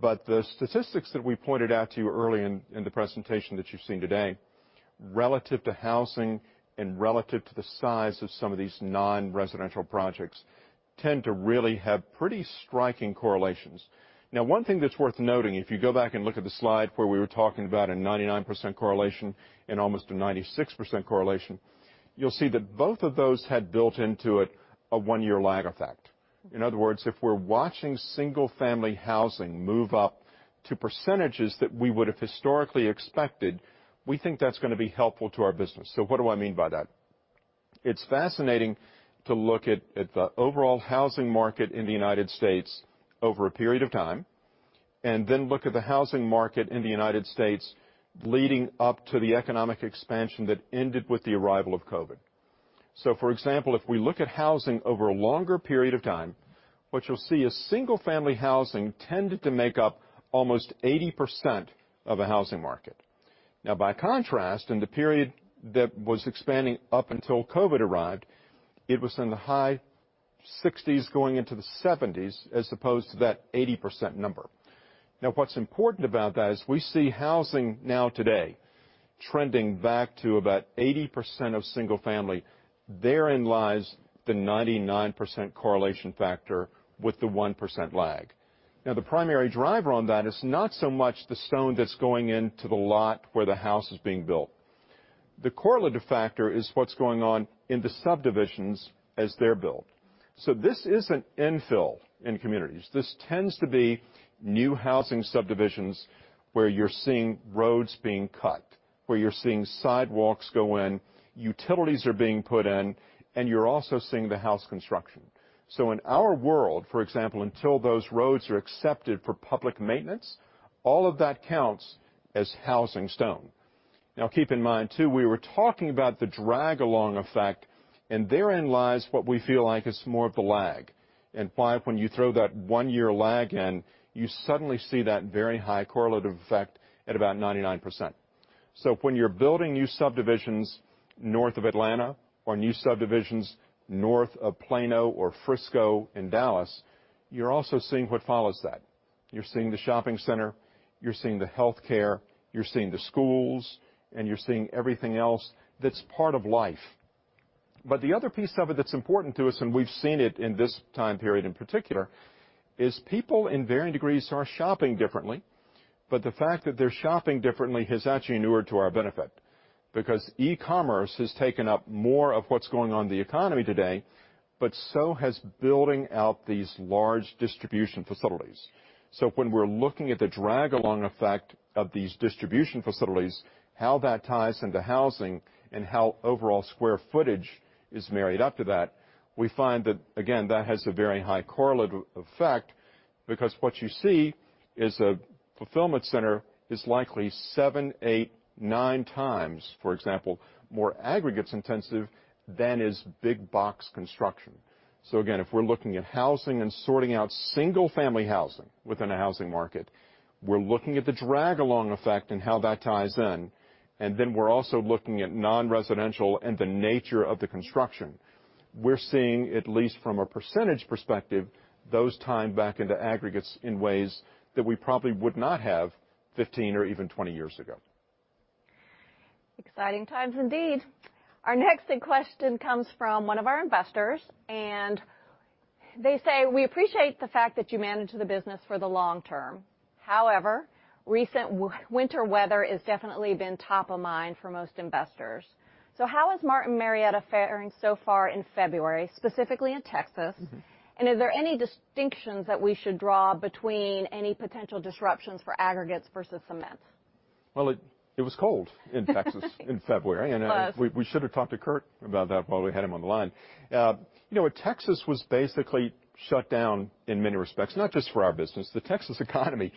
But the statistics that we pointed out to you early in the presentation that you've seen today, relative to housing and relative to the size of some of these non-residential projects, tend to really have pretty striking correlations. Now, one thing that's worth noting, if you go back and look at the slide where we were talking about a 99% correlation and almost a 96% correlation, you'll see that both of those had built into it a one-year lag effect. In other words, if we're watching single-family housing move up to percentages that we would have historically expected, we think that's going to be helpful to our business. So what do I mean by that? It's fascinating to look at the overall housing market in the United States over a period of time and then look at the housing market in the United States leading up to the economic expansion that ended with the arrival of COVID. So for example, if we look at housing over a longer period of time, what you'll see is single-family housing tended to make up almost 80% of the housing market. Now, by contrast, in the period that was expanding up until COVID arrived, it was in the high 60s going into the 70s as opposed to that 80% number. Now, what's important about that is we see housing now today trending back to about 80% of single-family. Therein lies the 99% correlation factor with the 1% lag. Now, the primary driver on that is not so much the stone that's going into the lot where the house is being built. The correlative factor is what's going on in the subdivisions as they're built. So this isn't infill in communities. This tends to be new housing subdivisions where you're seeing roads being cut, where you're seeing sidewalks go in, utilities are being put in, and you're also seeing the house construction. So in our world, for example, until those roads are accepted for public maintenance, all of that counts as housing stone. Now, keep in mind too, we were talking about the drag-along effect, and therein lies what we feel like is more of the lag. And by when you throw that one-year lag in, you suddenly see that very high correlative effect at about 99%. So when you're building new subdivisions north of Atlanta or new subdivisions north of Plano or Frisco in Dallas, you're also seeing what follows that. You're seeing the shopping center, you're seeing the healthcare, you're seeing the schools, and you're seeing everything else that's part of life. But the other piece of it that's important to us, and we've seen it in this time period in particular, is people in varying degrees are shopping differently, but the fact that they're shopping differently has actually inured to our benefit because e-commerce has taken up more of what's going on in the economy today, but so has building out these large distribution facilities. So when we're looking at the drag-along effect of these distribution facilities, how that ties into housing and how overall square footage is married up to that, we find that, again, that has a very high correlative effect because what you see is a fulfillment center is likely seven, eight, nine times, for example, more aggregates intensive than is big box construction. So again, if we're looking at housing and sorting out single-family housing within a housing market, we're looking at the drag-along effect and how that ties in. And then we're also looking at non-residential and the nature of the construction. We're seeing, at least from a percentage perspective, those tying back into aggregates in ways that we probably would not have 15 or even 20 years ago. Exciting times indeed. Our next question comes from one of our investors, and they say, "We appreciate the fact that you manage the business for the long term. However, recent winter weather has definitely been top of mind for most investors. So how is Martin Marietta faring so far in February, specifically in Texas? And are there any distinctions that we should draw between any potential disruptions for aggregates versus cement? It was cold in Texas in February, and we should have talked to Kirk about that while we had him on the line. You know, Texas was basically shut down in many respects, not just for our business. The Texas economy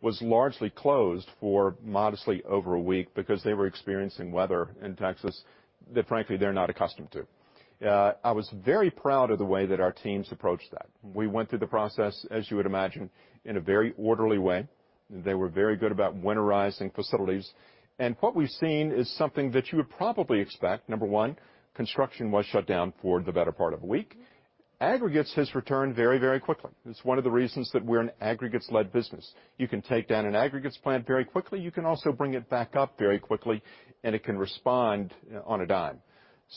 was largely closed for modestly over a week because they were experiencing weather in Texas that, frankly, they're not accustomed to. I was very proud of the way that our teams approached that. We went through the process, as you would imagine, in a very orderly way. They were very good about winterizing facilities, and what we've seen is something that you would probably expect. Number one, construction was shut down for the better part of a week. Aggregates has returned very, very quickly. It's one of the reasons that we're an aggregates-led business. You can take down an aggregates plant very quickly. You can also bring it back up very quickly, and it can respond on a dime.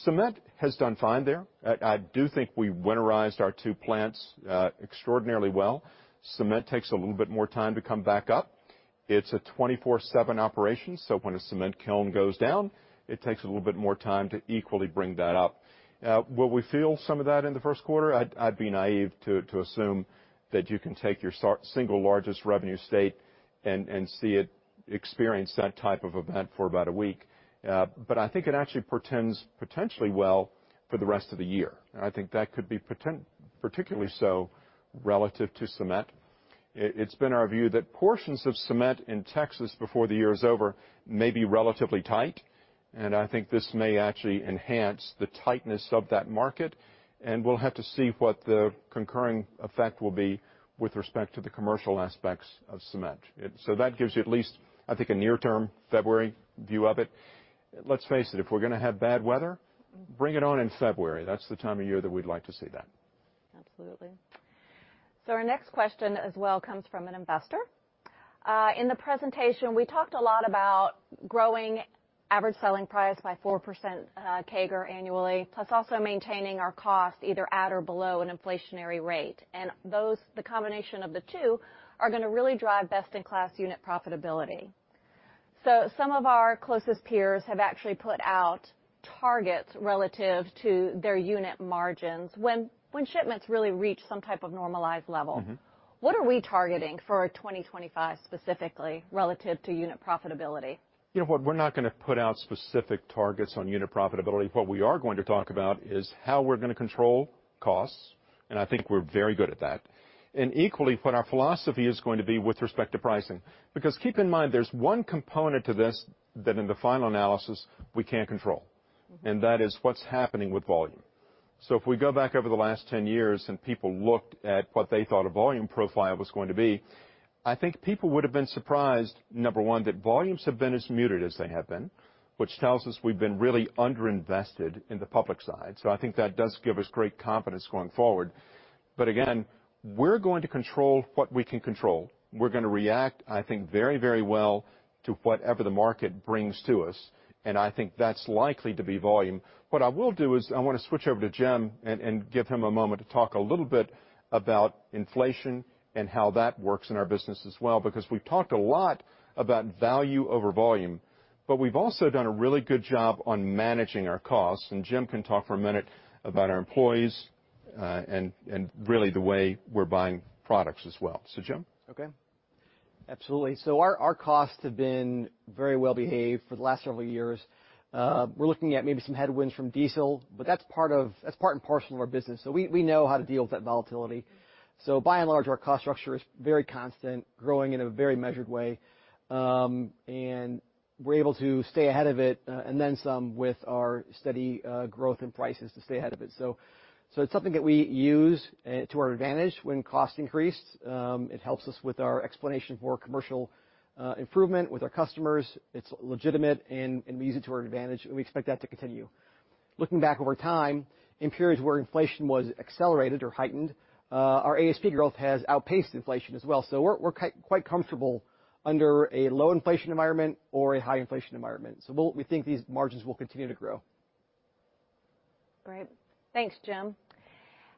Cement has done fine there. I do think we winterized our two plants extraordinarily well. Cement takes a little bit more time to come back up. It's a 24/7 operation. So when a cement kiln goes down, it takes a little bit more time to equally bring that up. Will we feel some of that in the first quarter? I'd be naive to assume that you can take your single largest revenue state and see it experience that type of event for about a week. But I think it actually portends potentially well for the rest of the year. I think that could be particularly so relative to cement. It's been our view that portions of cement in Texas before the year is over may be relatively tight, and I think this may actually enhance the tightness of that market. And we'll have to see what the concurrent effect will be with respect to the commercial aspects of cement. So that gives you at least, I think, a near-term February view of it. Let's face it, if we're going to have bad weather, bring it on in February. That's the time of year that we'd like to see that. Absolutely. So our next question as well comes from an investor. In the presentation, we talked a lot about growing average selling price by 4% CAGR annually, plus also maintaining our cost either at or below an inflationary rate. And the combination of the two are going to really drive best-in-class unit profitability. So some of our closest peers have actually put out targets relative to their unit margins when shipments really reach some type of normalized level. What are we targeting for 2025 specifically relative to unit profitability? You know what? We're not going to put out specific targets on unit profitability. What we are going to talk about is how we're going to control costs, and I think we're very good at that, and equally, what our philosophy is going to be with respect to pricing. Because keep in mind, there's one component to this that in the final analysis we can't control, and that is what's happening with volume, so if we go back over the last 10 years and people looked at what they thought a volume profile was going to be, I think people would have been surprised, number one, that volumes have been as muted as they have been, which tells us we've been really underinvested in the public side, so I think that does give us great confidence going forward, but again, we're going to control what we can control. We're going to react, I think, very, very well to whatever the market brings to us. And I think that's likely to be volume. What I will do is I want to switch over to Jim and give him a moment to talk a little bit about inflation and how that works in our business as well. Because we've talked a lot about value over volume, but we've also done a really good job on managing our costs. And Jim can talk for a minute about our employees and really the way we're buying products as well. So, Jim? Okay. Absolutely, so our costs have been very well-behaved for the last several years. We're looking at maybe some headwinds from diesel, but that's part and parcel of our business, so we know how to deal with that volatility, so by and large, our cost structure is very constant, growing in a very measured way, and we're able to stay ahead of it and then some with our steady growth in prices to stay ahead of it, so it's something that we use to our advantage when costs increase. It helps us with our explanation for commercial improvement with our customers. It's legitimate, and we use it to our advantage, and we expect that to continue. Looking back over time in periods where inflation was accelerated or heightened, our ASP growth has outpaced inflation as well, so we're quite comfortable under a low inflation environment or a high-inflation environment. We think these margins will continue to grow. Great. Thanks, Jim.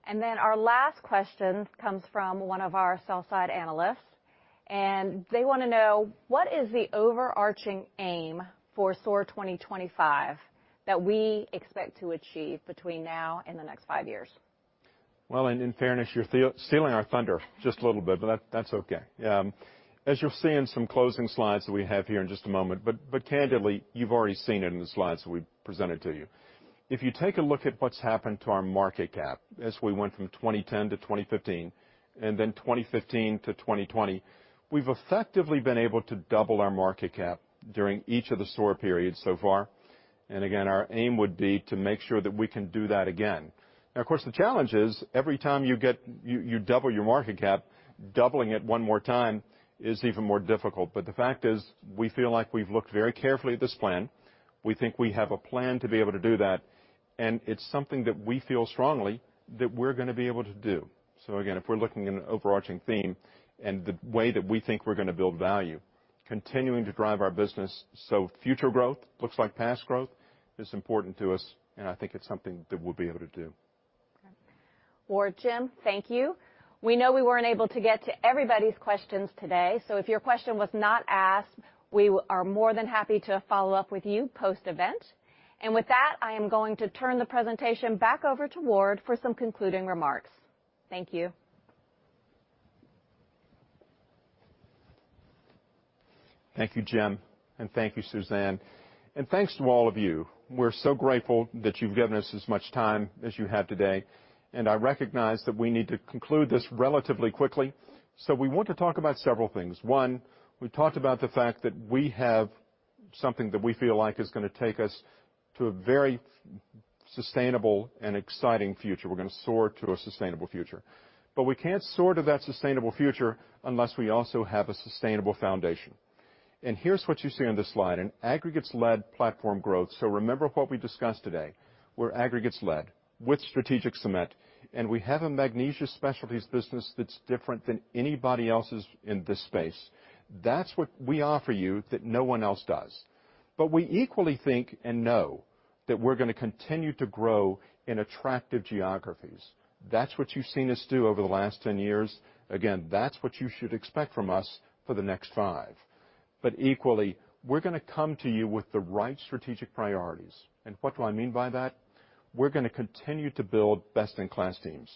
And then our last question comes from one of our sell-side analysts. And they want to know, what is the overarching aim for SOAR 2025 that we expect to achieve between now and the next five years? In fairness, you're stealing our thunder just a little bit, but that's okay. As you'll see in some closing slides that we have here in just a moment. But candidly, you've already seen it in the slides that we presented to you. If you take a look at what's happened to our market cap as we went from 2010 to 2015 and then 2015 to 2020, we've effectively been able to double our market cap during each of the SOAR periods so far. And again, our aim would be to make sure that we can do that again. Now, of course, the challenge is every time you double your market cap, doubling it one more time is even more difficult. But the fact is we feel like we've looked very carefully at this plan. We think we have a plan to be able to do that. And it's something that we feel strongly that we're going to be able to do. So again, if we're looking at an overarching theme and the way that we think we're going to build value, continuing to drive our business, so future growth looks like past growth is important to us, and I think it's something that we'll be able to do. Ward, Jim, thank you. We know we weren't able to get to everybody's questions today. So if your question was not asked, we are more than happy to follow up with you post-event. And with that, I am going to turn the presentation back over to Ward for some concluding remarks. Thank you. Thank you, Jim. And thank you, Suzanne. And thanks to all of you. We're so grateful that you've given us as much time as you have today. And I recognize that we need to conclude this relatively quickly. So we want to talk about several things. One, we talked about the fact that we have something that we feel like is going to take us to a very sustainable and exciting future. We're going to Soar to a Sustainable Future. But we can't soar to that sustainable future unless we also have a sustainable foundation. And here's what you see on this slide. An aggregates-led platform growth. So remember what we discussed today. We're aggregates-led with strategic cement. And we have a Magnesia Specialties business that's different than anybody else's in this space. That's what we offer you that no one else does. But we equally think and know that we're going to continue to grow in attractive geographies. That's what you've seen us do over the last 10 years. Again, that's what you should expect from us for the next five. But equally, we're going to come to you with the right strategic priorities. And what do I mean by that? We're going to continue to build best-in-class teams.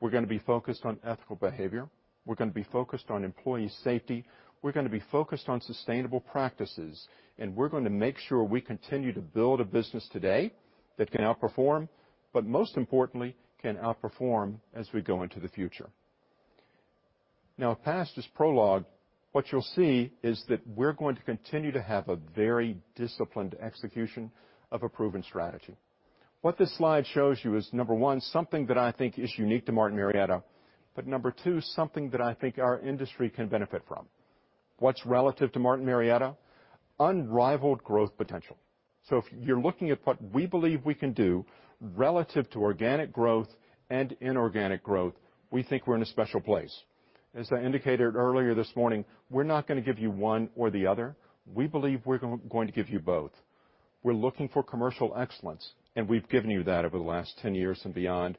We're going to be focused on ethical behavior. We're going to be focused on employee safety. We're going to be focused on sustainable practices. And we're going to make sure we continue to build a business today that can outperform, but most importantly, can outperform as we go into the future. Now, past this prologue, what you'll see is that we're going to continue to have a very disciplined execution of a proven strategy. What this slide shows you is, number one, something that I think is unique to Martin Marietta, but number two, something that I think our industry can benefit from. What's relative to Martin Marietta? Unrivaled growth potential. So if you're looking at what we believe we can do relative to organic growth and inorganic growth, we think we're in a special place. As I indicated earlier this morning, we're not going to give you one or the other. We believe we're going to give you both. We're looking for commercial excellence, and we've given you that over the last 10 years and beyond.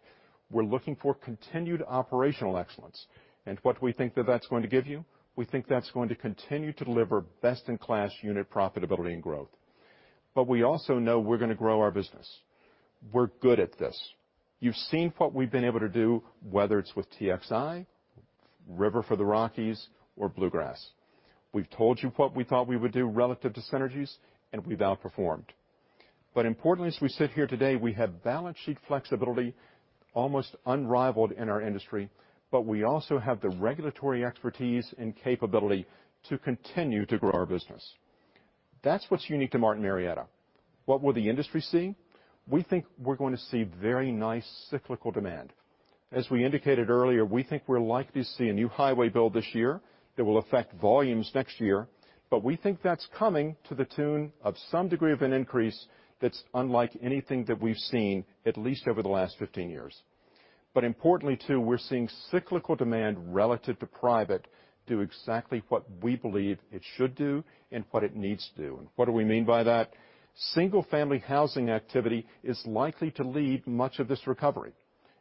We're looking for continued operational excellence, and what do we think that that's going to give you? We think that's going to continue to deliver best-in-class unit profitability and growth, but we also know we're going to grow our business. We're good at this. You've seen what we've been able to do, whether it's with TXI, River for the Rockies, or Bluegrass. We've told you what we thought we would do relative to synergies, and we've outperformed. But importantly, as we sit here today, we have balance sheet flexibility almost unrivaled in our industry, but we also have the regulatory expertise and capability to continue to grow our business. That's what's unique to Martin Marietta. What will the industry see? We think we're going to see very nice cyclical demand. As we indicated earlier, we think we're likely to see a new highway build this year that will affect volumes next year. But we think that's coming to the tune of some degree of an increase that's unlike anything that we've seen, at least over the last 15 years. But importantly, too, we're seeing cyclical demand relative to private do exactly what we believe it should do and what it needs to do. And what do we mean by that? Single-family housing activity is likely to lead much of this recovery.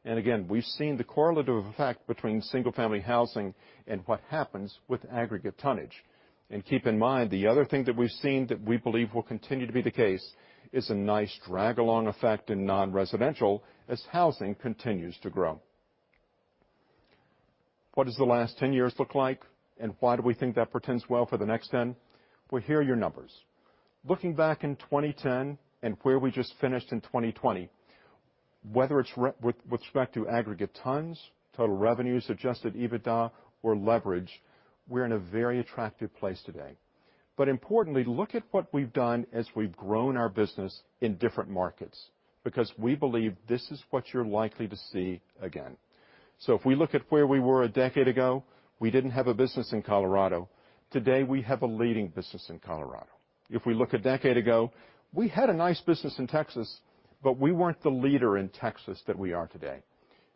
And again, we've seen the correlative effect between single-family housing and what happens with aggregate tonnage. And keep in mind, the other thing that we've seen that we believe will continue to be the case is a nice drag-along effect in non-residential as housing continues to grow. What does the last 10 years look like, and why do we think that portends well for the next 10? Well, here are your numbers. Looking back in 2010 and where we just finished in 2020, whether it's with respect to aggregate tons, total revenues, adjusted EBITDA, or leverage, we're in a very attractive place today. But importantly, look at what we've done as we've grown our business in different markets because we believe this is what you're likely to see again. So if we look at where we were a decade ago, we didn't have a business in Colorado. Today, we have a leading business in Colorado. If we look a decade ago, we had a nice business in Texas, but we weren't the leader in Texas that we are today.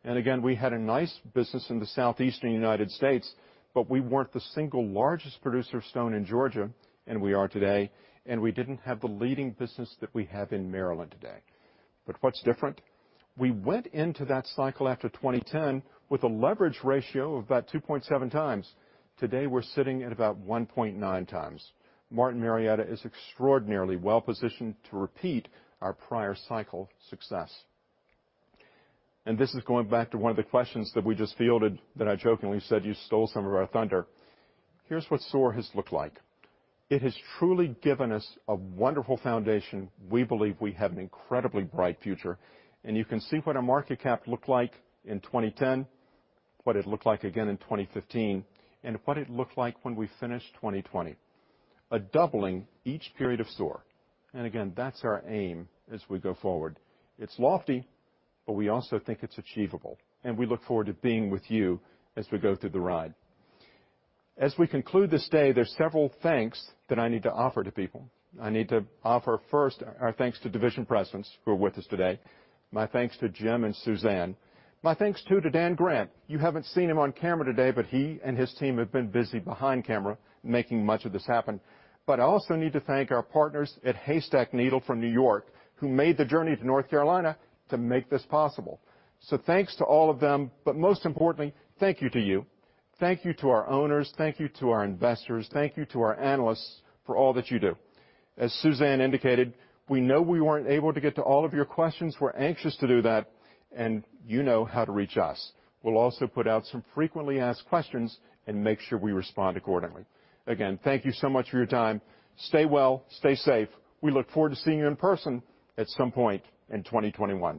And again, we had a nice business in the Southeastern United States, but we weren't the single largest producer of stone in Georgia and we are today. And we didn't have the leading business that we have in Maryland today. But what's different? We went into that cycle after 2010 with a leverage ratio of about 2.7x. Today, we're sitting at about 1.9 times. Martin Marietta is extraordinarily well-positioned to repeat our prior cycle success. And this is going back to one of the questions that we just fielded that I jokingly said you stole some of our thunder. Here's what SOAR has looked like. It has truly given us a wonderful foundation. We believe we have an incredibly bright future. And you can see what our market cap looked like in 2010, what it looked like again in 2015, and what it looked like when we finished 2020. A doubling each period of SOAR. And again, that's our aim as we go forward. It's lofty, but we also think it's achievable. And we look forward to being with you as we go through the ride. As we conclude this day, there's several thanks that I need to offer to people. I need to offer first our thanks to division presidents who are with us today. My thanks to Jim and Suzanne. My thanks too to Dan Grant. You haven't seen him on camera today, but he and his team have been busy behind camera making much of this happen. But I also need to thank our partners at Haystack Needle from New York, who made the journey to North Carolina to make this possible. So thanks to all of them. But most importantly, thank you to you. Thank you to our owners. Thank you to our investors. Thank you to our analysts for all that you do. As Suzanne indicated, we know we weren't able to get to all of your questions. We're anxious to do that. And you know how to reach us. We'll also put out some frequently asked questions and make sure we respond accordingly. Again, thank you so much for your time. Stay well, stay safe. We look forward to seeing you in person at some point in 2021.